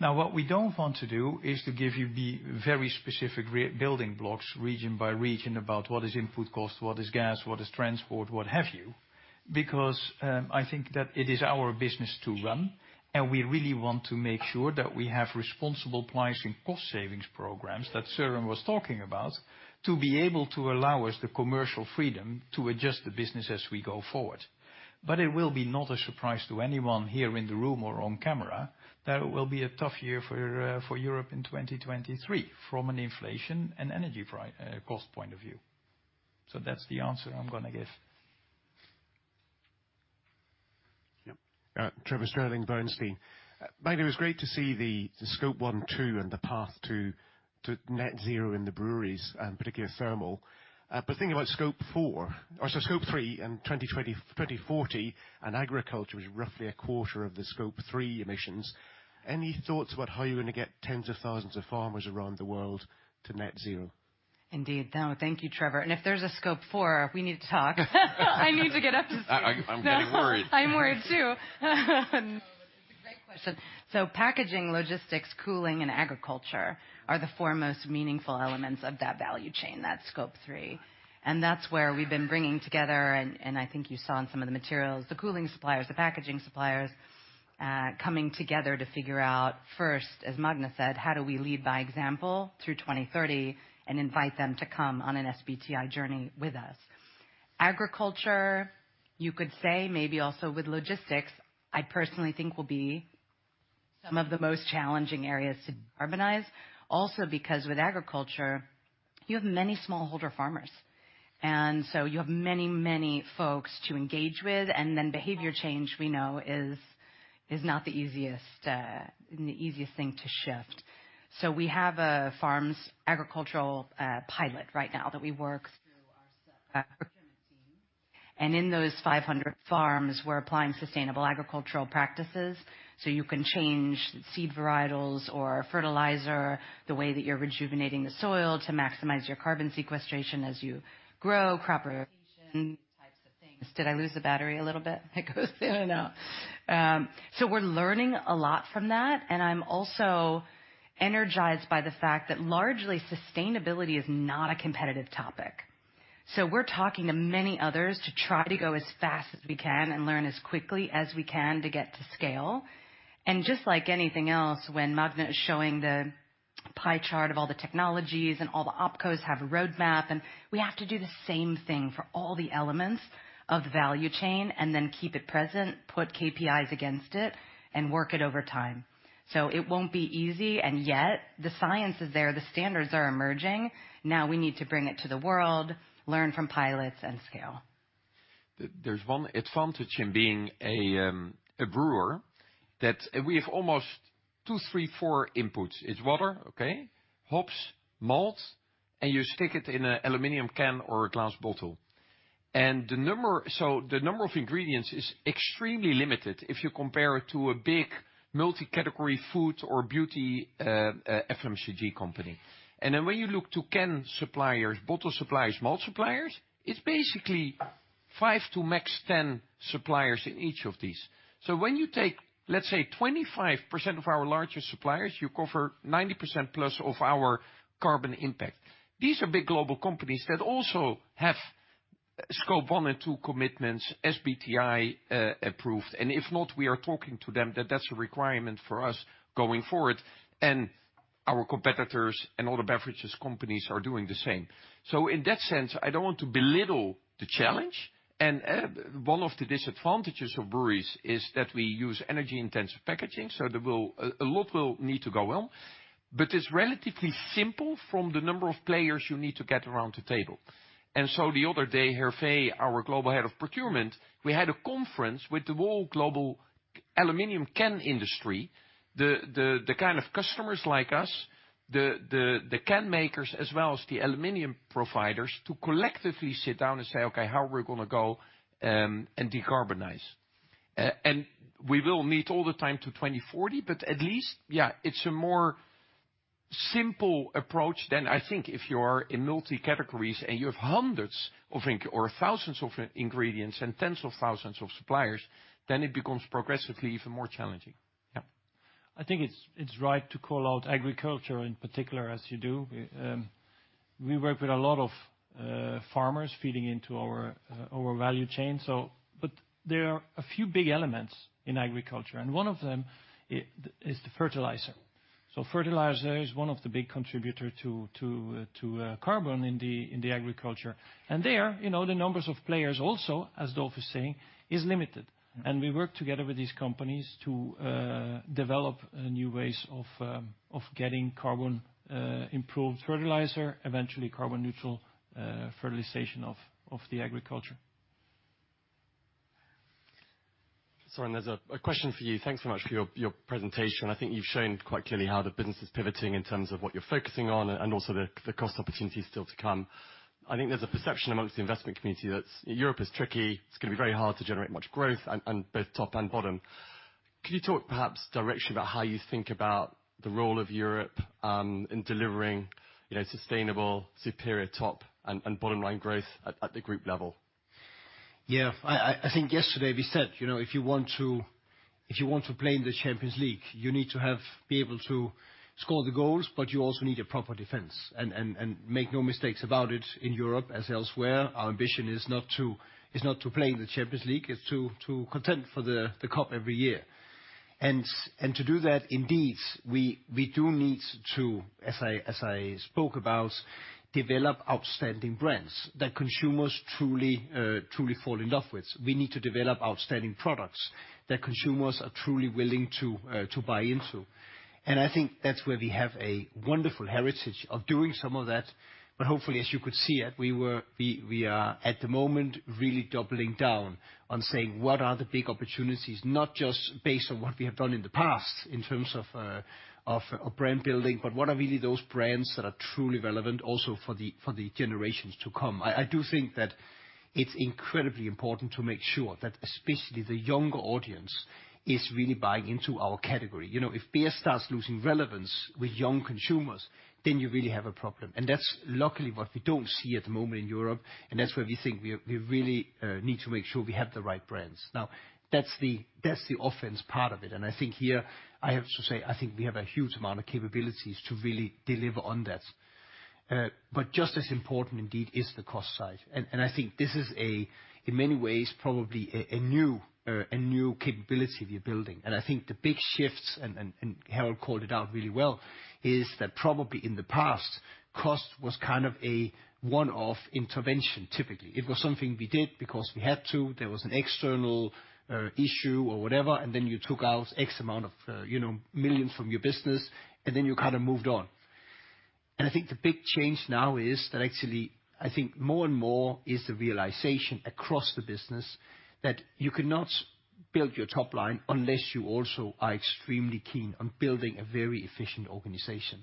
What we don't want to do is to give you the very specific building blocks region by region about what is input cost, what is gas, what is transport, what have you. I think that it is our business to run, and we really want to make sure that we have responsible pricing cost savings programs that Søren was talking about, to be able to allow us the commercial freedom to adjust the business as we go forward. It will be not a surprise to anyone here in the room or on camera, that it will be a tough year for Europe in 2023 from an inflation and energy cost point of view. That's the answer I'm gonna give. Yeah. Trevor Stirling, Bernstein. Maybe, it was great to see the Scope 1, 2, and the path to net zero in the breweries, particularly thermal. Thinking about Scope 4 or so Scope 3 in 2020, 2040, and agriculture was roughly a quarter of the Scope 3 emissions. Any thoughts about how you're gonna get tens of thousands of farmers around the world to net zero? Indeed. Thank you, Trevor. If there's a Scope 4, we need to talk. I need to get up to speed. I'm getting worried. I'm worried too. It's a great question. Packaging, logistics, cooling and agriculture are the foremost meaningful elements of that value chain, that Scope 3. That's where we've been bringing together, and I think you saw in some of the materials, the cooling suppliers, the packaging suppliers, coming together to figure out first, as Magne said, how do we lead by example through 2030 and invite them to come on an SBTI journey with us. Agriculture, you could say maybe also with logistics, I personally think will be some of the most challenging areas to decarbonize. Because with agriculture, you have many smallholder farmers, and so you have many folks to engage with. Behavior change we know is not the easiest, the easiest thing to shift. We have a farms agricultural pilot right now that we work through our team. In those 500 farms, we're applying sustainable agricultural practices, so you can change seed varietals or fertilizer, the way that you're rejuvenating the soil to maximize your carbon sequestration as you grow crop rotation types of things. Did I lose the battery a little bit? It goes in and out. We're learning a lot from that, and I'm also energized by the fact that largely sustainability is not a competitive topic. We're talking to many others to try to go as fast as we can and learn as quickly as we can to get to scale. Just like anything else, when Magne is showing the pie chart of all the technologies and all the OpCos have a roadmap, and we have to do the same thing for all the elements of the value chain and then keep it present, put KPIs against it and work it over time. It won't be easy, yet the science is there, the standards are emerging. Now we need to bring it to the world, learn from pilots and scale. There's one advantage in being a brewer, that we have almost two, three, four inputs. It's water, okay, hops, malt, and you stick it in an aluminum can or a glass bottle. So the number of ingredients is extremely limited if you compare it to a big multi-category food or beauty FMCG company. When you look to can suppliers, bottle suppliers, malt suppliers, it's basically five to max 10 suppliers in each of these. When you take, let's say, 25% of our larger suppliers, you cover 90%+ of our carbon impact. These are big global companies that also have Scope 1 and 2 commitments SBTI approved. If not, we are talking to them that that's a requirement for us going forward, and our competitors and all the beverages companies are doing the same. In that sense, I don't want to belittle the challenge. One of the disadvantages of breweries is that we use energy-intensive packaging, so a lot will need to go well. It's relatively simple from the number of players you need to get around the table. The other day, Hervé, our global head of procurement, we had a conference with the whole global aluminum can industry, the kind of customers like us, the can makers as well as the aluminum providers, to collectively sit down and say, "Okay, how are we gonna go and decarbonize?" We will meet all the time to 2040, but at least, yeah, it's a more simple approach than I think if you are in multi-categories and you have hundreds or thousands of ingredients and tens of thousands of suppliers, then it becomes progressively even more challenging. Yeah. I think it's right to call out agriculture in particular as you do. We work with a lot of farmers feeding into our our value chain. But there are a few big elements in agriculture, and one of them is the fertilizer. Fertilizer is one of the big contributor to carbon in the in the agriculture. There, you know, the numbers of players also, as Dolf is saying, is limited. We work together with these companies to develop new ways of getting carbon improved fertilizer, eventually carbon neutral fertilization of the agriculture. Søren, there's a question for you. Thanks so much for your presentation. I think you've shown quite clearly how the business is pivoting in terms of what you're focusing on and also the cost opportunities still to come. I think there's a perception amongst the investment community that Europe is tricky, it's gonna be very hard to generate much growth on both top and bottom. Can you talk perhaps directly about how you think about the role of Europe, you know, in delivering sustainable, superior top and bottom line growth at the group level? Yeah. I think yesterday we said, you know, if you want to, if you want to play in the Champions League, you need to be able to score the goals, but you also need a proper defense. Make no mistakes about it in Europe as elsewhere, our ambition is not to, is not to play in the Champions League, it's to contend for the cup every year. To do that, indeed, we do need to, as I spoke about, develop outstanding brands that consumers truly fall in love with. We need to develop outstanding products that consumers are truly willing to buy into. I think that's where we have a wonderful heritage of doing some of that. Hopefully, as you could see, we are at the moment, really doubling down on saying, what are the big opportunities, not just based on what we have done in the past in terms of brand building, but what are really those brands that are truly relevant also for the, for the generations to come. I do think that it's incredibly important to make sure that especially the younger audience is really buying into our category. You know, if beer starts losing relevance with young consumers, then you really have a problem. That's luckily what we don't see at the moment in Europe, and that's where we think we really need to make sure we have the right brands. That's the offense part of it. I think here, I have to say, I think we have a huge amount of capabilities to really deliver on that. Just as important indeed is the cost side. I think this is in many ways, probably a new capability we're building. I think the big shifts, and Harold called it out really well, is that probably in the past, cost was kind of a one-off intervention, typically. It was something we did because we had to. There was an external issue or whatever, and then you took out X amount of, you know, million from your business, and then you kind of moved on. I think the big change now is that actually, I think more and more is the realization across the business that you cannot build your top line unless you also are extremely keen on building a very efficient organization.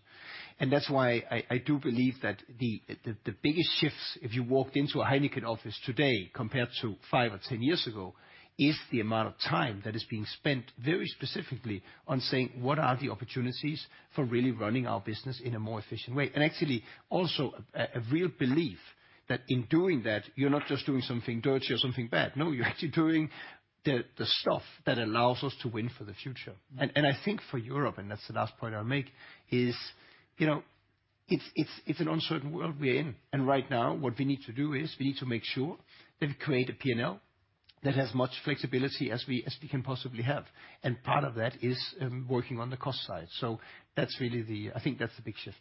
That's why I do believe that the biggest shifts if you walked into a Heineken office today compared to five or 10 years ago, is the amount of time that is being spent very specifically on saying, "What are the opportunities for really running our business in a more efficient way?" Actually, also a real belief that in doing that, you're not just doing something dirty or something bad. No, you're actually doing the stuff that allows us to win for the future. I think for Europe, that's the last point I'll make, is, you know, it's an uncertain world we're in. Right now, what we need to do is we need to make sure that we create a P&L that has much flexibility as we can possibly have. Part of that is, working on the cost side. That's really the... I think that's the big shift.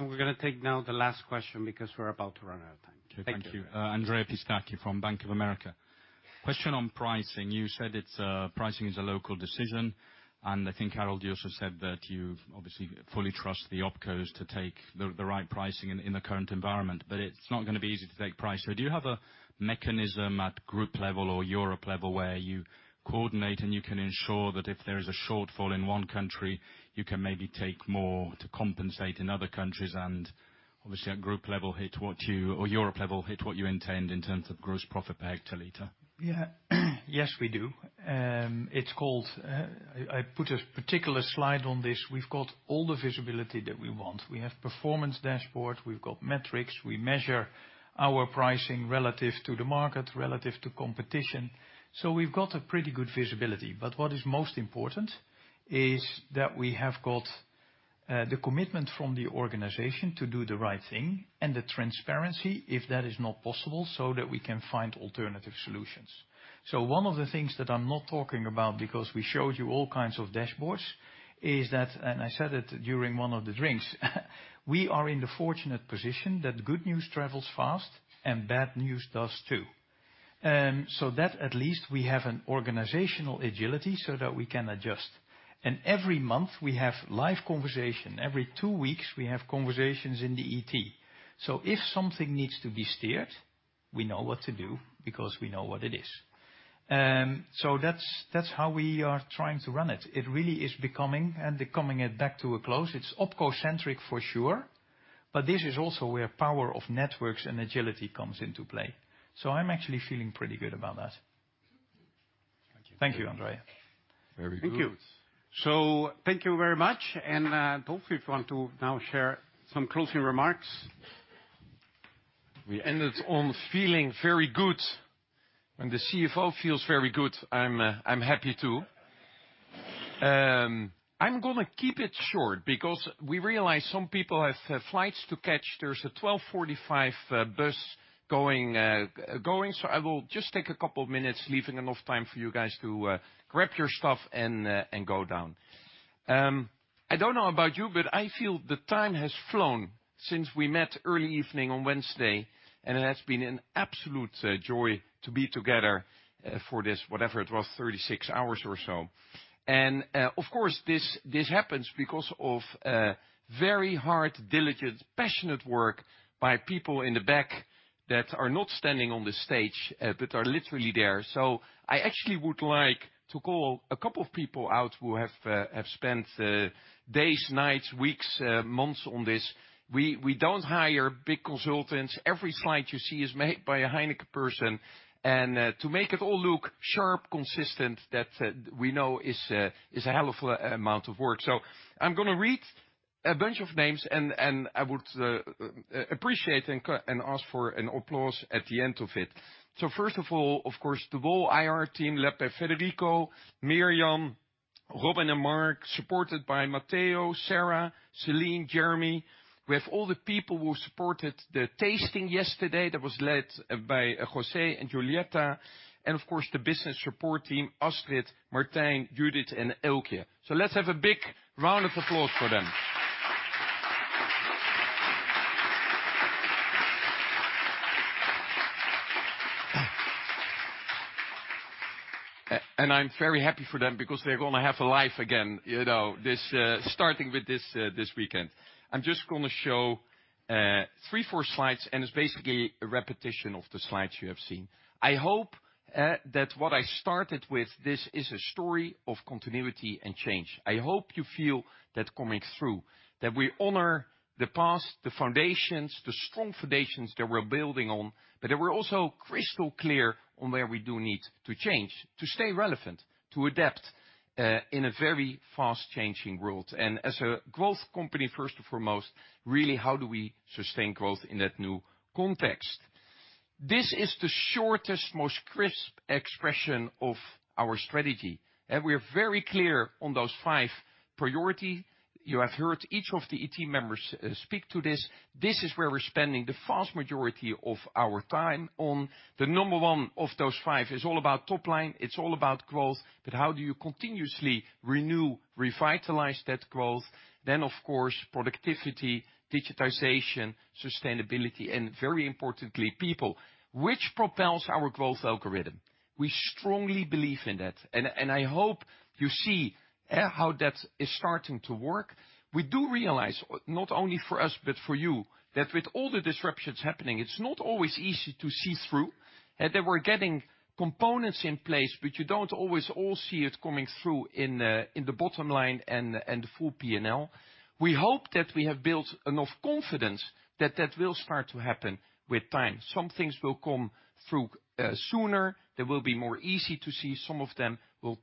We're gonna take now the last question because we're about to run out of time. Thank you. Okay, thank you. Andrea Pistacchi from Bank of America. Question on pricing. You said it's pricing is a local decision, I think, Harold, you also said that you obviously fully trust the OpCos to take the right pricing in the current environment. It's not gonna be easy to take price. Do you have a mechanism at group level or Europe level where you coordinate and you can ensure that if there is a shortfall in one country, you can maybe take more to compensate in other countries, and obviously at group level or Europe level, hit what you intend in terms of gross profit per hectoliter? Yeah. Yes, we do. It's called, I put a particular slide on this. We've got all the visibility that we want. We have performance dashboard, we've got metrics, we measure our pricing relative to the market, relative to competition. We've got a pretty good visibility. What is most important is that we have got. The commitment from the organization to do the right thing and the transparency if that is not possible, so that we can find alternative solutions. One of the things that I'm not talking about because we showed you all kinds of dashboards is that, and I said it during one of the drinks, we are in the fortunate position that good news travels fast and bad news does too. That at least we have an organizational agility so that we can adjust. Every month we have live conversation. Every two weeks we have conversations in the ET. If something needs to be steered, we know what to do because we know what it is. That's, that's how we are trying to run it. It really is becoming and becoming it back to a close. It's OpCo-centric for sure, but this is also where power of networks and agility comes into play. I'm actually feeling pretty good about that. Thank you, Andrea. Very good. Thank you. Thank you very much. Dolf, if you want to now share some closing remarks. We ended on feeling very good. When the CFO feels very good, I'm happy too. I'm going to keep it short because we realize some people have flights to catch. There's a 12:45 P.M. bus going, so I will just take a couple of minutes, leaving enough time for you guys to grab your stuff and go down. I don't know about you, but I feel the time has flown since we met early evening on Wednesday, and it has been an absolute joy to be together for this, whatever it was, 36 hours or so. Of course, this happens because of very hard, diligent, passionate work by people in the back that are not standing on the stage, but are literally there. I actually would like to call a couple of people out who have spent days, nights, weeks, months on this. We don't hire big consultants. Every slide you see is made by a Heineken person. To make it all look sharp, consistent, that we know is a hell of a amount of work. I'm gonna read a bunch of names and I would appreciate and ask for an applause at the end of it. First of all, of course, the whole IR team led by Federico, Mirjam, Robin and Mark, supported by Matteo, Sarah, Celine, Jeremy, with all the people who supported the tasting yesterday that was led by José and Julieta, and of course, the business support team, Astrid, Martijn, Judith and Elke. Let's have a big round of applause for them. And I'm very happy for them because they're gonna have a life again, you know, this starting with this this weekend. I'm just gonna show three, four slides, and it's basically a repetition of the slides you have seen. I hope that what I started with this is a story of continuity and change. I hope you feel that coming through, that we honor the past, the foundations, the strong foundations that we're building on, but that we're also crystal clear on where we do need to change, to stay relevant, to adapt in a very fast-changing world. As a growth company, first and foremost, really, how do we sustain growth in that new context? This is the shortest, most crisp expression of our strategy. We're very clear on those five priority. You have heard each of the ET members speak to this. This is where we're spending the vast majority of our time on. The number one of those five is all about top line. It's all about growth. How do you continuously renew, revitalize that growth? Of course, productivity, digitization, sustainability, and very importantly, people, which propels our growth algorithm. We strongly believe in that. I hope you see how that is starting to work. We do realize, not only for us, but for you, that with all the disruptions happening, it's not always easy to see through. That we're getting components in place, but you don't always all see it coming through in the bottom line and the full P&L. We hope that we have built enough confidence that that will start to happen with time. Some things will come through sooner. They will be more easy to see. Some of them will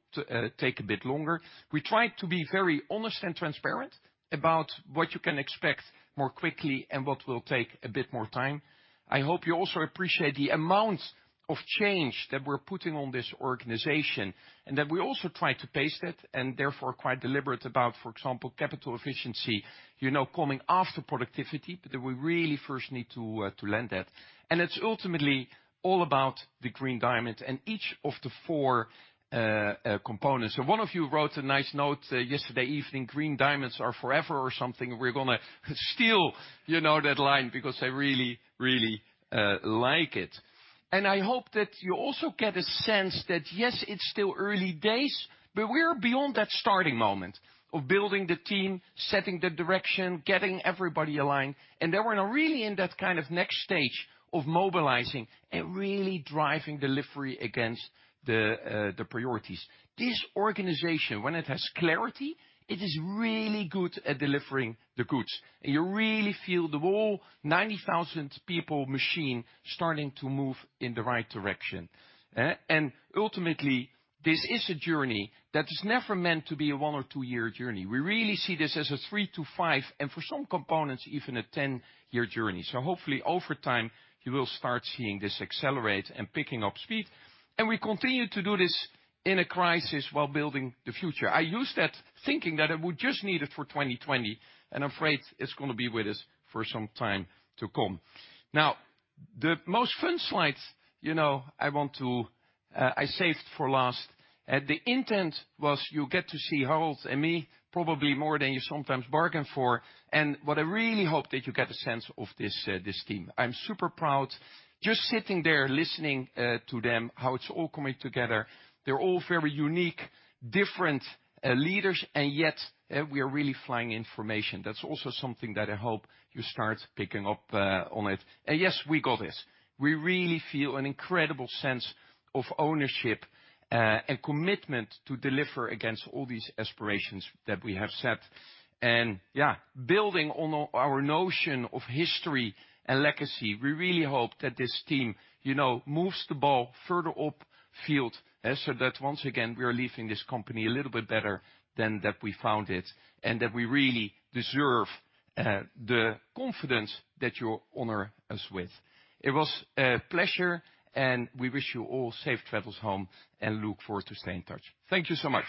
take a bit longer. We try to be very honest and transparent about what you can expect more quickly and what will take a bit more time. I hope you also appreciate the amount of change that we're putting on this organization, and that we also try to pace it and therefore quite deliberate about, for example, capital efficiency, you know, coming after productivity. That we really first need to lend that. It's ultimately all about the Green Diamond and each of the four components. One of you wrote a nice note yesterday evening, "Green diamonds are forever," or something. We're gonna steal, you know, that line because I really, really like it. I hope that you also get a sense that, yes, it's still early days, but we're beyond that starting moment of building the team, setting the direction, getting everybody aligned. That we're now really in that kind of next stage of mobilizing and really driving delivery against the priorities. This organization, when it has clarity, it is really good at delivering the goods. You really feel the whole 90,000 people machine starting to move in the right direction. Eh? Ultimately, this is a journey that is never meant to be a one or two-year journey. We really see this as a three-five, and for some components, even a 10-year journey. Hopefully over time, you will start seeing this accelerate and picking up speed. We continue to do this in a crisis while building the future. I use that thinking that I would just need it for 2020, and I'm afraid it's gonna be with us for some time to come. The most fun slides, you know, I saved for last. The intent was you get to see Harold and me probably more than you sometimes bargain for, and what I really hope that you get a sense of this team. I'm super proud just sitting there listening to them, how it's all coming together. They're all very unique, different leaders, and yet, we are really flying in formation. That's also something that I hope you start picking up on it. Yes, we got this. We really feel an incredible sense of ownership and commitment to deliver against all these aspirations that we have set. Yeah, building on our notion of history and legacy, we really hope that this team, you know, moves the ball further up field. That once again, we are leaving this company a little bit better than that we found it. That we really deserve the confidence that you honor us with. It was a pleasure. We wish you all safe travels home and look forward to staying in touch. Thank you so much.